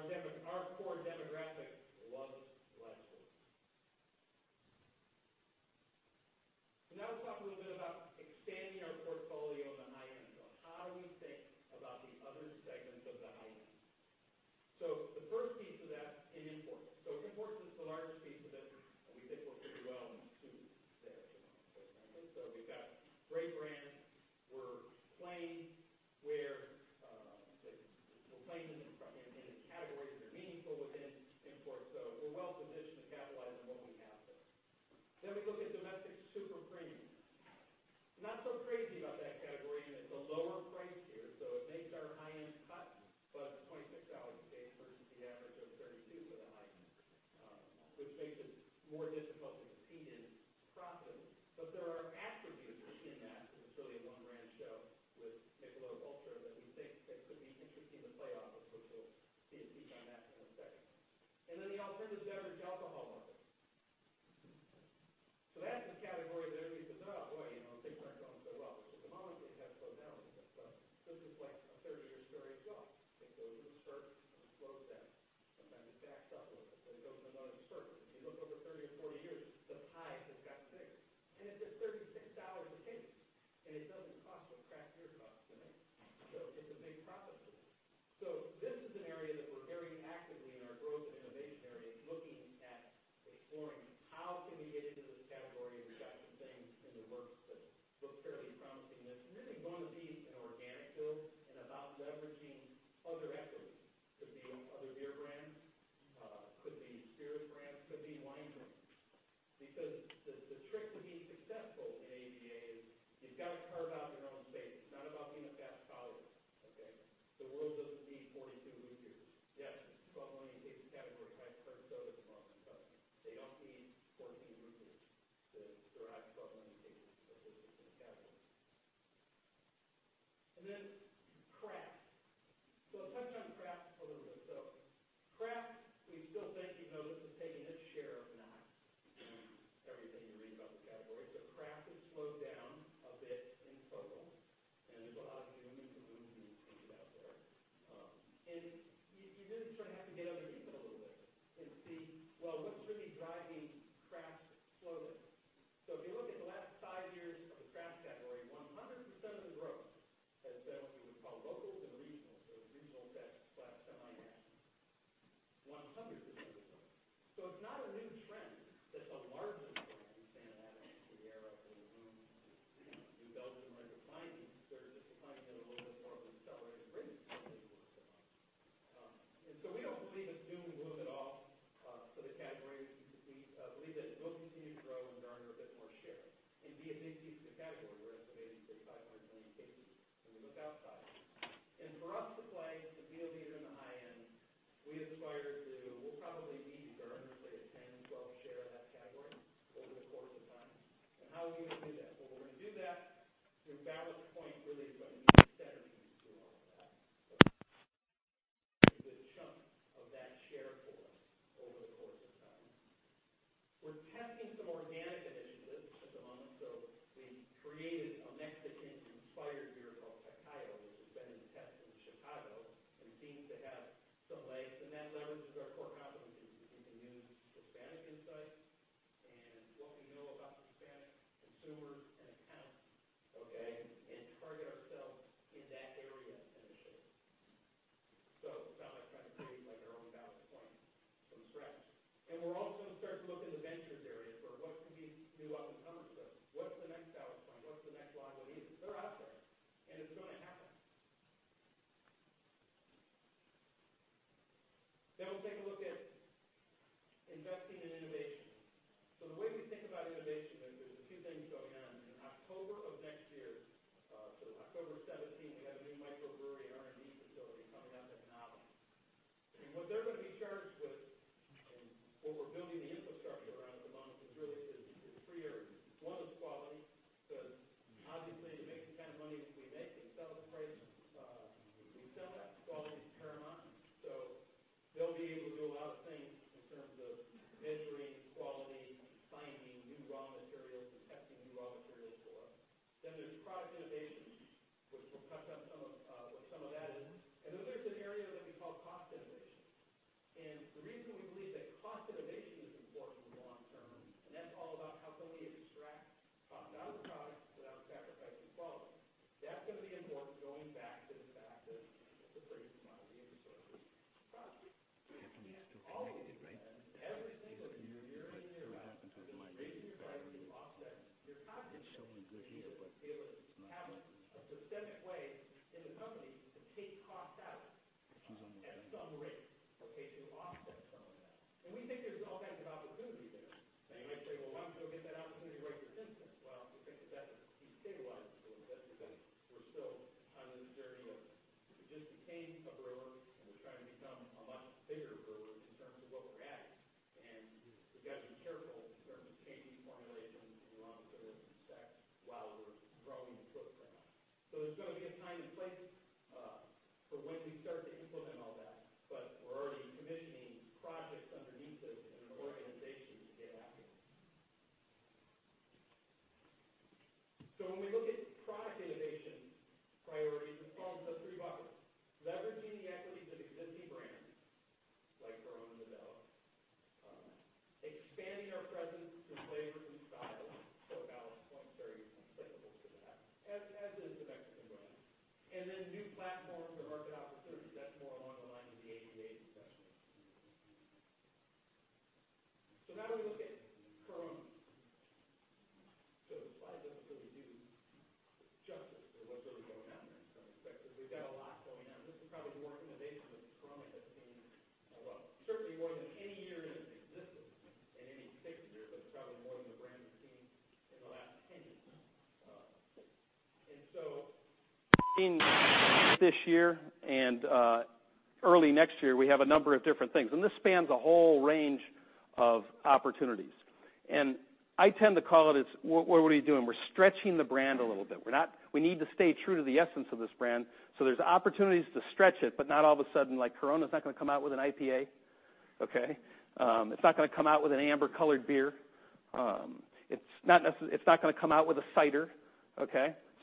so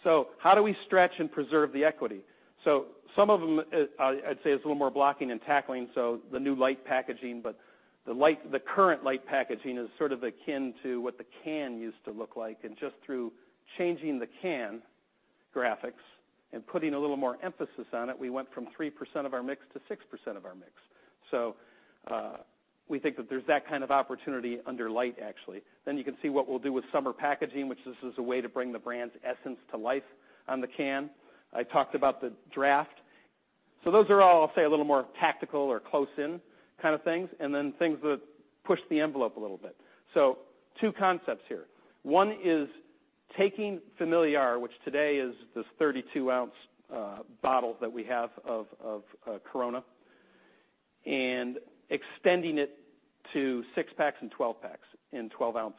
How do we stretch and preserve the equity? Some of them, I'd say, is a little more blocking and tackling. The new light packaging, but the current light packaging is sort of akin to what the can used to look like. Just through changing the can graphics and putting a little more emphasis on it, we went from 3% of our mix to 6% of our mix. We think that there's that kind of opportunity under light, actually. You can see what we'll do with summer packaging, which this is a way to bring the brand's essence to life on the can. I talked about the draft. Those are all, I'll say, a little more tactical or close in kind of things that push the envelope a little bit. Two concepts here. One is taking Familiar, which today is this 32-ounce bottle that we have of Corona, extending it to six-packs and 12-packs in 12-ounce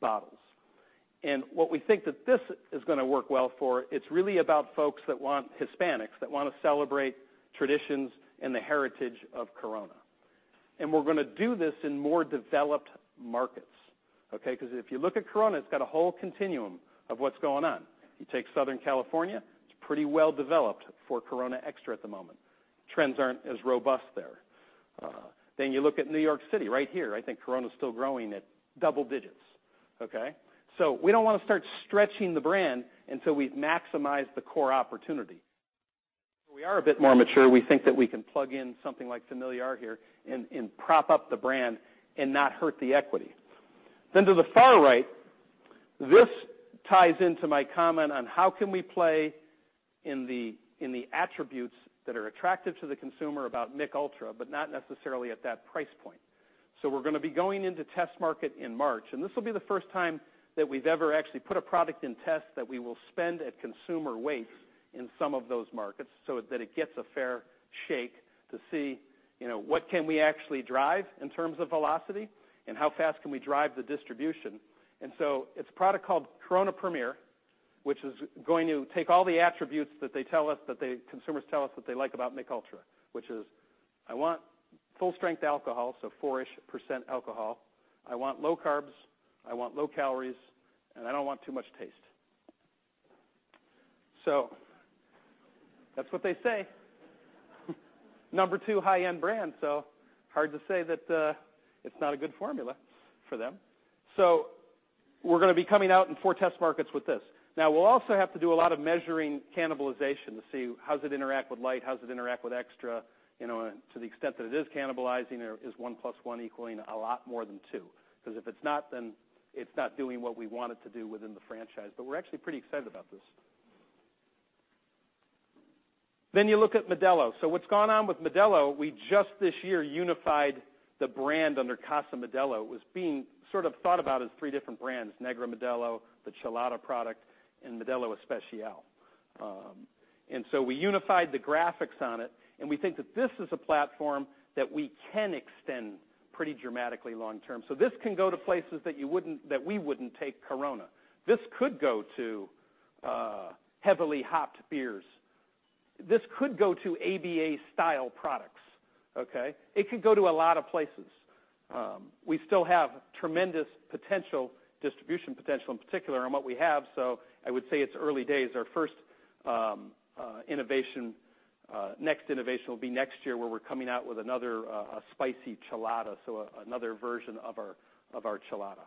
bottles. What we think that this is going to work well for, it's really about folks, Hispanics, that want to celebrate traditions and the heritage of Corona. We're going to do this in more developed markets. Okay? Because if you look at Corona, it's got a whole continuum of what's going on. You take Southern California, it's pretty well developed for Corona Extra at the moment. Trends aren't as robust there. You look at New York City, right here, I think Corona's still growing at double digits. Okay? We don't want to start stretching the brand until we've maximized the core opportunity. Where we are a bit more mature, we think that we can plug in something like Familiar here and prop up the brand and not hurt the equity. To the far right, this ties into my comment on how can we play in the attributes that are attractive to the consumer about Mich Ultra, but not necessarily at that price point. We're going to be going into test market in March. This will be the first time that we've ever actually put a product in test that we will spend at consumer weights in some of those markets so that it gets a fair shake to see, what can we actually drive in terms of velocity, and how fast can we drive the distribution. It's a product called Corona Premier, which is going to take all the attributes that the consumers tell us what they like about Mich Ultra, which is, I want full-strength alcohol, so four-ish % alcohol. I want low carbs, I want low calories, and I don't want too much taste. That's what they say. Number 2 high-end brand, so hard to say that it's not a good formula for them. We're going to be coming out in four test markets with this. Now, we'll also have to do a lot of measuring cannibalization to see how does it interact with Light, how does it interact with Extra, to the extent that it is cannibalizing, or is one plus one equaling a lot more than two. If it's not, then it's not doing what we want it to do within the franchise. We're actually pretty excited about this. You look at Modelo. What's gone on with Modelo, we just this year unified the brand under Casa Modelo. It was being sort of thought about as three different brands, Negra Modelo, the Chelada product, and Modelo Especial. We unified the graphics on it, and we think that this is a platform that we can extend pretty dramatically long term. This can go to places that we wouldn't take Corona. This could go to heavily hopped beers. This could go to ABA-style products. Okay? It could go to a lot of places. We still have tremendous potential, distribution potential in particular, on what we have. I would say it's early days. Our first innovation, next innovation will be next year, where we're coming out with another spicy Chelada, another version of our Chelada.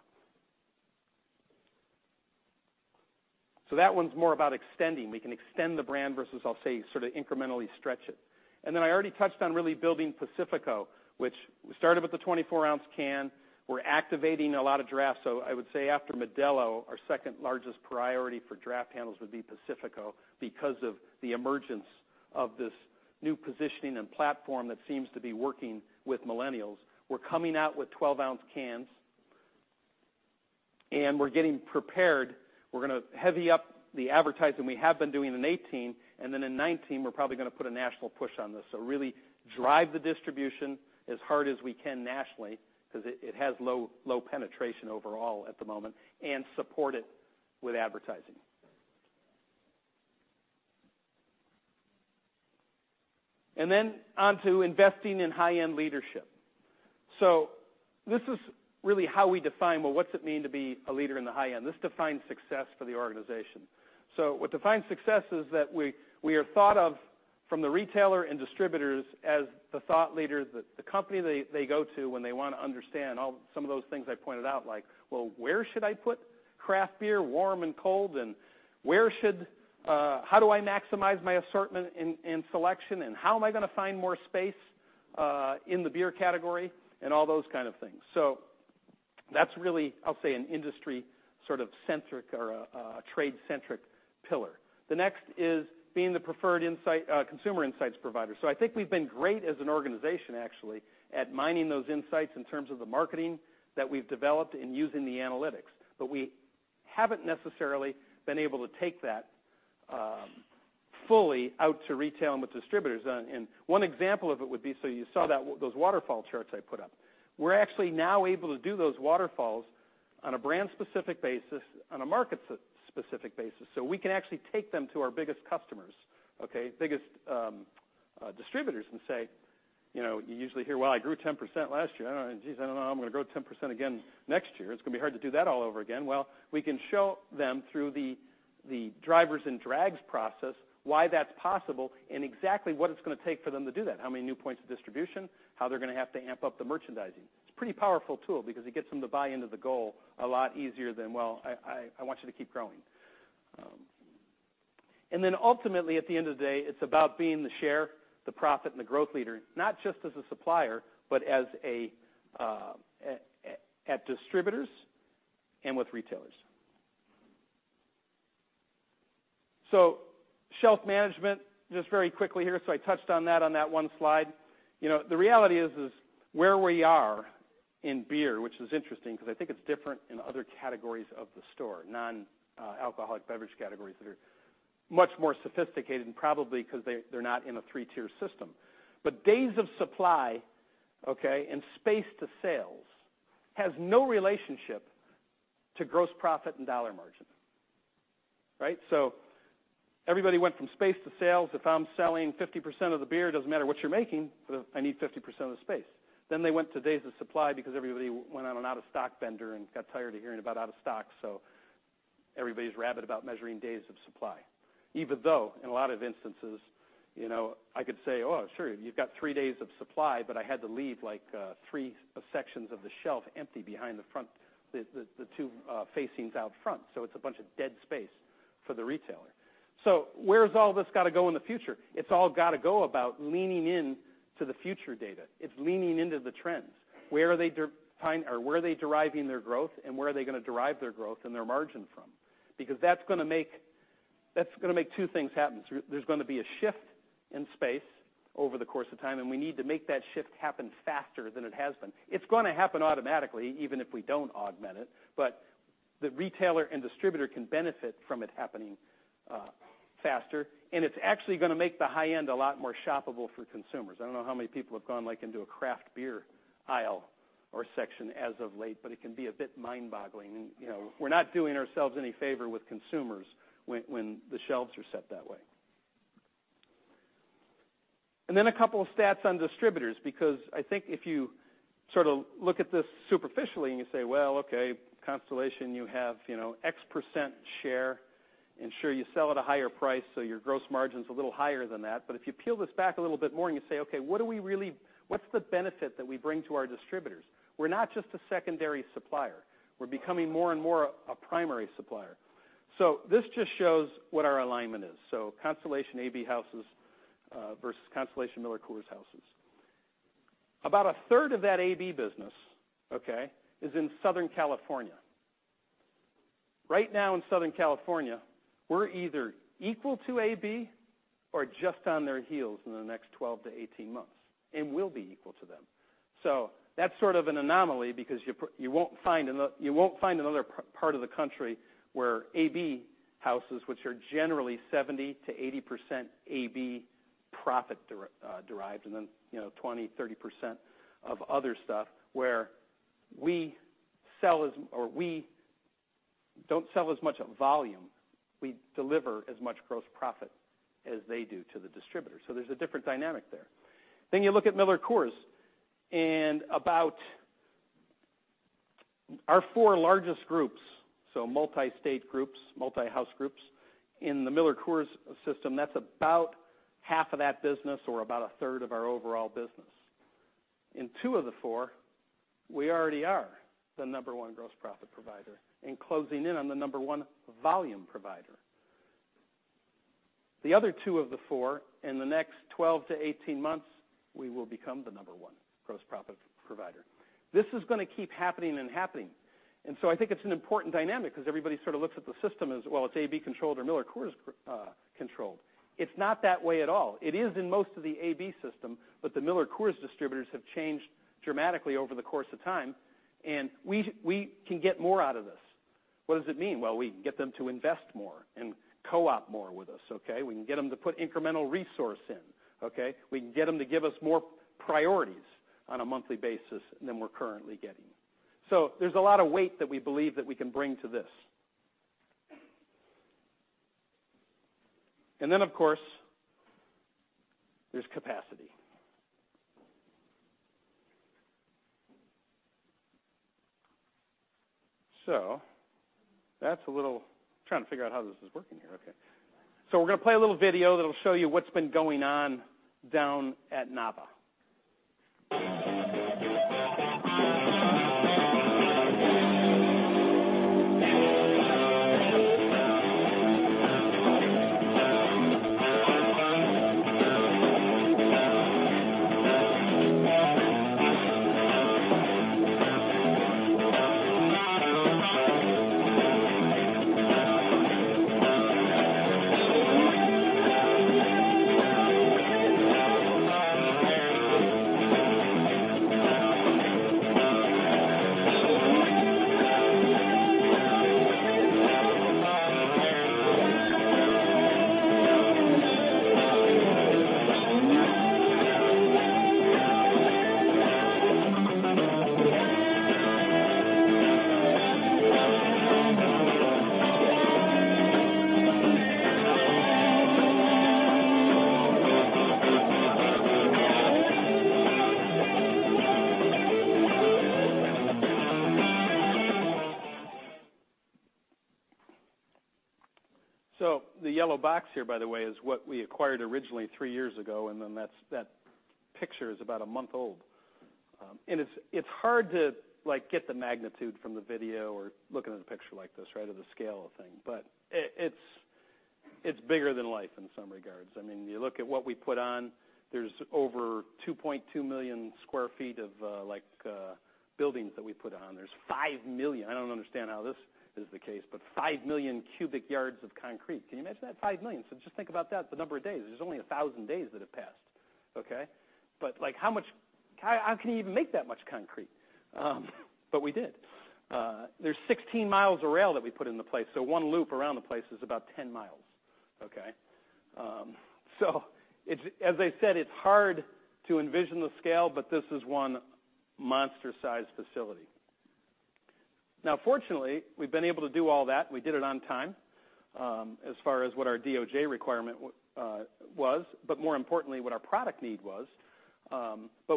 That one's more about extending. We can extend the brand versus, I'll say, sort of incrementally stretch it. I already touched on really building Pacifico, which we started with the 24-ounce can. We're activating a lot of drafts. I would say after Modelo, our second largest priority for draft handles would be Pacifico because of the emergence of this new positioning and platform that seems to be working with millennials. We're coming out with 12-ounce cans, and we're getting prepared. We're going to heavy up the advertising we have been doing in 2018, then in 2019, we're probably going to put a national push on this. Really drive the distribution as hard as we can nationally because it has low penetration overall at the moment, and support it with advertising. Then on to investing in high-end leadership. This is really how we define, what's it mean to be a leader in the high end? This defines success for the organization. What defines success is that we are thought of from the retailer and distributors as the thought leader, the company they go to when they want to understand some of those things I pointed out, like, where should I put craft beer, warm and cold? How do I maximize my assortment and selection? How am I going to find more space in the beer category? All those kind of things. That's really, I'll say, an industry sort of centric or a trade-centric pillar. The next is being the preferred consumer insights provider. I think we've been great as an organization, actually, at mining those insights in terms of the marketing that we've developed and using the analytics. We haven't necessarily been able to take that fully out to retail and with distributors. One example of it would be, you saw those waterfall charts I put up. We're actually now able to do those waterfalls on a brand specific basis, on a market specific basis. We can actually take them to our biggest customers, biggest distributors and say, you usually hear, "I grew 10% last year. I don't know how I'm going to grow 10% again next year. It's going to be hard to do that all over again." We can show them through the drivers and drags process why that's possible and exactly what it's going to take for them to do that, how many new points of distribution, how they're going to have to amp up the merchandising. It's a pretty powerful tool because it gets them to buy into the goal a lot easier than, "I want you to keep growing." Then ultimately, at the end of the day, it's about being the share, the profit, and the growth leader, not just as a supplier, but at distributors and with retailers. Shelf management, just very quickly here, I touched on that on that one slide. The reality is, where we are in beer, which is interesting because I think it's different in other categories of the store, non-alcoholic beverage categories that are much more sophisticated and probably because they're not in a three-tier system. Days of supply, and space to sales has no relationship to gross profit and dollar margin. Right? Everybody went from space to sales. If I'm selling 50% of the beer, it doesn't matter what you're making, I need 50% of the space. They went to days of supply because everybody went on an out-of-stock bender and got tired of hearing about out-of-stock, everybody's rabid about measuring days of supply, even though in a lot of instances, I could say, "Oh, sure, you've got three days of supply," but I had to leave three sections of the shelf empty behind the two facings out front. It's a bunch of dead space for the retailer. Where's all this got to go in the future? It's all got to go about leaning into the future data. It's leaning into the trends. Where are they deriving their growth and where are they going to derive their growth and their margin from? Because that's going to make two things happen. There's going to be a shift in space over the course of time, and we need to make that shift happen faster than it has been. It's going to happen automatically, even if we don't augment it, but the retailer and distributor can benefit from it happening faster, and it's actually going to make the high end a lot more shoppable for consumers. I don't know how many people have gone into a craft beer aisle or section as of late, but it can be a bit mind-boggling, and we're not doing ourselves any favor with consumers when the shelves are set that way. Then a couple of stats on distributors, because I think if you look at this superficially and you say, "Well, okay, Constellation, you have X% share. Sure, you sell at a higher price, so your gross margin's a little higher than that." If you peel this back a little bit more and you say, "Okay, what's the benefit that we bring to our distributors?" We're not just a secondary supplier. We're becoming more and more a primary supplier. This just shows what our alignment is. Constellation AB houses versus Constellation MillerCoors houses. About a third of that AB business, okay, is in Southern California. Right now in Southern California, we're either equal to AB or just on their heels in the next 12 to 18 months and will be equal to them. That's sort of an anomaly because you won't find another part of the country where AB houses, which are generally 70%-80% AB profit derived, and 20%, 30% of other stuff, where we don't sell as much volume. We deliver as much gross profit as they do to the distributor. There's a different dynamic there. You look at MillerCoors and about our four largest groups, multi-state groups, multi-house groups in the MillerCoors system, that's about half of that business or about a third of our overall business. In two of the four, we already are the number one gross profit provider and closing in on the number one volume provider. The other two of the four, in the next 12 to 18 months, we will become the number one gross profit provider. This is going to keep happening and happening. I think it's an important dynamic because everybody sort of looks at the system as, well, it's AB-controlled or MillerCoors-controlled. It's not that way at all. It is in most of the AB system, but the MillerCoors distributors have changed dramatically over the course of time, and we can get more out of this. What does it mean? We can get them to invest more and co-op more with us, okay? We can get them to put incremental resource in, okay? We can get them to give us more priorities on a monthly basis than we're currently getting. There's a lot of weight that we believe that we can bring to this. Of course, there's capacity. That's a little trying to figure out how this is working here. Okay. We're going to play a little video that'll show you what's been going on down at Nava. The yellow box here, by the way, is what we acquired originally three years ago, and then that picture is about a month old. It's hard to get the magnitude from the video or looking at a picture like this, right, or the scale of the thing. It's bigger than life in some regards. You look at what we put on, there's over 2.2 million sq ft of buildings that we put on. There's 5 million, I don't understand how this is the case, but 5 million cubic yards of concrete. Can you imagine that? 5 million. Just think about that, the number of days, there's only 1,000 days that have passed, okay? How can you even make that much concrete? We did. There's 16 miles of rail that we put into place, so one loop around the place is about 10 miles, okay? As I said, it's hard to envision the scale, but this is one monster-sized facility. Fortunately, we've been able to do all that, we did it on time, as far as what our DOJ requirement was, but more importantly, what our product need was.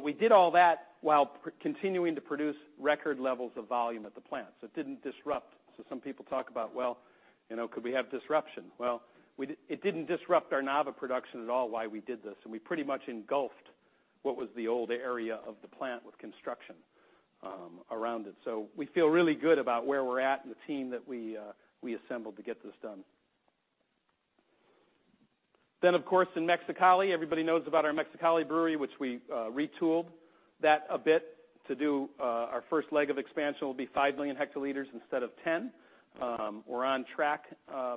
We did all that while continuing to produce record levels of volume at the plant. It didn't disrupt. Some people talk about, could we have disruption? It didn't disrupt our Nava production at all while we did this, and we pretty much engulfed what was the old area of the plant with construction around it. We feel really good about where we're at and the team that we assembled to get this done. Of course, in Mexicali, everybody knows about our Mexicali brewery, which we retooled that a bit to do our first leg of expansion will be 5 million hectoliters instead of 10. We're on track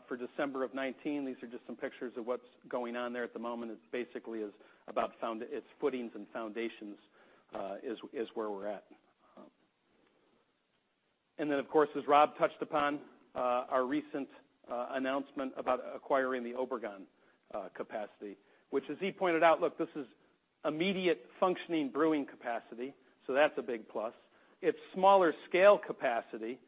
for December of 2019. These are just some pictures of what's going on there at the moment. It's basically about its footings and foundations, is where we're at. Of course, as Rob touched upon, our recent announcement about acquiring the Obregon capacity, which as he pointed out, look, this is immediate functioning brewing capacity, that's a big plus. It's smaller scale capacity,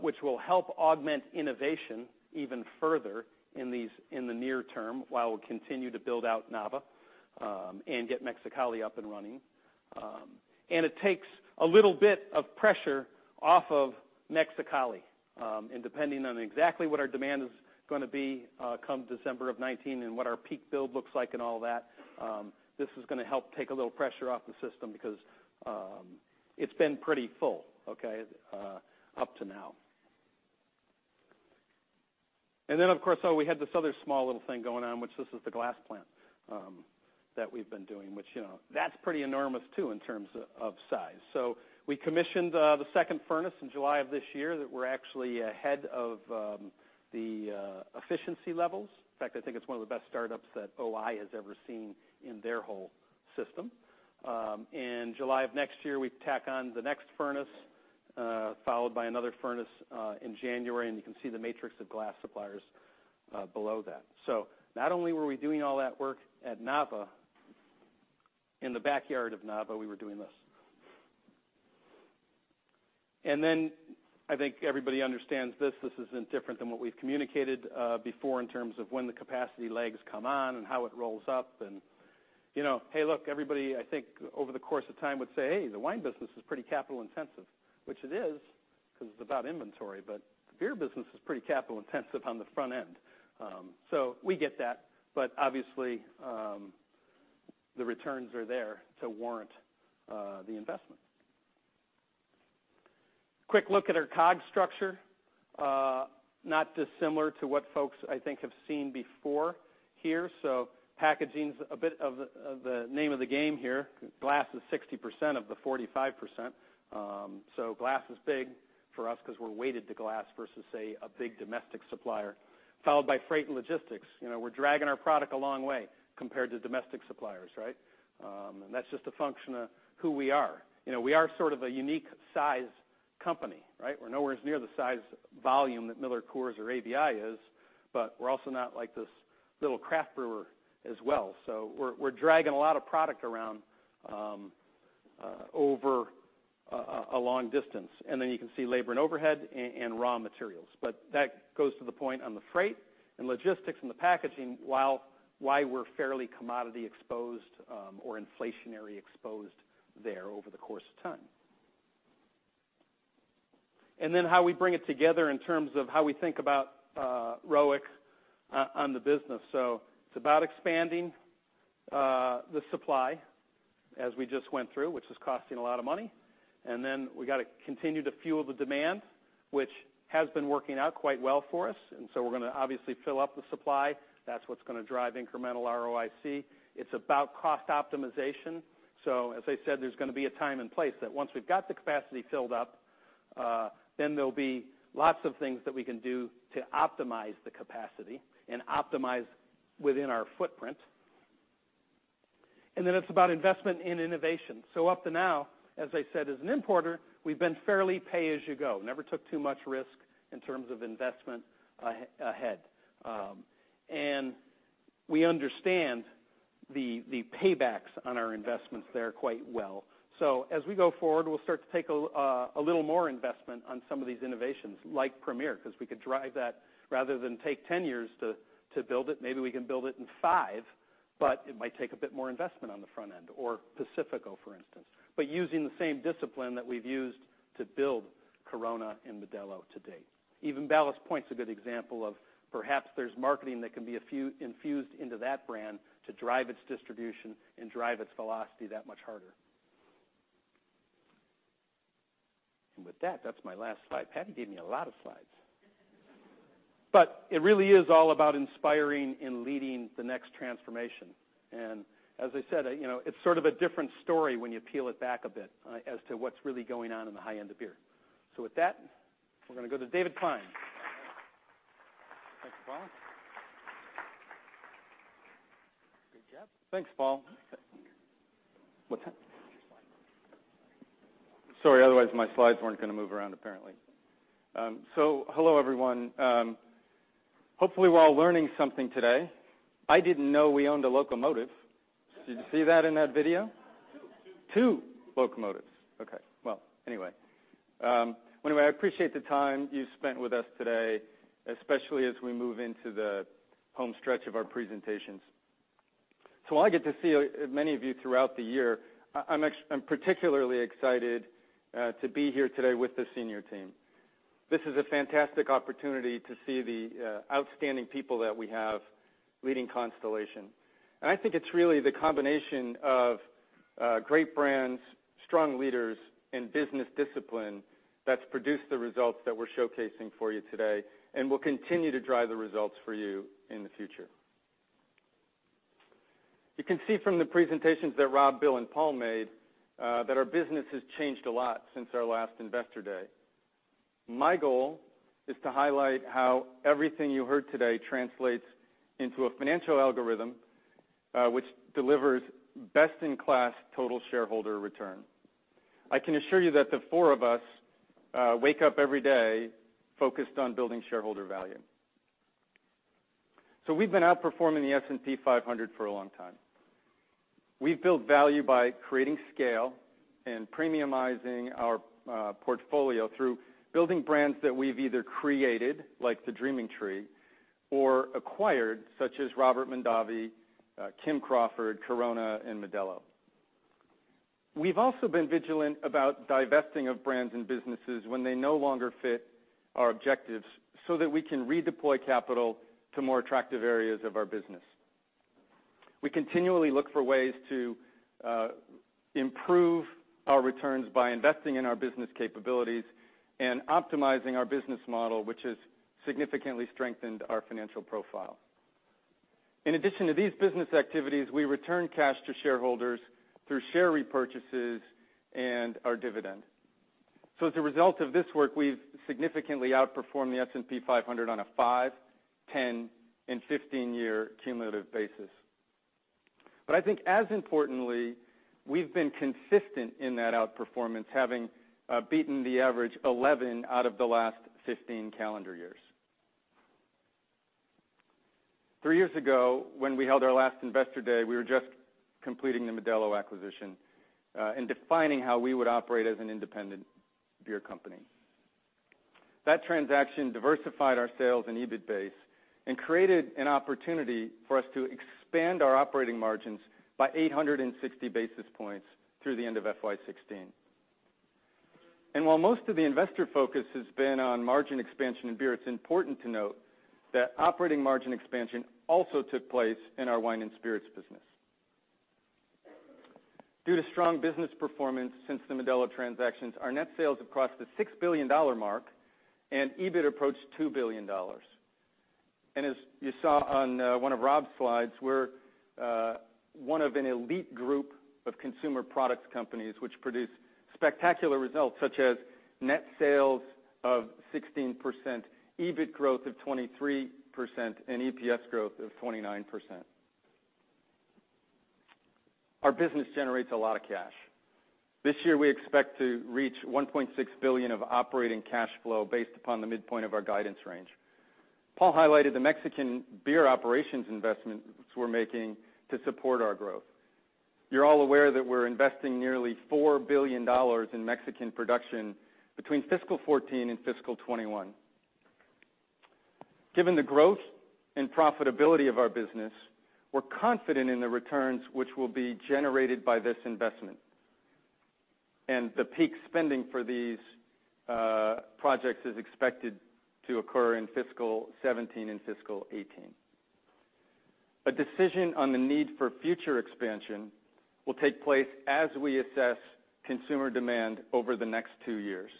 which will help augment innovation even further in the near term, while we'll continue to build out Nava, and get Mexicali up and running. It takes a little bit of pressure off of Mexicali. Depending on exactly what our demand is going to be come December of 2019 and what our peak build looks like and all that, this is going to help take a little pressure off the system because it's been pretty full, okay, up to now. Of course, we had this other small little thing going on, which this is the glass plant that we've been doing, which that's pretty enormous too in terms of size. We commissioned the second furnace in July of this year that we're actually ahead of the efficiency levels. In fact, I think it's one of the best startups that O-I has ever seen in their whole system. In July of next year, we tack on the next furnace, followed by another furnace in January, and you can see the matrix of glass suppliers below that. Not only were we doing all that work at Nava, in the backyard of Nava, we were doing this. I think everybody understands this. This isn't different than what we've communicated before in terms of when the capacity legs come on and how it rolls up, and hey, look, everybody, I think over the course of time would say, "Hey, the wine business is pretty capital intensive." Which it is, because it's about inventory, but the beer business is pretty capital intensive on the front end. We get that. Obviously, the returns are there to warrant the investment. Quick look at our COGS structure. Not dissimilar to what folks I think have seen before here. Packaging's a bit of the name of the game here. Glass is 60% of the 45%. Glass is big for us because we're weighted to glass versus, say, a big domestic supplier. Followed by freight and logistics. We're dragging our product a long way compared to domestic suppliers, right? That's just a function of who we are. We are sort of a unique size company, right? We're nowhere near the size volume that MillerCoors or ABI is, but we're also not like this little craft brewer as well. We're dragging a lot of product around over a long distance. You can see labor and overhead, and raw materials. That goes to the point on the freight and logistics and the packaging why we're fairly commodity exposed, or inflationary exposed there over the course of time. How we bring it together in terms of how we think about ROIC on the business. It's about expanding the supply, as we just went through, which is costing a lot of money, we got to continue to fuel the demand, which has been working out quite well for us. We're going to obviously fill up the supply. That's what's going to drive incremental ROIC. It's about cost optimization. As I said, there's going to be a time and place that once we've got the capacity filled up, then there'll be lots of things that we can do to optimize the capacity and optimize within our footprint. It's about investment in innovation. Up to now, as I said, as an importer, we've been fairly pay as you go. Never took too much risk in terms of investment ahead. We understand the paybacks on our investments there quite well. As we go forward, we'll start to take a little more investment on some of these innovations, like Premier, because we could drive that rather than take 10 years to build it, maybe we can build it in 5, but it might take a bit more investment on the front end, or Pacifico, for instance. Using the same discipline that we've used to build Corona and Modelo to date. Even Ballast Point's a good example of perhaps there's marketing that can be infused into that brand to drive its distribution and drive its velocity that much harder. With that's my last slide. Patty gave me a lot of slides. It really is all about inspiring and leading the next transformation. As I said, it's sort of a different story when you peel it back a bit, as to what's really going on in the high end of beer. With that, we're going to go to David Klein. Thanks, Paul. Good job. Thanks, Paul. What's that? Your slide. Sorry, otherwise my slides weren't going to move around, apparently. Hello, everyone. Hopefully, we're all learning something today. I didn't know we owned a locomotive. Did you see that in that video? Two. Two locomotives. Okay. Well, anyway. I appreciate the time you've spent with us today, especially as we move into the home stretch of our presentations. While I get to see many of you throughout the year, I'm particularly excited to be here today with the senior team. This is a fantastic opportunity to see the outstanding people that we have leading Constellation. I think it's really the combination of great brands, strong leaders, and business discipline that's produced the results that we're showcasing for you today, and will continue to drive the results for you in the future. You can see from the presentations that Rob, Bill, and Paul made, that our business has changed a lot since our last Investor Day. My goal is to highlight how everything you heard today translates into a financial algorithm, which delivers best-in-class total shareholder return. I can assure you that the four of us wake up every day focused on building shareholder value. We've been outperforming the S&P 500 for a long time. We've built value by creating scale and premiumizing our portfolio through building brands that we've either created, like The Dreaming Tree, or acquired, such as Robert Mondavi, Kim Crawford, Corona, and Modelo. We've also been vigilant about divesting of brands and businesses when they no longer fit our objectives, that we can redeploy capital to more attractive areas of our business. We continually look for ways to improve our returns by investing in our business capabilities and optimizing our business model, which has significantly strengthened our financial profile. In addition to these business activities, we return cash to shareholders through share repurchases and our dividend. As a result of this work, we've significantly outperformed the S&P 500 on a five, 10, and 15-year cumulative basis. I think as importantly, we've been consistent in that outperformance, having beaten the average 11 out of the last 15 calendar years. Three years ago, when we held our last Investor Day, we were just completing the Modelo acquisition, and defining how we would operate as an independent beer company. That transaction diversified our sales and EBIT base and created an opportunity for us to expand our operating margins by 860 basis points through the end of FY 2016. While most of the investor focus has been on margin expansion in beer, it's important to note that operating margin expansion also took place in our wine and spirits business. Due to strong business performance since the Modelo transactions, our net sales have crossed the $6 billion mark, and EBIT approached $2 billion. As you saw on one of Rob's slides, we're one of an elite group of consumer products companies which produce spectacular results, such as net sales of 16%, EBIT growth of 23%, and EPS growth of 29%. Our business generates a lot of cash. This year, we expect to reach $1.6 billion of operating cash flow based upon the midpoint of our guidance range. Paul highlighted the Mexican beer operations investments we're making to support our growth. You're all aware that we're investing nearly $4 billion in Mexican production between fiscal 2014 and fiscal 2021. Given the growth and profitability of our business, we're confident in the returns which will be generated by this investment. The peak spending for these projects is expected to occur in fiscal 2017 and fiscal 2018. A decision on the need for future expansion will take place as we assess consumer demand over the next two years.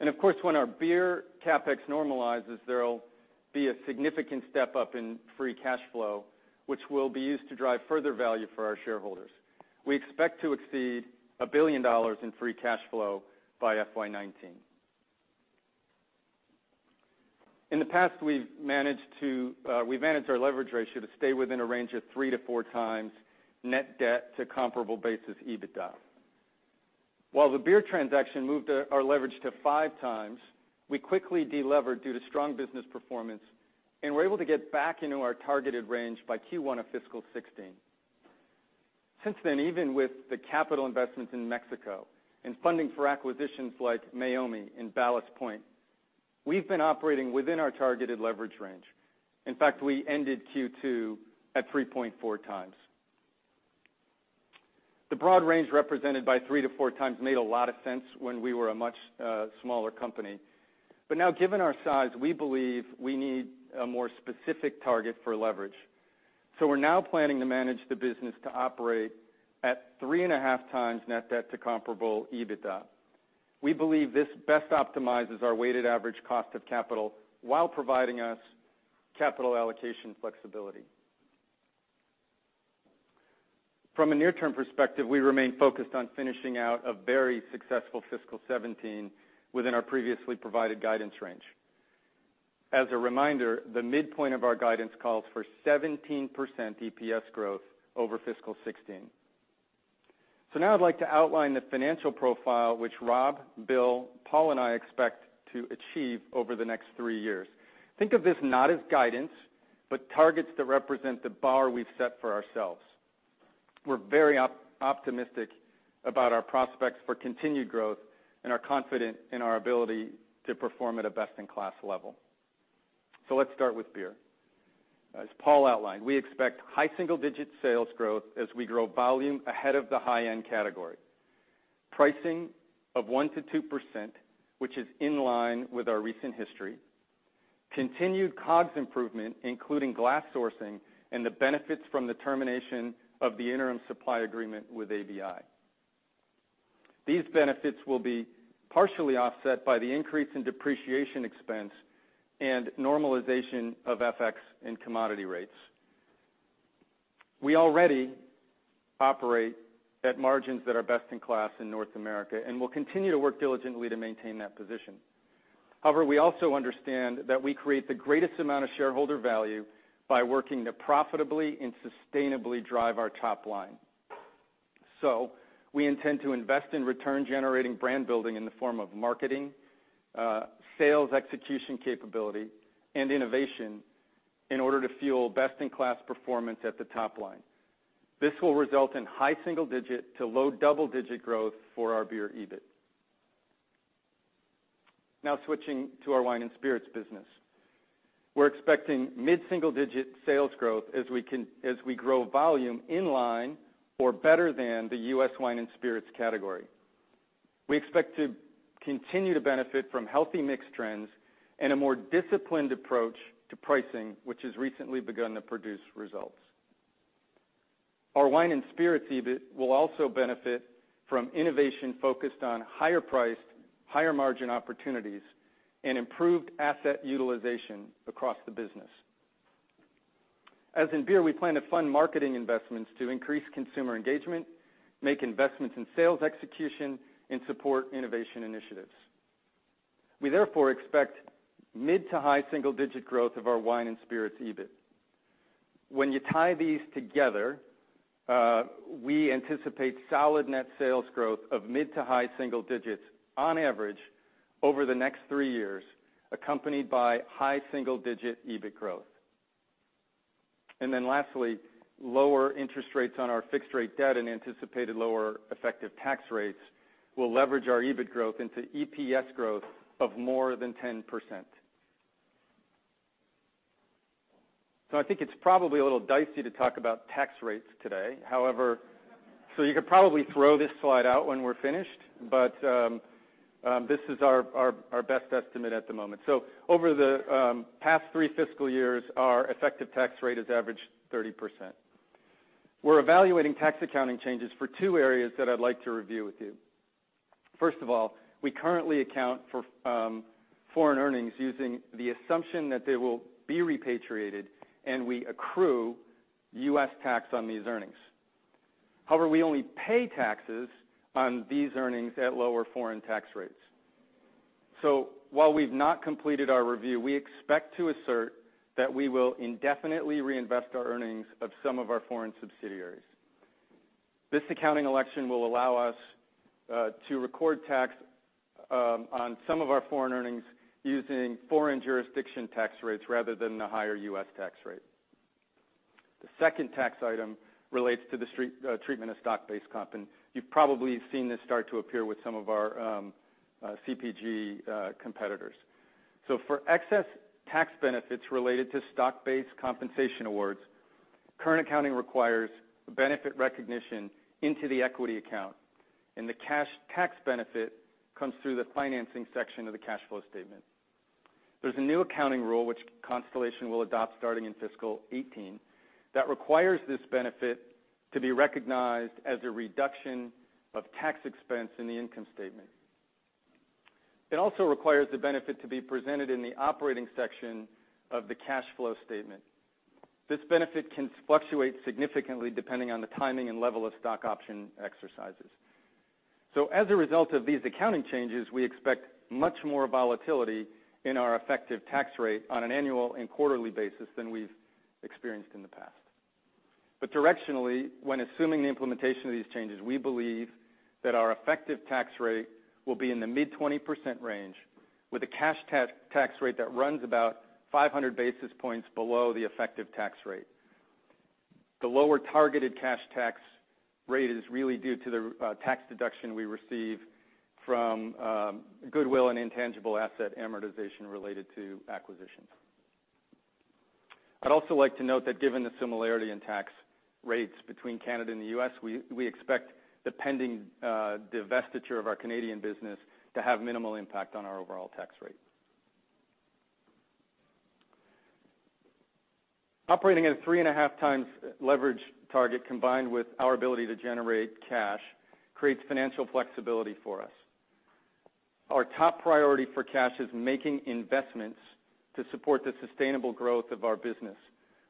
Of course, when our beer CapEx normalizes, there'll be a significant step-up in free cash flow, which will be used to drive further value for our shareholders. We expect to exceed $1 billion in free cash flow by FY 2019. In the past, we've managed our leverage ratio to stay within a range of three to four times net debt to comparable basis EBITDA. While the beer transaction moved our leverage to five times, we quickly de-levered due to strong business performance, and were able to get back into our targeted range by Q1 of fiscal 2016. Since then, even with the capital investments in Mexico, and funding for acquisitions like Meiomi and Ballast Point, we've been operating within our targeted leverage range. In fact, we ended Q2 at 3.4 times. The broad range represented by three to four times made a lot of sense when we were a much smaller company. Now, given our size, we believe we need a more specific target for leverage. We're now planning to manage the business to operate at three and a half times net debt to comparable EBITDA. We believe this best optimizes our weighted average cost of capital while providing us capital allocation flexibility. From a near-term perspective, we remain focused on finishing out a very successful fiscal 2017 within our previously provided guidance range. As a reminder, the midpoint of our guidance calls for 17% EPS growth over fiscal 2016. Now I'd like to outline the financial profile, which Rob, Bill, Paul, and I expect to achieve over the next three years. Think of this not as guidance, but targets that represent the bar we've set for ourselves. We're very optimistic about our prospects for continued growth and are confident in our ability to perform at a best-in-class level. Let's start with beer. As Paul outlined, we expect high single-digit sales growth as we grow volume ahead of the high-end category. Pricing of 1%-2%, which is in line with our recent history. Continued COGS improvement, including glass sourcing and the benefits from the termination of the interim supply agreement with ABI. These benefits will be partially offset by the increase in depreciation expense and normalization of FX and commodity rates. We already operate at margins that are best in class in North America, and we'll continue to work diligently to maintain that position. However, we also understand that we create the greatest amount of shareholder value by working to profitably and sustainably drive our top line. We intend to invest in return-generating brand building in the form of marketing, sales execution capability, and innovation in order to fuel best-in-class performance at the top line. This will result in high single-digit to low double-digit growth for our beer EBIT. Now, switching to our wine and spirits business. We're expecting mid-single-digit sales growth as we grow volume in line or better than the U.S. wine and spirits category. We expect to continue to benefit from healthy mix trends and a more disciplined approach to pricing, which has recently begun to produce results. Our wine and spirits EBIT will also benefit from innovation focused on higher-priced, higher-margin opportunities, and improved asset utilization across the business. As in beer, we plan to fund marketing investments to increase consumer engagement, make investments in sales execution, and support innovation initiatives. We therefore expect mid to high single-digit growth of our wine and spirits EBIT. When you tie these together, we anticipate solid net sales growth of mid to high single digits on average over the next three years, accompanied by high single-digit EBIT growth. Lastly, lower interest rates on our fixed rate debt and anticipated lower effective tax rates will leverage our EBIT growth into EPS growth of more than 10%. I think it's probably a little dicey to talk about tax rates today. You could probably throw this slide out when we're finished, this is our best estimate at the moment. Over the past three fiscal years, our effective tax rate has averaged 30%. We're evaluating tax accounting changes for two areas that I'd like to review with you. First of all, we currently account for foreign earnings using the assumption that they will be repatriated, and we accrue U.S. tax on these earnings. We only pay taxes on these earnings at lower foreign tax rates. While we've not completed our review, we expect to assert that we will indefinitely reinvest our earnings of some of our foreign subsidiaries. This accounting election will allow us to record tax on some of our foreign earnings using foreign jurisdiction tax rates rather than the higher U.S. tax rate. The second tax item relates to the treatment of stock-based comp, and you've probably seen this start to appear with some of our CPG competitors. For excess tax benefits related to stock-based compensation awards, current accounting requires benefit recognition into the equity account, and the cash tax benefit comes through the financing section of the cash flow statement. There's a new accounting rule, which Constellation will adopt starting in fiscal 2018, that requires this benefit to be recognized as a reduction of tax expense in the income statement. It also requires the benefit to be presented in the operating section of the cash flow statement. This benefit can fluctuate significantly depending on the timing and level of stock option exercises. As a result of these accounting changes, we expect much more volatility in our effective tax rate on an annual and quarterly basis than we've experienced in the past. Directionally, when assuming the implementation of these changes, we believe that our effective tax rate will be in the mid-20% range, with a cash tax rate that runs about 500 basis points below the effective tax rate. The lower targeted cash tax rate is really due to the tax deduction we receive from goodwill and intangible asset amortization related to acquisitions. I'd also like to note that given the similarity in tax rates between Canada and the U.S., we expect the pending divestiture of our Canadian business to have minimal impact on our overall tax rate. Operating at a three and a half times leverage target, combined with our ability to generate cash, creates financial flexibility for us. Our top priority for cash is making investments to support the sustainable growth of our business.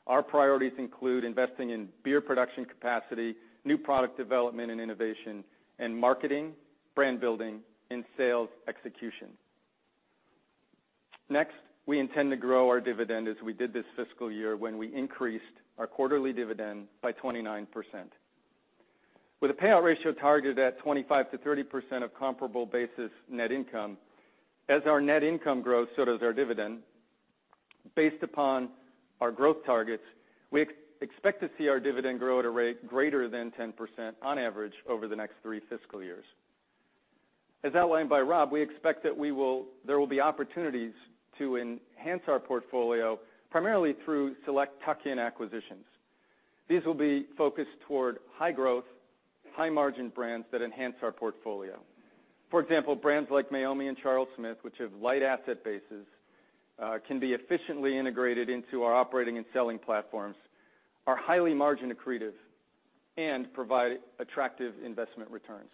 Our priorities include investing in beer production capacity, new product development and innovation, and marketing, brand building, and sales execution. Next, we intend to grow our dividend as we did this fiscal year, when we increased our quarterly dividend by 29%. With a payout ratio targeted at 25%-30% of comparable basis net income, as our net income grows, so does our dividend. Based upon our growth targets, we expect to see our dividend grow at a rate greater than 10% on average over the next three fiscal years. As outlined by Rob, we expect that there will be opportunities to enhance our portfolio, primarily through select tuck-in acquisitions. These will be focused toward high-growth, high-margin brands that enhance our portfolio. For example, brands like Meiomi and Charles Smith, which have light asset bases, can be efficiently integrated into our operating and selling platforms, are highly margin accretive, and provide attractive investment returns.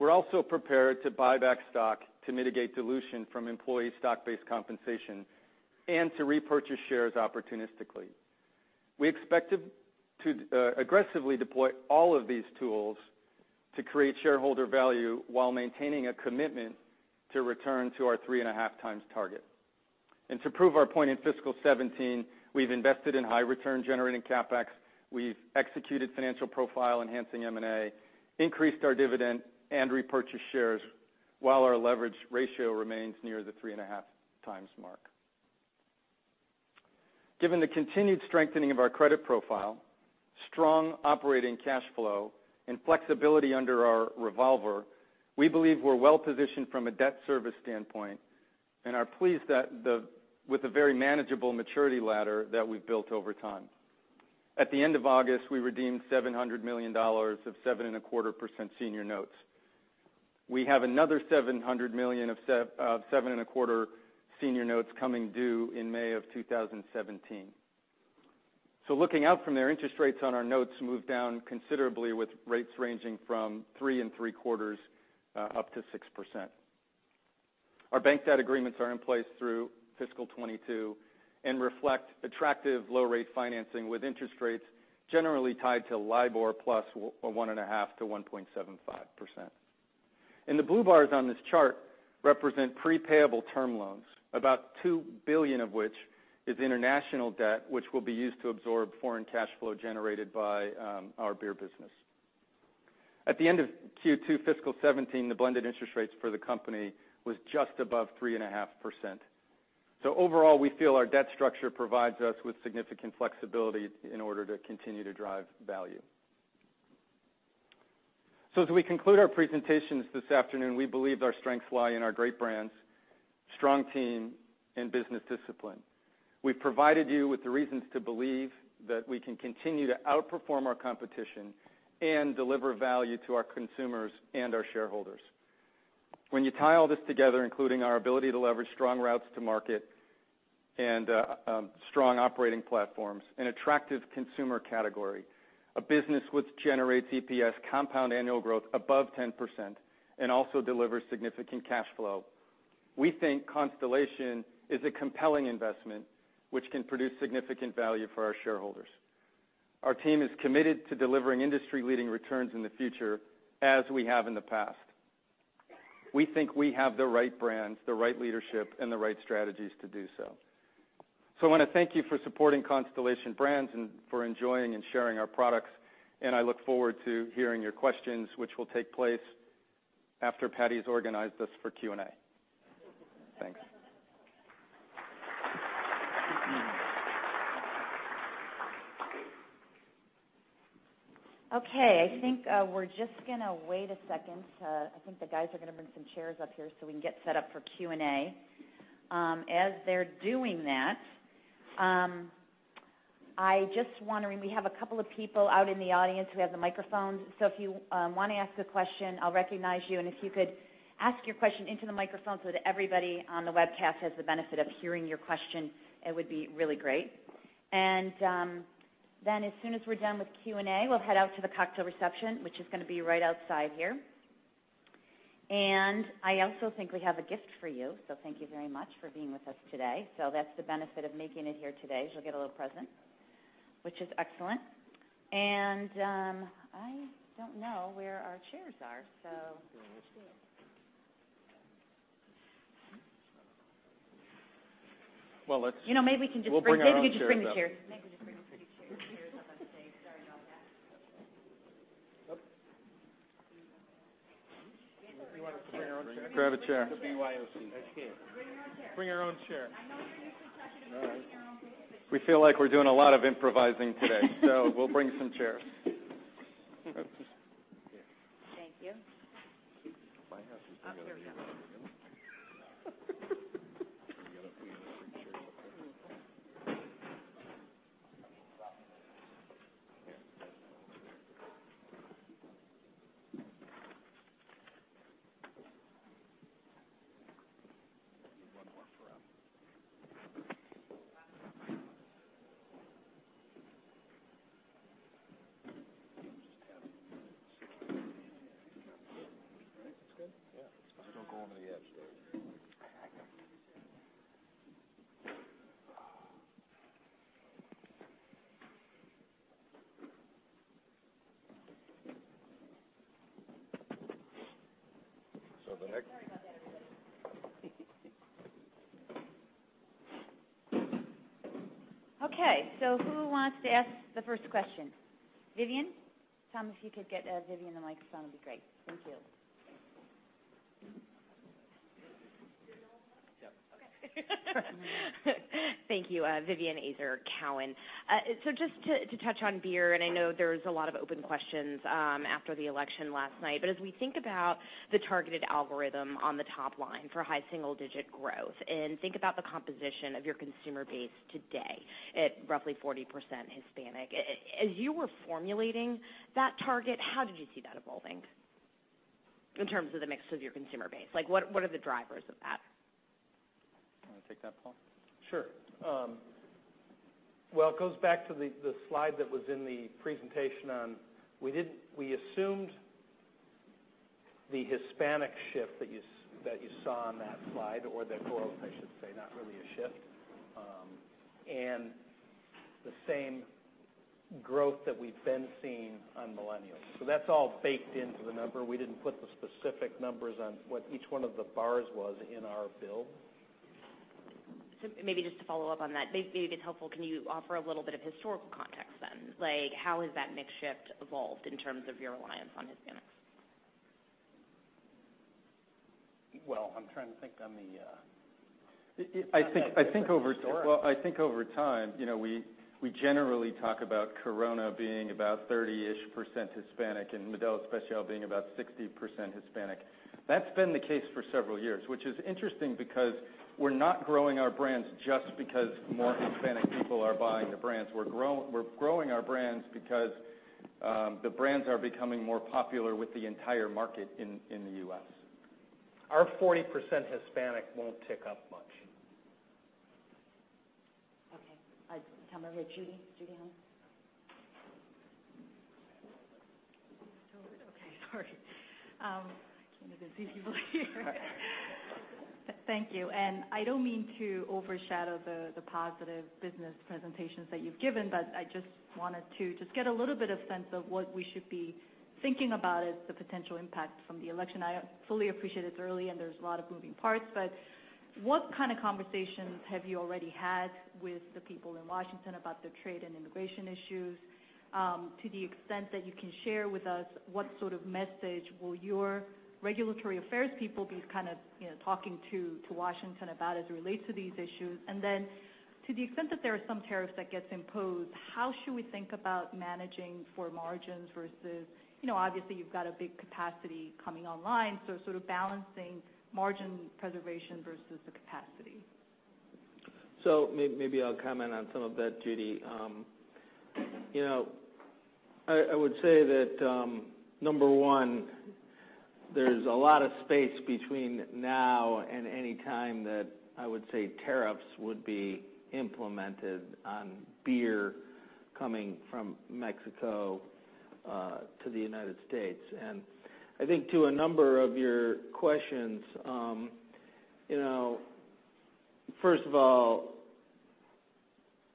We're also prepared to buy back stock to mitigate dilution from employee stock-based compensation and to repurchase shares opportunistically. We expect to aggressively deploy all of these tools to create shareholder value while maintaining a commitment to return to our three and a half times target. To prove our point, in fiscal 2017, we've invested in high return-generating CapEx, we've executed financial profile-enhancing M&A, increased our dividend, and repurchased shares while our leverage ratio remains near the three and a half times mark. Given the continued strengthening of our credit profile, strong operating cash flow, and flexibility under our revolver, we believe we're well-positioned from a debt service standpoint, and are pleased with the very manageable maturity ladder that we've built over time. At the end of August, we redeemed $700 million of 7.25% senior notes. We have another $700 million of 7.25% senior notes coming due in May of 2017. Looking out from there, interest rates on our notes moved down considerably, with rates ranging from 3.75%-6%. Our bank debt agreements are in place through fiscal 2022 and reflect attractive low-rate financing, with interest rates generally tied to LIBOR plus a 1.5%-1.75%. The blue bars on this chart represent pre-payable term loans, about $2 billion of which is international debt, which will be used to absorb foreign cash flow generated by our beer business. At the end of Q2 fiscal 2017, the blended interest rates for the company was just above 3.5%. Overall, we feel our debt structure provides us with significant flexibility in order to continue to drive value. As we conclude our presentations this afternoon, we believe our strengths lie in our great brands, strong team, and business discipline. We've provided you with the reasons to believe that we can continue to outperform our competition and deliver value to our consumers and our shareholders. When you tie all this together, including our ability to leverage strong routes to market and strong operating platforms, an attractive consumer category, a business which generates EPS compound annual growth above 10%, and also delivers significant cash flow. We think Constellation is a compelling investment, which can produce significant value for our shareholders. Our team is committed to delivering industry-leading returns in the future, as we have in the past. We think we have the right brands, the right leadership, and the right strategies to do so. I want to thank you for supporting Constellation Brands and for enjoying and sharing our products, and I look forward to hearing your questions, which will take place after Patty's organized us for Q&A. Thanks. I think we're just going to wait a second. I think the guys are going to bring some chairs up here so we can get set up for Q&A. As they're doing that, we have a couple of people out in the audience who have the microphones, so if you want to ask a question, I'll recognize you, and if you could ask your question into the microphone so that everybody on the webcast has the benefit of hearing your question, it would be really great. Then as soon as we're done with Q&A, we'll head out to the cocktail reception, which is going to be right outside here. I also think we have a gift for you. Thank you very much for being with us today. That's the benefit of making it here today, is you'll get a little present, which is excellent. I don't know where our chairs are. Well, let's- You know, maybe we can just bring- We'll bring our own chairs up. Maybe we could just bring the chairs up on stage. Sorry about that. Grab a chair. BYOC. A chair. Bring your own chair. Bring your own chair. I know we're used to talking about bring your own. We feel like we're doing a lot of improvising today. We'll bring some chairs. Thank you. I have some stuff Oh, here we go. Can you get a few extra chairs up there? One more for us. Just having six. That's good? Yeah. As long as I don't go under the edge there. So the next- Sorry about that, everybody. Okay, who wants to ask the first question? Vivien? Tom, if you could get Vivien the microphone, it'd be great. Thank you. Yeah. Okay. Thank you. Vivien Azer Cowen. Just to touch on beer, I know there's a lot of open questions after the election last night. As we think about the targeted algorithm on the top line for high single-digit growth, think about the composition of your consumer base today at roughly 40% Hispanic. As you were formulating that target, how did you see that evolving in terms of the mix of your consumer base? What are the drivers of that? You want to take that, Paul? Sure. Well, it goes back to the slide that was in the presentation on We assumed the Hispanic shift that you saw on that slide, or the growth I should say, not really a shift, and the same growth that we've been seeing on millennials. That's all baked into the number. We didn't put the specific numbers on what each one of the bars was in our build. Maybe just to follow up on that, maybe it's helpful, can you offer a little bit of historical context then? How has that mix shift evolved in terms of your reliance on Hispanics? Well, I'm trying to think on the. I think over time, we generally talk about Corona being about 30-ish% Hispanic and Modelo Especial being about 60% Hispanic. That's been the case for several years, which is interesting because we're not growing our brands just because more Hispanic people are buying the brands. We're growing our brands because, the brands are becoming more popular with the entire market in the U.S. Our 40% Hispanic won't tick up much. Okay. Tom, are we with Judy? Judy Hong. Okay, sorry. I can't even see people here. Thank you. I don't mean to overshadow the positive business presentations that you've given, but I wanted to get a little bit of sense of what we should be thinking about as the potential impact from the election. I fully appreciate it's early and there's a lot of moving parts, what kind of conversations have you already had with the people in Washington about the trade and immigration issues? To the extent that you can share with us, what sort of message will your regulatory affairs people be kind of talking to Washington about as it relates to these issues? To the extent that there are some tariffs that gets imposed, how should we think about managing for margins versus Obviously, you've got a big capacity coming online, so sort of balancing margin preservation versus the capacity. Maybe I'll comment on some of that, Judy. I would say that, number one, there's a lot of space between now and any time that I would say tariffs would be implemented on beer coming from Mexico to the United States. I think to a number of your questions, first of all,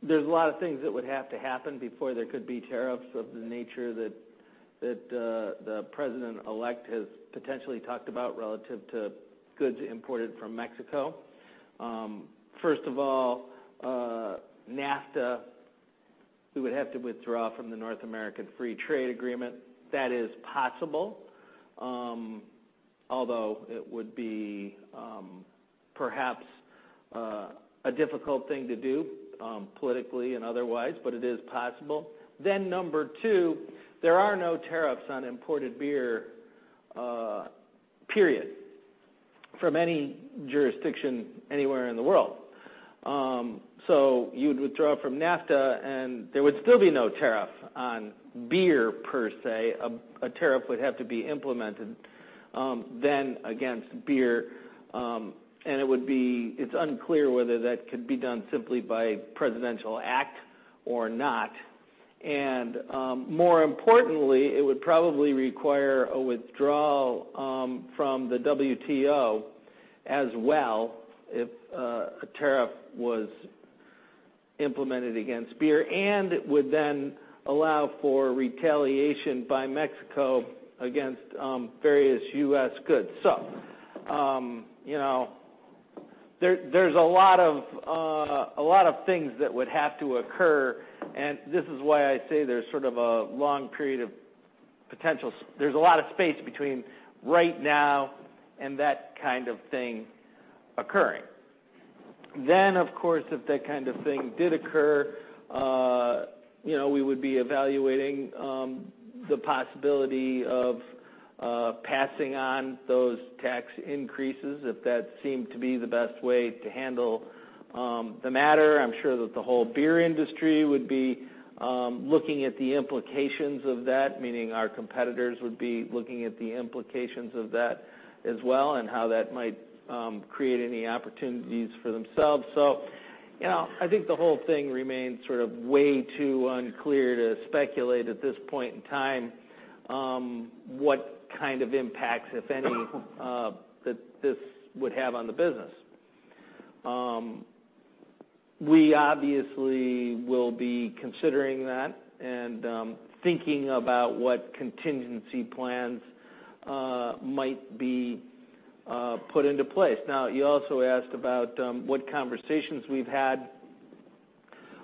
there's a lot of things that would have to happen before there could be tariffs of the nature that the President-elect has potentially talked about relative to goods imported from Mexico. First of all, NAFTA, we would have to withdraw from the North American Free Trade Agreement. That is possible, although it would be perhaps a difficult thing to do, politically and otherwise, but it is possible. Number two, there are no tariffs on imported beer, period, from any jurisdiction anywhere in the world. You'd withdraw from NAFTA, and there would still be no tariff on beer, per se. A tariff would have to be implemented, then against beer, and it's unclear whether that could be done simply by presidential act or not. More importantly, it would probably require a withdrawal from the WTO as well if a tariff was implemented against beer, and it would then allow for retaliation by Mexico against various U.S. goods. There's a lot of things that would have to occur, and this is why I say there's sort of a long period of potential. There's a lot of space between right now and that kind of thing occurring. Of course, if that kind of thing did occur, we would be evaluating the possibility of passing on those tax increases if that seemed to be the best way to handle the matter. I'm sure that the whole beer industry would be looking at the implications of that, meaning our competitors would be looking at the implications of that as well, and how that might create any opportunities for themselves. I think the whole thing remains way too unclear to speculate at this point in time what kind of impacts, if any, that this would have on the business. We obviously will be considering that and thinking about what contingency plans might be put into place. Now, you also asked about what conversations we've had.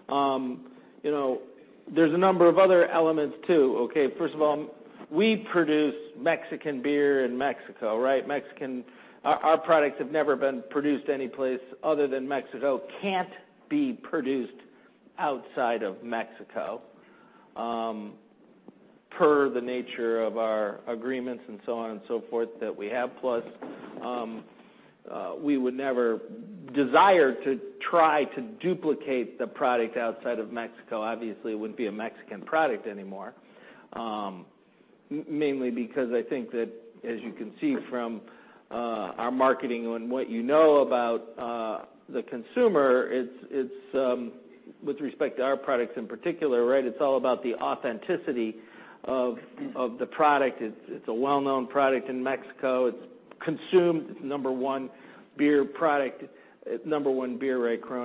There's a number of other elements, too. First of all, we produce Mexican beer in Mexico. Our products have never been produced anyplace other than Mexico, can't be produced outside of Mexico, per the nature of our agreements and so on and so forth that we have. Plus, we would never desire to try to duplicate the product outside of Mexico. Obviously, it wouldn't be a Mexican product anymore. Mainly because I think that, as you can see from our marketing and what you know about the consumer, with respect to our products in particular, it's all about the authenticity of the product. It's a well-known product in Mexico. It's consumed. It's number 1 beer, Corona,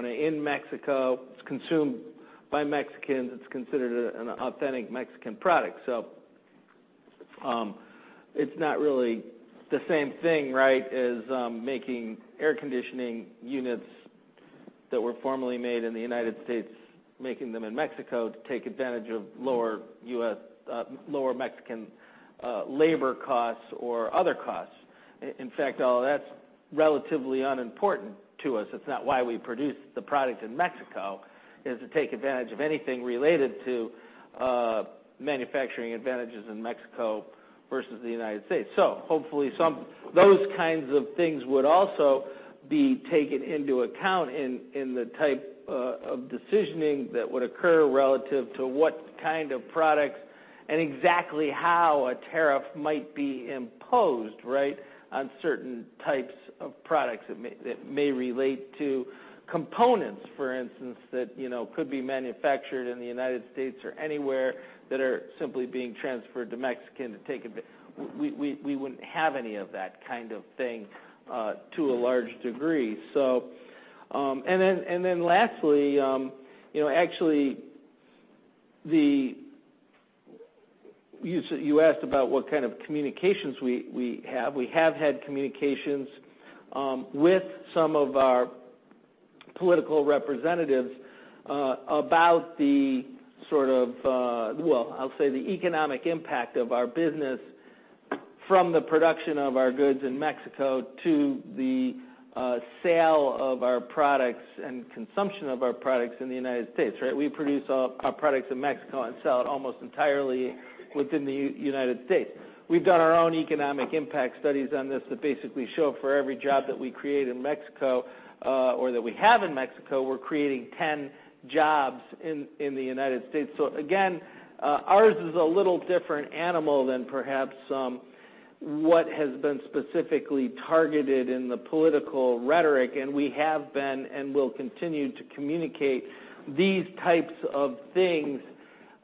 in Mexico. It's consumed by Mexicans. It's considered an authentic Mexican product. It's not really the same thing as making air conditioning units that were formerly made in the U.S., making them in Mexico to take advantage of lower Mexican labor costs or other costs. In fact, all of that's relatively unimportant to us. It's not why we produce the product in Mexico, is to take advantage of anything related to manufacturing advantages in Mexico versus the U.S. Hopefully, those kinds of things would also be taken into account in the type of decisioning that would occur relative to what kind of products and exactly how a tariff might be imposed on certain types of products that may relate to components, for instance, that could be manufactured in the U.S. or anywhere, that are simply being transferred to Mexico. We wouldn't have any of that kind of thing to a large degree. Lastly, actually, you asked about what kind of communications we have. We have had communications with some of our political representatives about the, well, I'll say the economic impact of our business from the production of our goods in Mexico to the sale of our products and consumption of our products in the U.S. We produce our products in Mexico and sell it almost entirely within the U.S. We've done our own economic impact studies on this that basically show for every job that we create in Mexico, or that we have in Mexico, we're creating 10 jobs in the United States. Again, ours is a little different animal than perhaps what has been specifically targeted in the political rhetoric, and we have been, and will continue to communicate these types of things,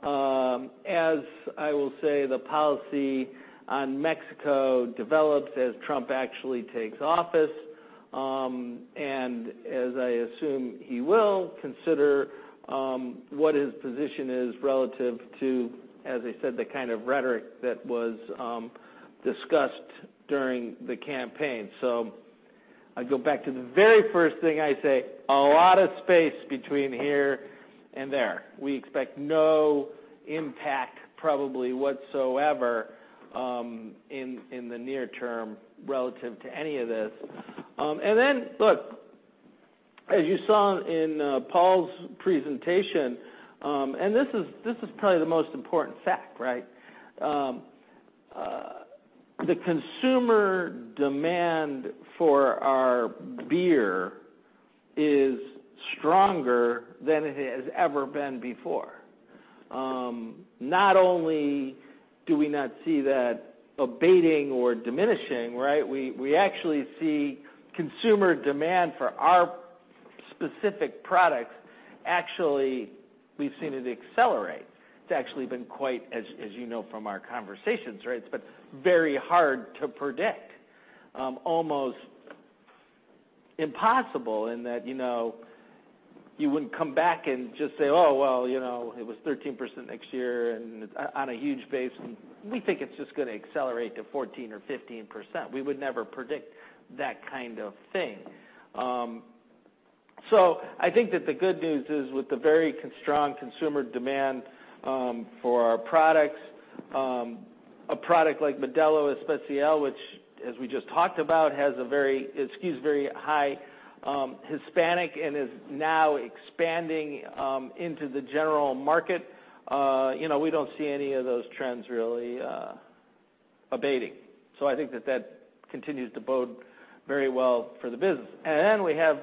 as, I will say, the policy on Mexico develops, as Donald Trump actually takes office, and as I assume he will consider what his position is relative to, as I said, the kind of rhetoric that was discussed during the campaign. I go back to the very first thing I say, a lot of space between here and there. We expect no impact probably whatsoever in the near term relative to any of this. Look, as you saw in Paul's presentation, this is probably the most important fact. The consumer demand for our beer is stronger than it has ever been before. Not only do we not see that abating or diminishing, we actually see consumer demand for our specific products. Actually, we've seen it accelerate. It's actually been quite, as you know from our conversations, it's been very hard to predict. Almost impossible in that you wouldn't come back and just say, "Oh, well, it was 13% next year, and on a huge base, and we think it's just going to accelerate to 14% or 15%." We would never predict that kind of thing. I think that the good news is with the very strong consumer demand for our products. A product like Modelo Especial, which as we just talked about, skews very high Hispanic and is now expanding into the general market. We don't see any of those trends really abating. I think that continues to bode very well for the business. We have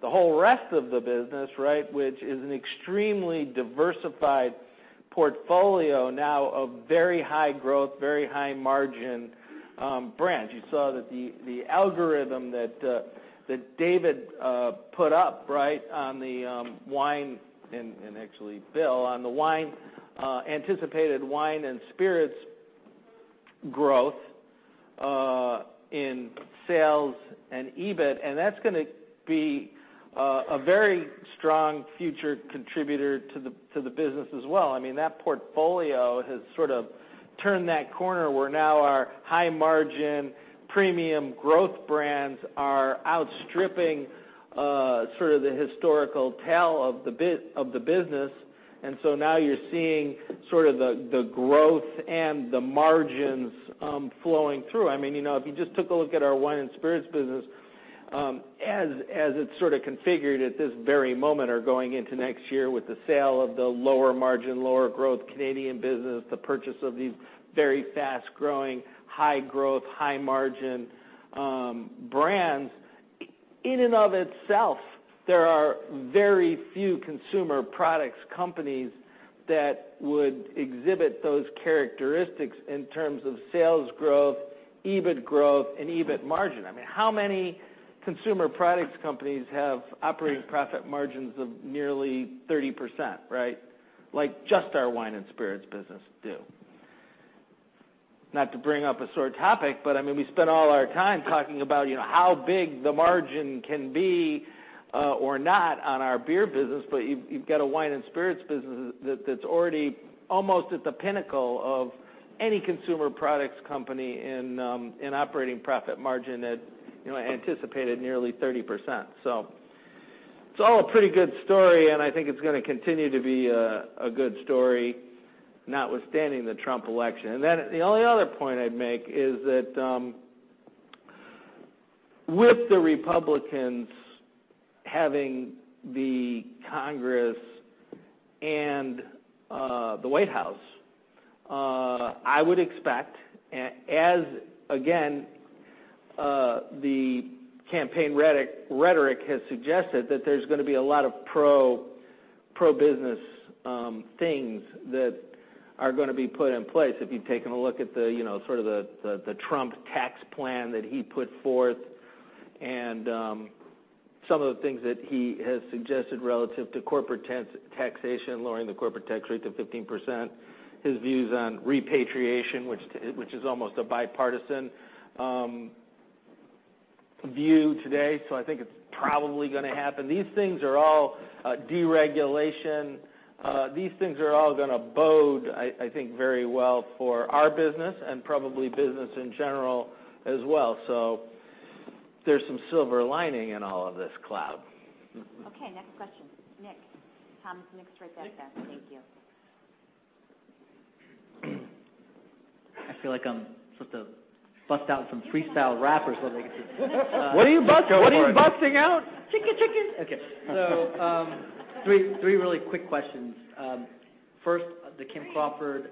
the whole rest of the business, which is an extremely diversified portfolio now of very high growth, very high margin brands. You saw that the algorithm that David put up on the wine, and actually Bill, on the anticipated wine and spirits growth, in sales and EBIT, that's going to be a very strong future contributor to the business as well. That portfolio has sort of turned that corner where now our high margin premium growth brands are outstripping the historical tale of the business. Now you're seeing the growth and the margins flowing through. If you just took a look at our wine and spirits business, as it's sort of configured at this very moment or going into next year with the sale of the lower margin, lower growth Canadian business, the purchase of these very fast-growing, high growth, high margin brands. In and of itself, there are very few consumer products companies that would exhibit those characteristics in terms of sales growth, EBIT growth, and EBIT margin. How many consumer products companies have operating profit margins of nearly 30%? Like just our wine and spirits business do. Not to bring up a sore topic, but we spend all our time talking about how big the margin can be, or not, on our beer business, but you've got a wine and spirits business that's already almost at the pinnacle of any consumer products company in operating profit margin at anticipated nearly 30%. It's all a pretty good story, I think it's going to continue to be a good story, notwithstanding the Trump election. The only other point I'd make is that with the Republicans having the Congress and the White House, I would expect as, again, the campaign rhetoric has suggested, that there's going to be a lot of pro-business things that are going to be put in place. If you've taken a look at the Trump tax plan that he put forth and some of the things that he has suggested relative to corporate taxation, lowering the corporate tax rate to 15%. His views on repatriation, which is almost a bipartisan view today. I think it's probably going to happen. These things are all deregulation. These things are all going to bode, I think, very well for our business and probably business in general as well. There's some silver lining in all of this cloud. Next question. Nick. Tom, Nick's right back there. Thank you. I feel like I'm supposed to bust out some freestyle rap or something. What are you busting out? Chicka, chickies. Okay. Three really quick questions. First, the Kim Crawford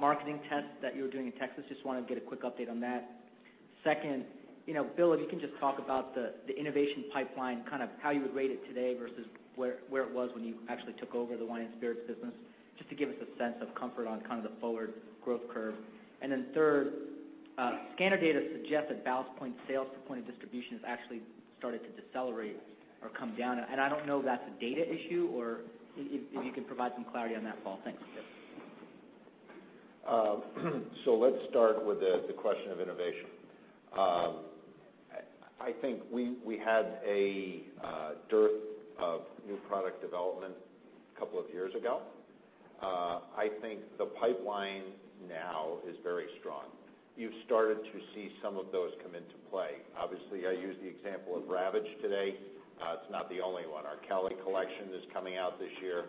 marketing test that you were doing in Texas, just want to get a quick update on that. Second, Bill, if you can just talk about the innovation pipeline, how you would rate it today versus where it was when you actually took over the wine and spirits business, just to give us a sense of comfort on the forward growth curve. Third, scanner data suggests that Ballast Point sales to point of distribution has actually started to decelerate or come down. I don't know if that's a data issue or if you can provide some clarity on that, Paul. Thanks. Let's start with the question of innovation. I think we had a dearth of new product development a couple of years ago. I think the pipeline now is very strong. You've started to see some of those come into play. Obviously, I used the example of Ravage today. It's not the only one. Our Callie Collection is coming out this year.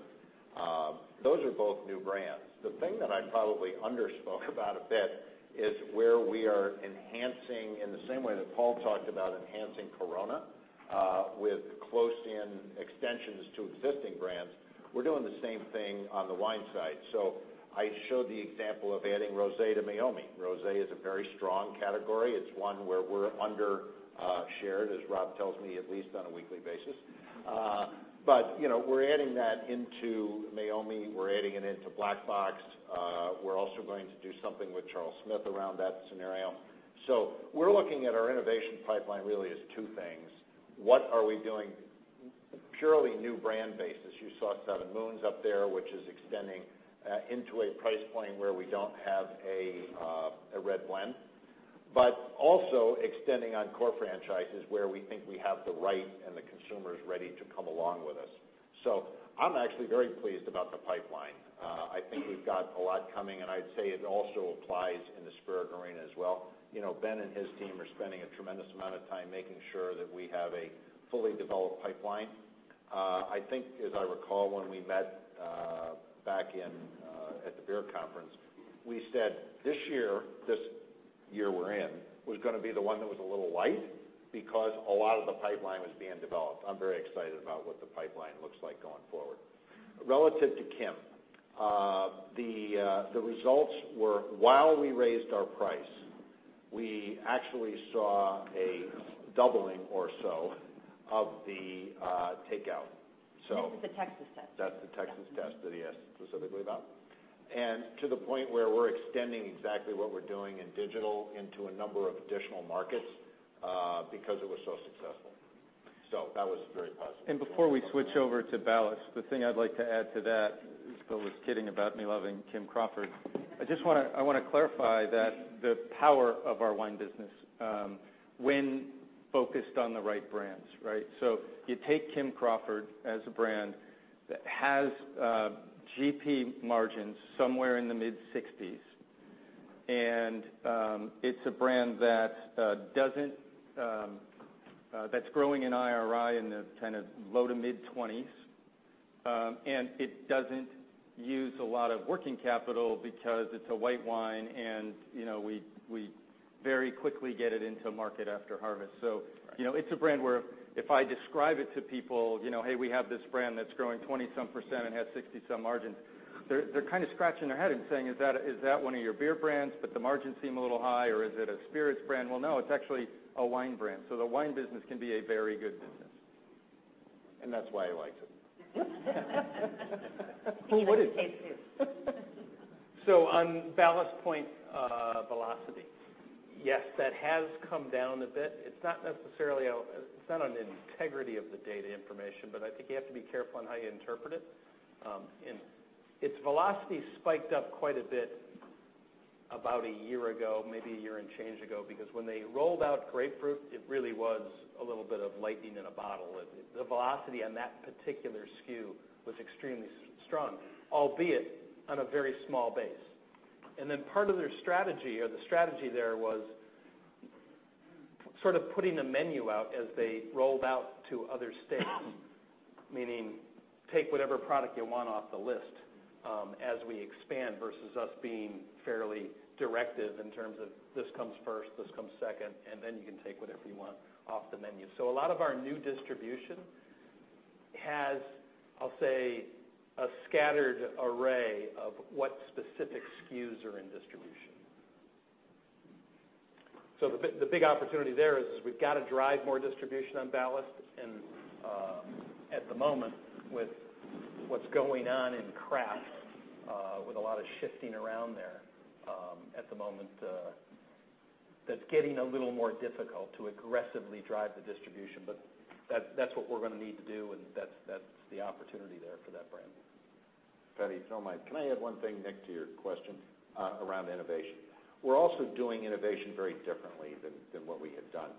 Those are both new brands. The thing that I probably under-spoke about a bit is where we are enhancing, in the same way that Paul talked about enhancing Corona, with close-in extensions to existing brands. We're doing the same thing on the wine side. I showed you of adding rosé to Meiomi. Rosé is a very strong category. It's one where we're under-shared, as Rob tells me, at least on a weekly basis. We're adding that into Meiomi, we're adding it into Black Box. We're also going to do something with Charles Smith around that scenario. We're looking at our innovation pipeline really as two things. What are we doing purely new brand basis? You saw 7 Moons up there, which is extending into a price point where we don't have a red blend, but also extending on core franchises where we think we have the right and the consumers ready to come along with us. I'm actually very pleased about the pipeline. I think we've got a lot coming, I'd say it also applies in the spirit arena as well. Ben and his team are spending a tremendous amount of time making sure that we have a fully developed pipeline. I think, as I recall, when we met back at the beer conference, we said this year, this year we're in, was going to be the one that was a little light because a lot of the pipeline was being developed. I'm very excited about what the pipeline looks like going forward. Relative to Kim. The results were, while we raised our price, we actually saw a doubling or so of the takeout. This is the Texas test? That's the Texas test that he asked specifically about. To the point where we're extending exactly what we're doing in digital into a number of additional markets, because it was so successful. That was very positive. Before we switch over to Ballast, the thing I'd like to add to that, as Bill was kidding about me loving Kim Crawford, I want to clarify the power of our wine business, when focused on the right brands, right? You take Kim Crawford as a brand that has GP margins somewhere in the mid-60s. It's a brand that's growing in IRI in the low to mid-20s. It doesn't use a lot of working capital because it's a white wine and we very quickly get it into market after harvest. Right It's a brand where if I describe it to people, "Hey, we have this brand that's growing 20-some percent and has 60-some margin," they're kind of scratching their head and saying, "Is that one of your beer brands, but the margins seem a little high, or is it a spirits brand?" Well, no, it's actually a wine brand. The wine business can be a very good business. That's why I liked it. Who wouldn't? It's A-plus. On Ballast Point velocity. Yes, that has come down a bit. It is not on an integrity of the data information, but I think you have to be careful on how you interpret it. Its velocity spiked up quite a bit about a year ago, maybe a year and change ago, because when they rolled out grapefruit, it really was a little bit of lightning in a bottle. The velocity on that particular SKU was extremely strong, albeit on a very small base. Part of their strategy, or the strategy there was sort of putting a menu out as they rolled out to other states, meaning take whatever product you want off the list as we expand, versus us being fairly directive in terms of this comes first, this comes second, and then you can take whatever you want off the menu. A lot of our new distribution has, I will say, a scattered array of what specific SKUs are in distribution. The big opportunity there is, we have got to drive more distribution on Ballast. At the moment, with what is going on in craft, with a lot of shifting around there, at the moment, that is getting a little more difficult to aggressively drive the distribution. That is what we are going to need to do, and that is the opportunity there for that brand. Fedi, if you do not mind, can I add one thing, Nick, to your question around innovation? We are also doing innovation very differently than what we had done.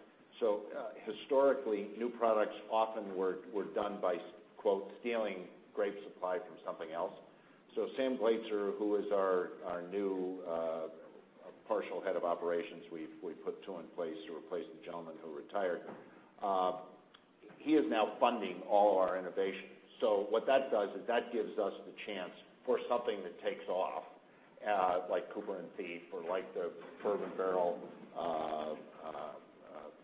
Historically, new products often were done by, quote, "stealing grape supply from something else." Sam Glazer, who is our new partial head of operations, we put 2 in place to replace the gentleman who retired. He is now funding all our innovation. What that does is that gives us the chance for something that takes off, like Cooper & Thief or like the Bourbon Barrel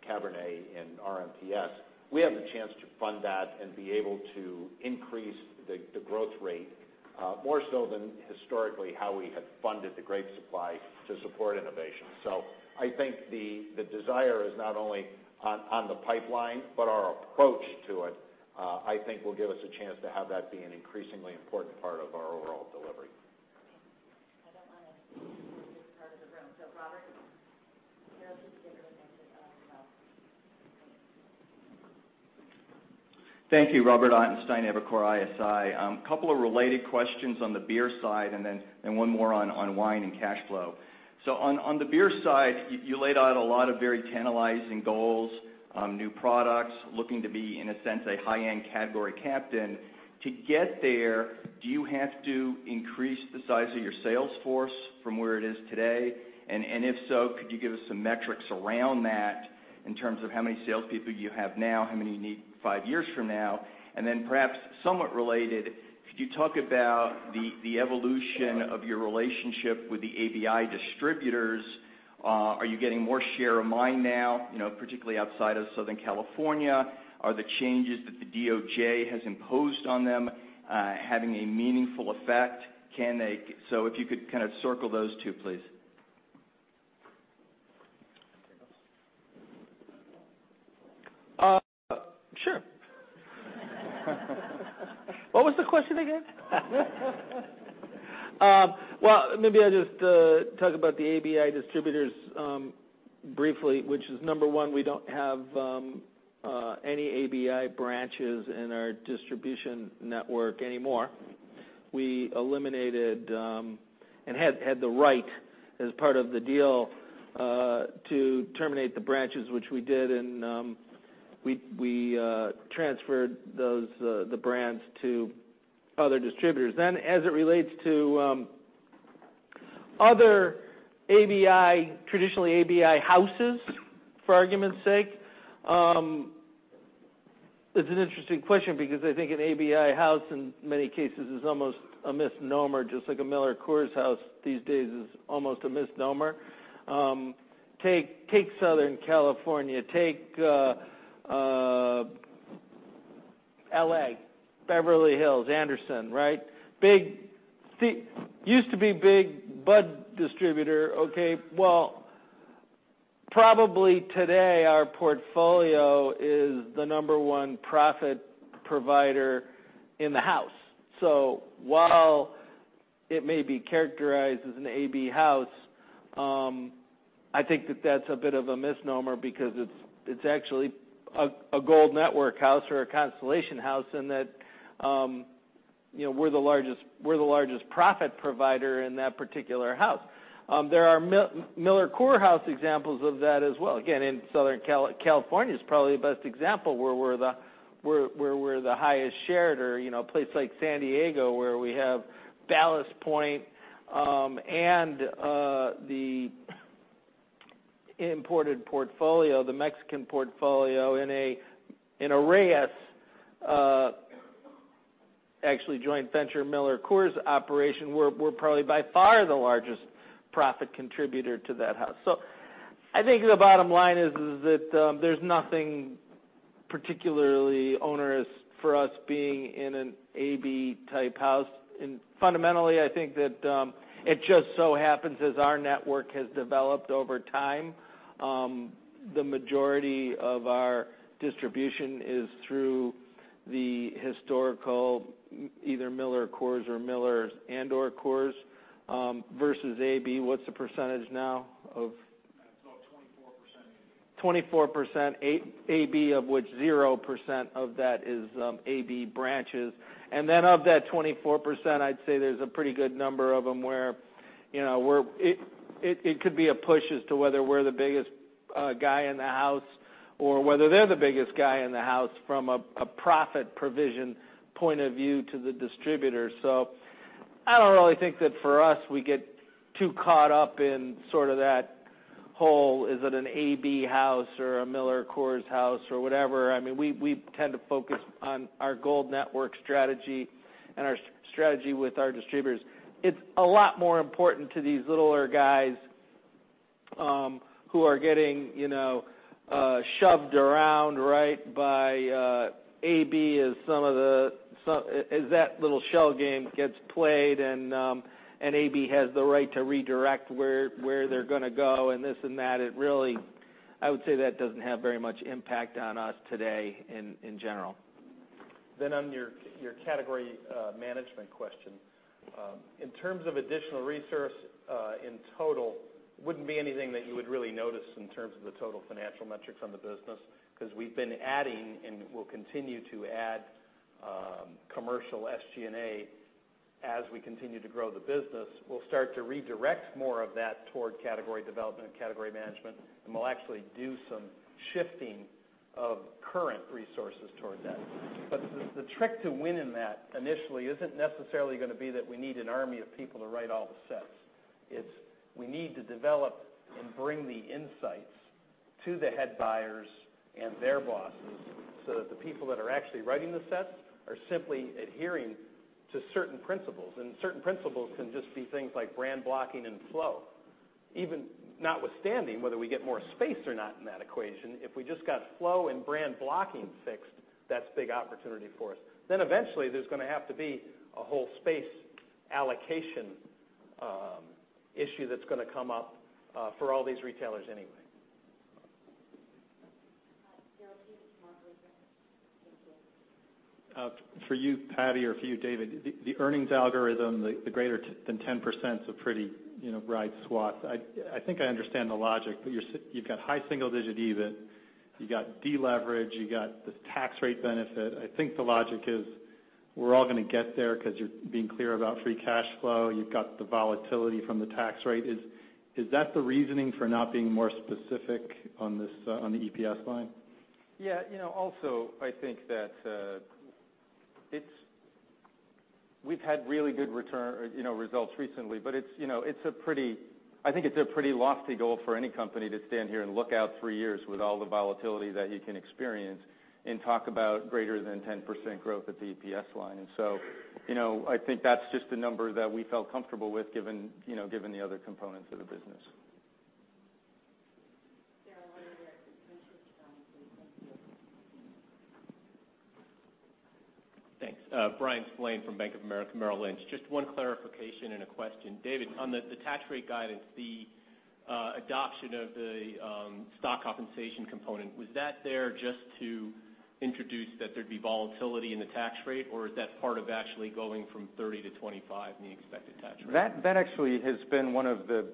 Cabernet in RMPS. We have the chance to fund that and be able to increase the growth rate, more so than historically how we had funded the grape supply to support innovation. I think the desire is not only on the pipeline, but our approach to it, I think will give us a chance to have that be an increasingly important part of our overall delivery. Okay. I don't want to leave out this part of the room. Robert, Carol can give you the next one as well. Thank you, Robert Ottenstein, Evercore ISI. Couple of related questions on the beer side, one more on wine and cash flow. On the beer side, you laid out a lot of very tantalizing goals, new products, looking to be, in a sense, a high-end category captain. To get there, do you have to increase the size of your sales force from where it is today? If so, could you give us some metrics around that in terms of how many salespeople you have now, how many you need five years from now? Perhaps somewhat related, could you talk about the evolution of your relationship with the ABI distributors? Are you getting more share of mind now, particularly outside of Southern California? Are the changes that the DOJ has imposed on them having a meaningful effect? If you could kind of circle those two, please. Sure. What was the question again? Maybe I'll just talk about the ABI distributors briefly, which is, number one, we don't have any ABI branches in our distribution network anymore. We eliminated, had the right as part of the deal, to terminate the branches, which we did, and we transferred the brands to other distributors. As it relates to other traditionally ABI houses, for argument's sake, it's an interesting question because I think an ABI house in many cases is almost a misnomer, just like a MillerCoors house these days is almost a misnomer. Take Southern California, take L.A., Beverly Hills, Anderson, right? Used to be big Bud distributor. Probably today our portfolio is the number one profit provider in the house. While it may be characterized as an AB house, I think that that's a bit of a misnomer because it's actually a Gold Network house or a Constellation house in that we're the largest profit provider in that particular house. There are MillerCoors house examples of that as well. Again, in Southern California, it's probably the best example where we're the highest shared or place like San Diego where we have Ballast Point and the imported portfolio, the Mexican portfolio in a Reyes actually joint venture MillerCoors operation. We're probably by far the largest profit contributor to that house. I think the bottom line is that there's nothing particularly onerous for us being in an AB type house. Fundamentally, I think that it just so happens as our network has developed over time, the majority of our distribution is through the historical either MillerCoors or Miller and/or Coors versus AB. What's the percentage now of- It's about 24%. 24% AB, of which 0% of that is AB branches. Of that 24%, I'd say there's a pretty good number of them where it could be a push as to whether we're the biggest guy in the house or whether they're the biggest guy in the house from a profit provision point of view to the distributor. I don't really think that for us, we get too caught up in sort of that whole, is it an AB house or a MillerCoors house or whatever. We tend to focus on our Gold Network strategy and our strategy with our distributors. It's a lot more important to these littler guys who are getting shoved around right by AB as that little shell game gets played, and AB has the right to redirect where they're going to go and this and that. I would say that doesn't have very much impact on us today in general. On your category management question. In terms of additional resource in total, wouldn't be anything that you would really notice in terms of the total financial metrics on the business because we've been adding and we'll continue to add commercial SG&A as we continue to grow the business. We'll start to redirect more of that toward category development and category management, and we'll actually do some shifting of current resources towards that. The trick to winning that initially isn't necessarily going to be that we need an army of people to write all the sets. It's we need to develop and bring the insights to the head buyers and their bosses so that the people that are actually writing the sets are simply adhering to certain principles. Certain principles can just be things like brand blocking and flow. Even notwithstanding whether we get more space or not in that equation, if we just got flow and brand blocking fixed, that's a big opportunity for us. Eventually, there's going to have to be a whole space allocation issue that's going to come up for all these retailers anyway. For you, Patty, or for you, David, the earnings algorithm, the greater than 10% is a pretty wide swath. I think I understand the logic, you've got high single digit EBIT, you got deleverage, you got the tax rate benefit. I think the logic is we're all going to get there because you're being clear about free cash flow. You've got the volatility from the tax rate. Is that the reasoning for not being more specific on the EPS line? Yeah. Also, I think that we've had really good results recently, but I think it's a pretty lofty goal for any company to stand here and look out three years with all the volatility that you can experience and talk about greater than 10% growth at the EPS line. I think that's just a number that we felt comfortable with given the other components of the business. Thanks. Bryan Spillane from Bank of America Merrill Lynch. Just one clarification and a question. David, on the tax rate guidance, the adoption of the stock compensation component, was that there just to introduce that there'd be volatility in the tax rate, or is that part of actually going from 30 to 25 in the expected tax rate? That actually has been one of the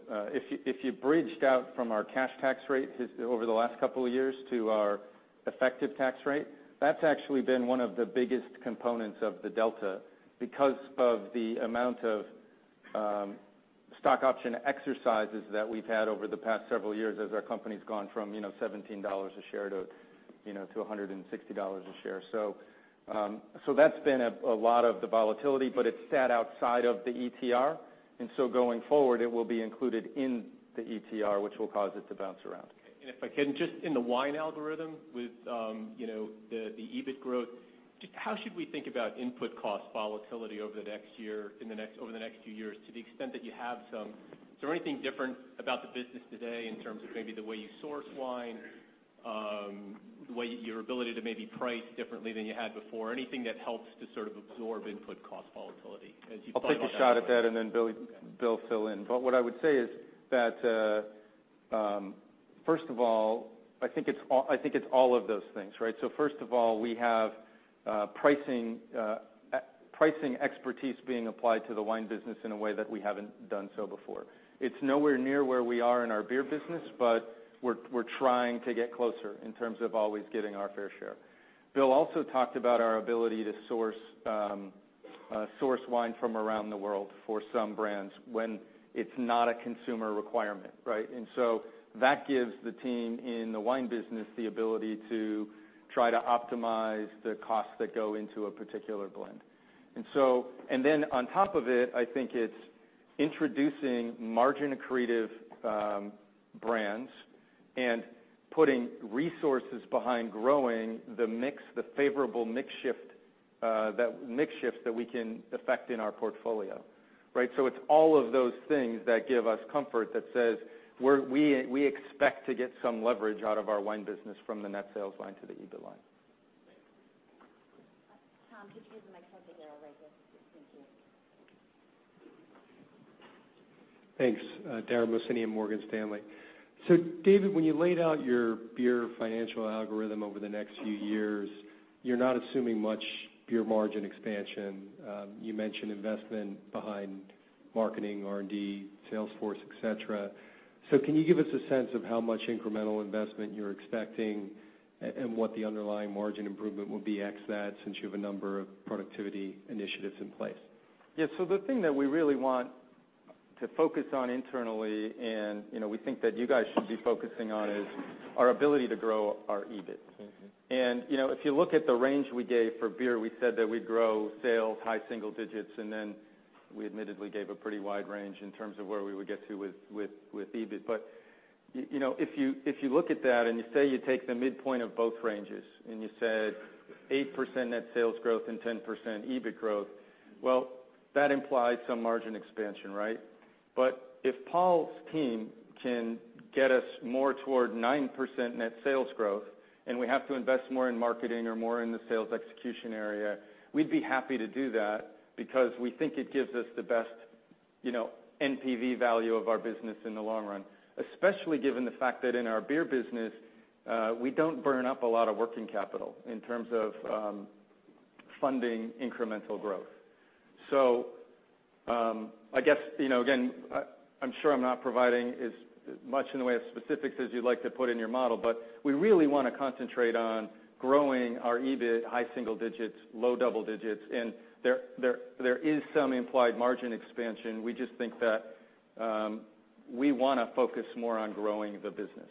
biggest components of the delta because of the amount of stock option exercises that we've had over the past several years as our company's gone from $17 a share to $160 a share. That's been a lot of the volatility, but it sat outside of the ETR, going forward, it will be included in the ETR, which will cause it to bounce around. Okay. If I can, just in the wine algorithm with the EBIT growth, how should we think about input cost volatility over the next few years to the extent that you have some? Is there anything different about the business today in terms of maybe the way you source wine, your ability to maybe price differently than you had before, anything that helps to sort of absorb input cost volatility as you plan on that- I'll take a shot at that and then Bill fill in. What I would say is that, first of all, I think it's all of those things, right? First of all, we have pricing expertise being applied to the wine business in a way that we haven't done so before. It's nowhere near where we are in our beer business, but we're trying to get closer in terms of always getting our fair share. Bill also talked about our ability to source wine from around the world for some brands when it's not a consumer requirement, right? That gives the team in the wine business the ability to try to optimize the costs that go into a particular blend. On top of it, I think it's introducing margin-accretive brands and putting resources behind growing the favorable mix shifts that we can affect in our portfolio. Right? It's all of those things that give us comfort that says we expect to get some leverage out of our wine business from the net sales line to the EBIT line. Thank you. Tom, could you pass the microphone to Dara right here? Thank you. Thanks. Dara Mohsenian, Morgan Stanley. David, when you laid out your beer financial algorithm over the next few years, you're not assuming much beer margin expansion. You mentioned investment behind marketing, R&D, sales force, et cetera. Can you give us a sense of how much incremental investment you're expecting and what the underlying margin improvement will be ex that since you have a number of productivity initiatives in place? Yeah. The thing that we really want to focus on internally, and we think that you guys should be focusing on, is our ability to grow our EBIT. If you look at the range we gave for beer, we said that we'd grow sales high single digits, and then we admittedly gave a pretty wide range in terms of where we would get to with EBIT. If you look at that and you say you take the midpoint of both ranges and you said 8% net sales growth and 10% EBIT growth, well, that implies some margin expansion, right? If Paul's team can get us more toward 9% net sales growth and we have to invest more in marketing or more in the sales execution area, we'd be happy to do that because we think it gives us the best NPV value of our business in the long run, especially given the fact that in our beer business, we don't burn up a lot of working capital in terms of funding incremental growth. I guess, again, I'm sure I'm not providing as much in the way of specifics as you'd like to put in your model, but we really want to concentrate on growing our EBIT high single digits, low double digits, and there is some implied margin expansion. We just think that we want to focus more on growing the business.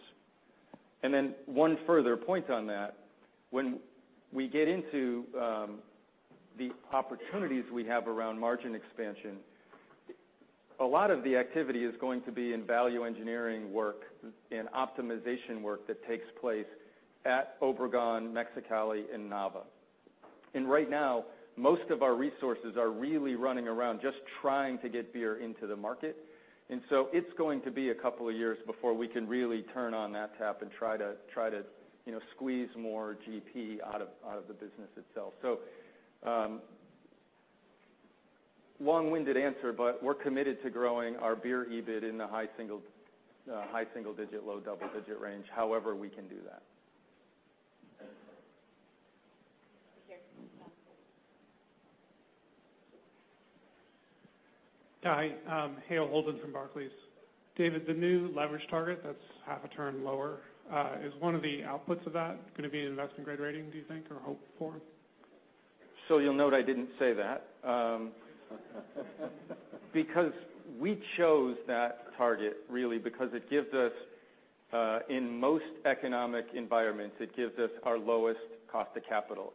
One further point on that, when we get into the opportunities we have around margin expansion, a lot of the activity is going to be in value engineering work and optimization work that takes place at Obregon, Mexicali, and Nava. Right now, most of our resources are really running around just trying to get beer into the market. It's going to be a couple of years before we can really turn on that tap and try to squeeze more GP out of the business itself. long-winded answer, but we're committed to growing our beer EBIT in the high single-digit, low double-digit range, however we can do that. Here. Hi. Hale Holden from Barclays. David, the new leverage target that's half a turn lower, is one of the outputs of that going to be an investment-grade rating, do you think, or hope for? You'll note I didn't say that. We chose that target really because it gives us, in most economic environments, it gives us our lowest cost of capital.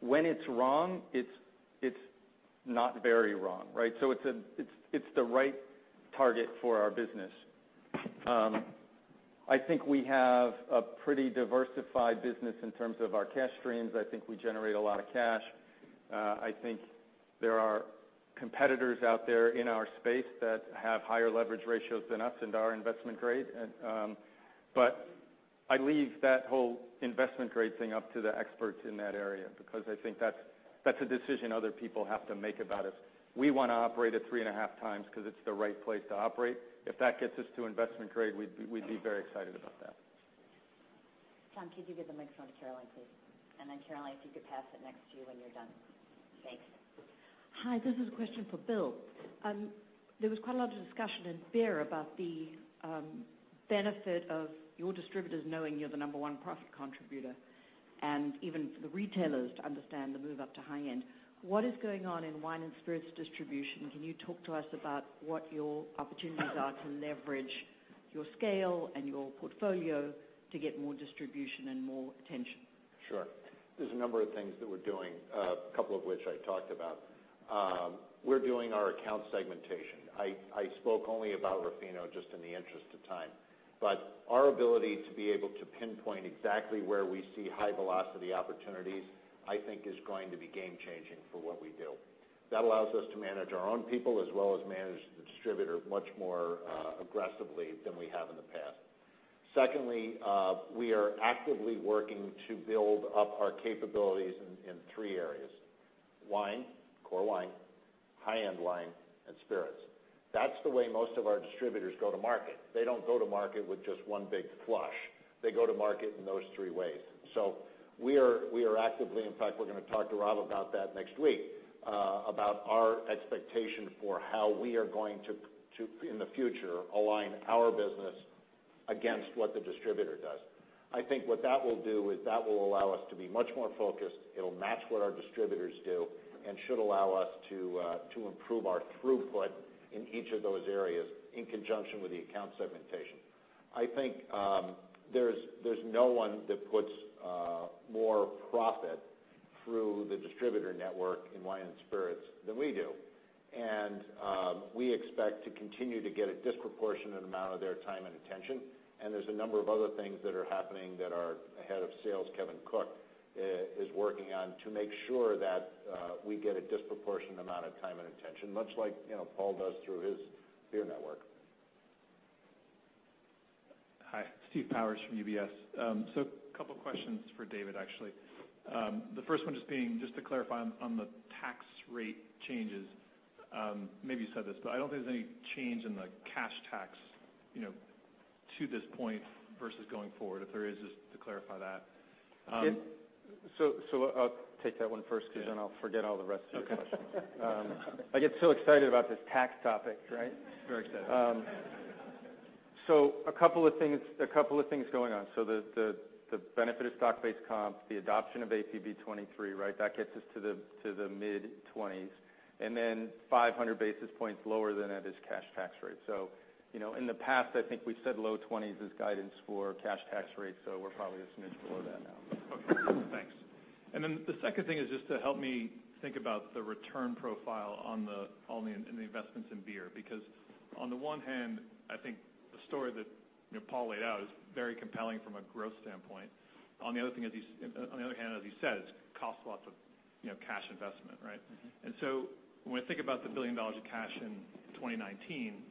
When it's wrong, it's not very wrong, right? It's the right target for our business. I think we have a pretty diversified business in terms of our cash streams. I think we generate a lot of cash. I think there are competitors out there in our space that have higher leverage ratios than us and our investment grade. I leave that whole investment grade thing up to the experts in that area, because I think that's a decision other people have to make about us. We want to operate at three and a half times because it's the right place to operate. If that gets us to investment grade, we'd be very excited about that. Tom, could you give the microphone to Caroline, please? Then Caroline, if you could pass it next to you when you're done. Thanks. Hi, this is a question for Bill. There was quite a lot of discussion in beer about the benefit of your distributors knowing you're the number 1 profit contributor, and even for the retailers to understand the move up to high-end. What is going on in wine and spirits distribution? Can you talk to us about what your opportunities are to leverage your scale and your portfolio to get more distribution and more attention? Sure. There's a number of things that we're doing, a couple of which I talked about. We're doing our account segmentation. I spoke only about Ruffino just in the interest of time, but our ability to be able to pinpoint exactly where we see high velocity opportunities, I think is going to be game changing for what we do. That allows us to manage our own people as well as manage the distributor much more aggressively than we have in the past. Secondly, we are actively working to build up our capabilities in three areas: wine, core wine, high-end wine, and spirits. That's the way most of our distributors go to market. They don't go to market with just one big flush. They go to market in those three ways. We are actively, in fact, we're going to talk to Rob about that next week, about our expectation for how we are going to, in the future, align our business against what the distributor does. I think what that will do is that will allow us to be much more focused. It'll match what our distributors do and should allow us to improve our throughput in each of those areas in conjunction with the account segmentation. I think, there's no one that puts more profit through the distributor network in wine and spirits than we do. We expect to continue to get a disproportionate amount of their time and attention, and there's a number of other things that are happening that our head of sales, Kevin Cooke, is working on to make sure that we get a disproportionate amount of time and attention, much like Paul does through his beer network. Hi, Steve Powers from UBS. A couple questions for David, actually. The first one just being, just to clarify on the tax rate changes. Maybe you said this, but I don't think there's any change in the cash tax, to this point versus going forward. If there is, just to clarify that. I'll take that one first because then I'll forget all the rest of your questions. Okay. I get so excited about this tax topic, right? Very excited. A couple of things going on. The benefit of stock-based comp, the adoption of ASU 2016-09, right? That gets us to the mid-20s. 500 basis points lower than that is cash tax rate. In the past, I think we said low 20s is guidance for cash tax rate, we're probably a smidge below that now. Okay, thanks. The second thing is just to help me think about the return profile on the investments in beer. Because on the one hand, I think the story that Paul laid out is very compelling from a growth standpoint. On the other hand, as he says, costs lots of cash investment, right? When I think about the $1 billion of cash in 2019,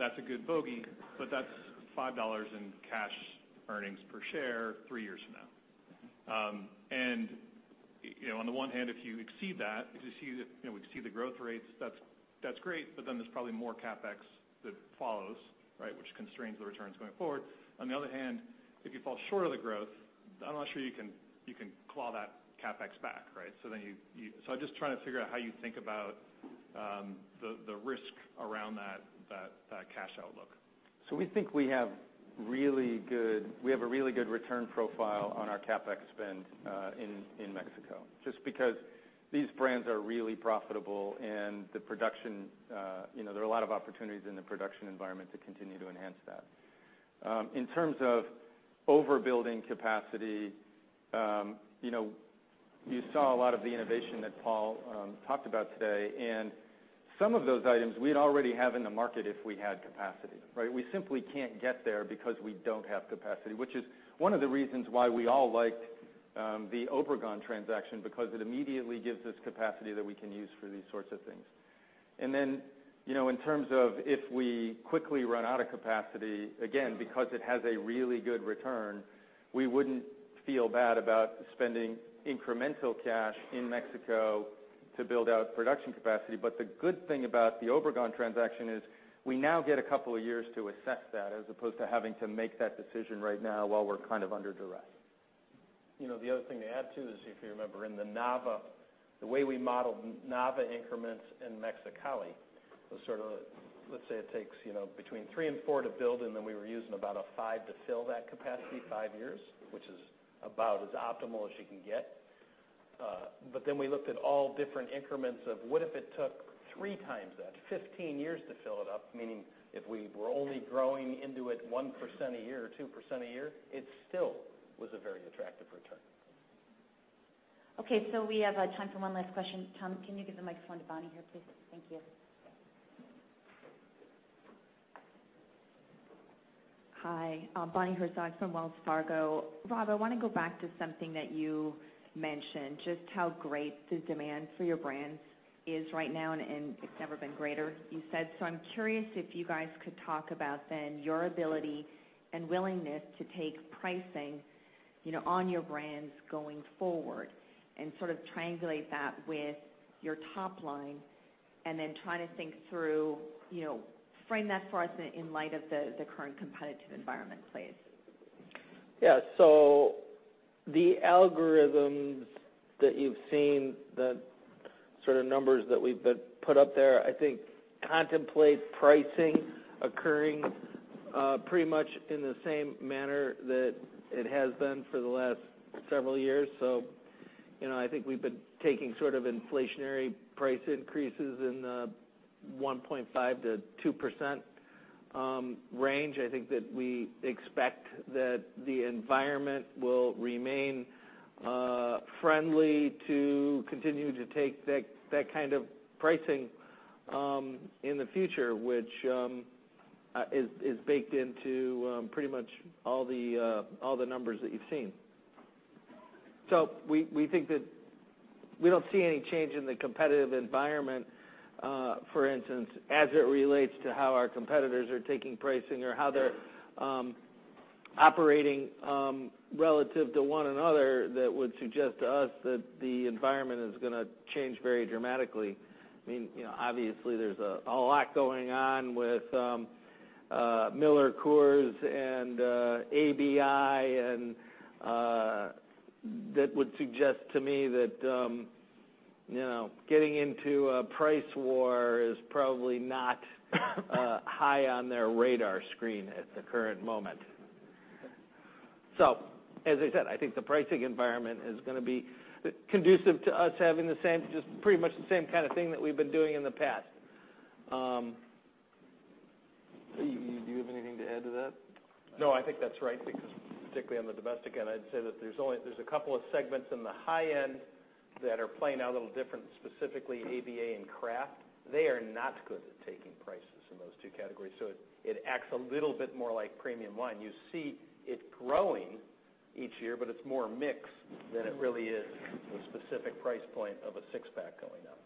that's a good bogey, but that's $5 in cash earnings per share three years from now. On the one hand, if you exceed that, if you see the growth rates, that's great, there's probably more CapEx that follows, right? Which constrains the returns going forward. On the other hand, if you fall short of the growth, I'm not sure you can claw that CapEx back, right? I'm just trying to figure out how you think about the risk around that cash outlook. We think we have a really good return profile on our CapEx spend in Mexico, just because these brands are really profitable and there are a lot of opportunities in the production environment to continue to enhance that. In terms of overbuilding capacity, you saw a lot of the innovation that Paul talked about today, and some of those items we'd already have in the market if we had capacity, right? We simply can't get there because we don't have capacity, which is one of the reasons why we all liked the Obregon transaction, because it immediately gives us capacity that we can use for these sorts of things. In terms of if we quickly run out of capacity, again, because it has a really good return, we wouldn't feel bad about spending incremental cash in Mexico to build out production capacity. The good thing about the Obregon transaction is we now get a couple of years to assess that, as opposed to having to make that decision right now while we're kind of under duress. The other thing to add, too, is if you remember in the Nava, the way we modeled Nava increments in Mexicali was sort of, let's say it takes between three and four to build, then we were using about a five to fill that capacity, five years, which is about as optimal as you can get. We looked at all different increments of what if it took three times that, 15 years to fill it up, meaning if we were only growing into it 1% a year or 2% a year, it still was a very attractive return. We have time for one last question. Tom, can you give the microphone to Bonnie here, please? Thank you. Hi. Bonnie Herzog from Wells Fargo. Rob, I want to go back to something that you mentioned, just how great the demand for your brands is right now, and it's never been greater, you said. I'm curious if you guys could talk about, then, your ability and willingness to take pricing on your brands going forward and sort of triangulate that with your top line, and then try to think through, frame that for us in light of the current competitive environment, please. Yeah. The algorithms that you've seen, the sort of numbers that we've put up there, I think contemplate pricing occurring pretty much in the same manner that it has been for the last several years. I think we've been taking sort of inflationary price increases in the 1.5%-2% range. I think that we expect that the environment will remain friendly to continue to take that kind of pricing in the future, which is baked into pretty much all the numbers that you've seen. We don't see any change in the competitive environment, for instance, as it relates to how our competitors are taking pricing or how they're operating relative to one another, that would suggest to us that the environment is going to change very dramatically. Obviously, there's a lot going on with MillerCoors and ABI, and that would suggest to me that getting into a price war is probably not high on their radar screen at the current moment. As I said, I think the pricing environment is going to be conducive to us having just pretty much the same kind of thing that we've been doing in the past. Do you have anything to add to that? No, I think that's right because particularly on the domestic end, I'd say that there's a couple of segments in the high end that are playing out a little different, specifically ABA and craft. They are not good at taking prices in those two categories, so it acts a little bit more like premium wine. You see it growing each year, but it's more mix than it really is the specific price point of a six-pack going up.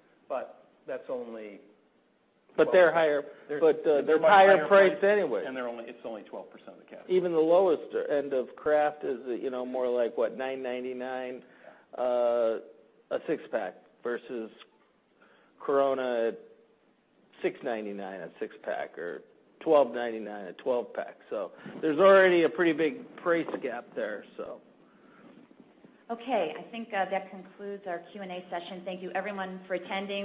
They're higher price anyway. It's only 12% of the category. Even the lowest end of craft is more like, what, $9.99 a six-pack versus Corona at $6.99 a six-pack or $12.99 a 12-pack. There's already a pretty big price gap there. Okay. I think that concludes our Q&A session. Thank you, everyone, for attending.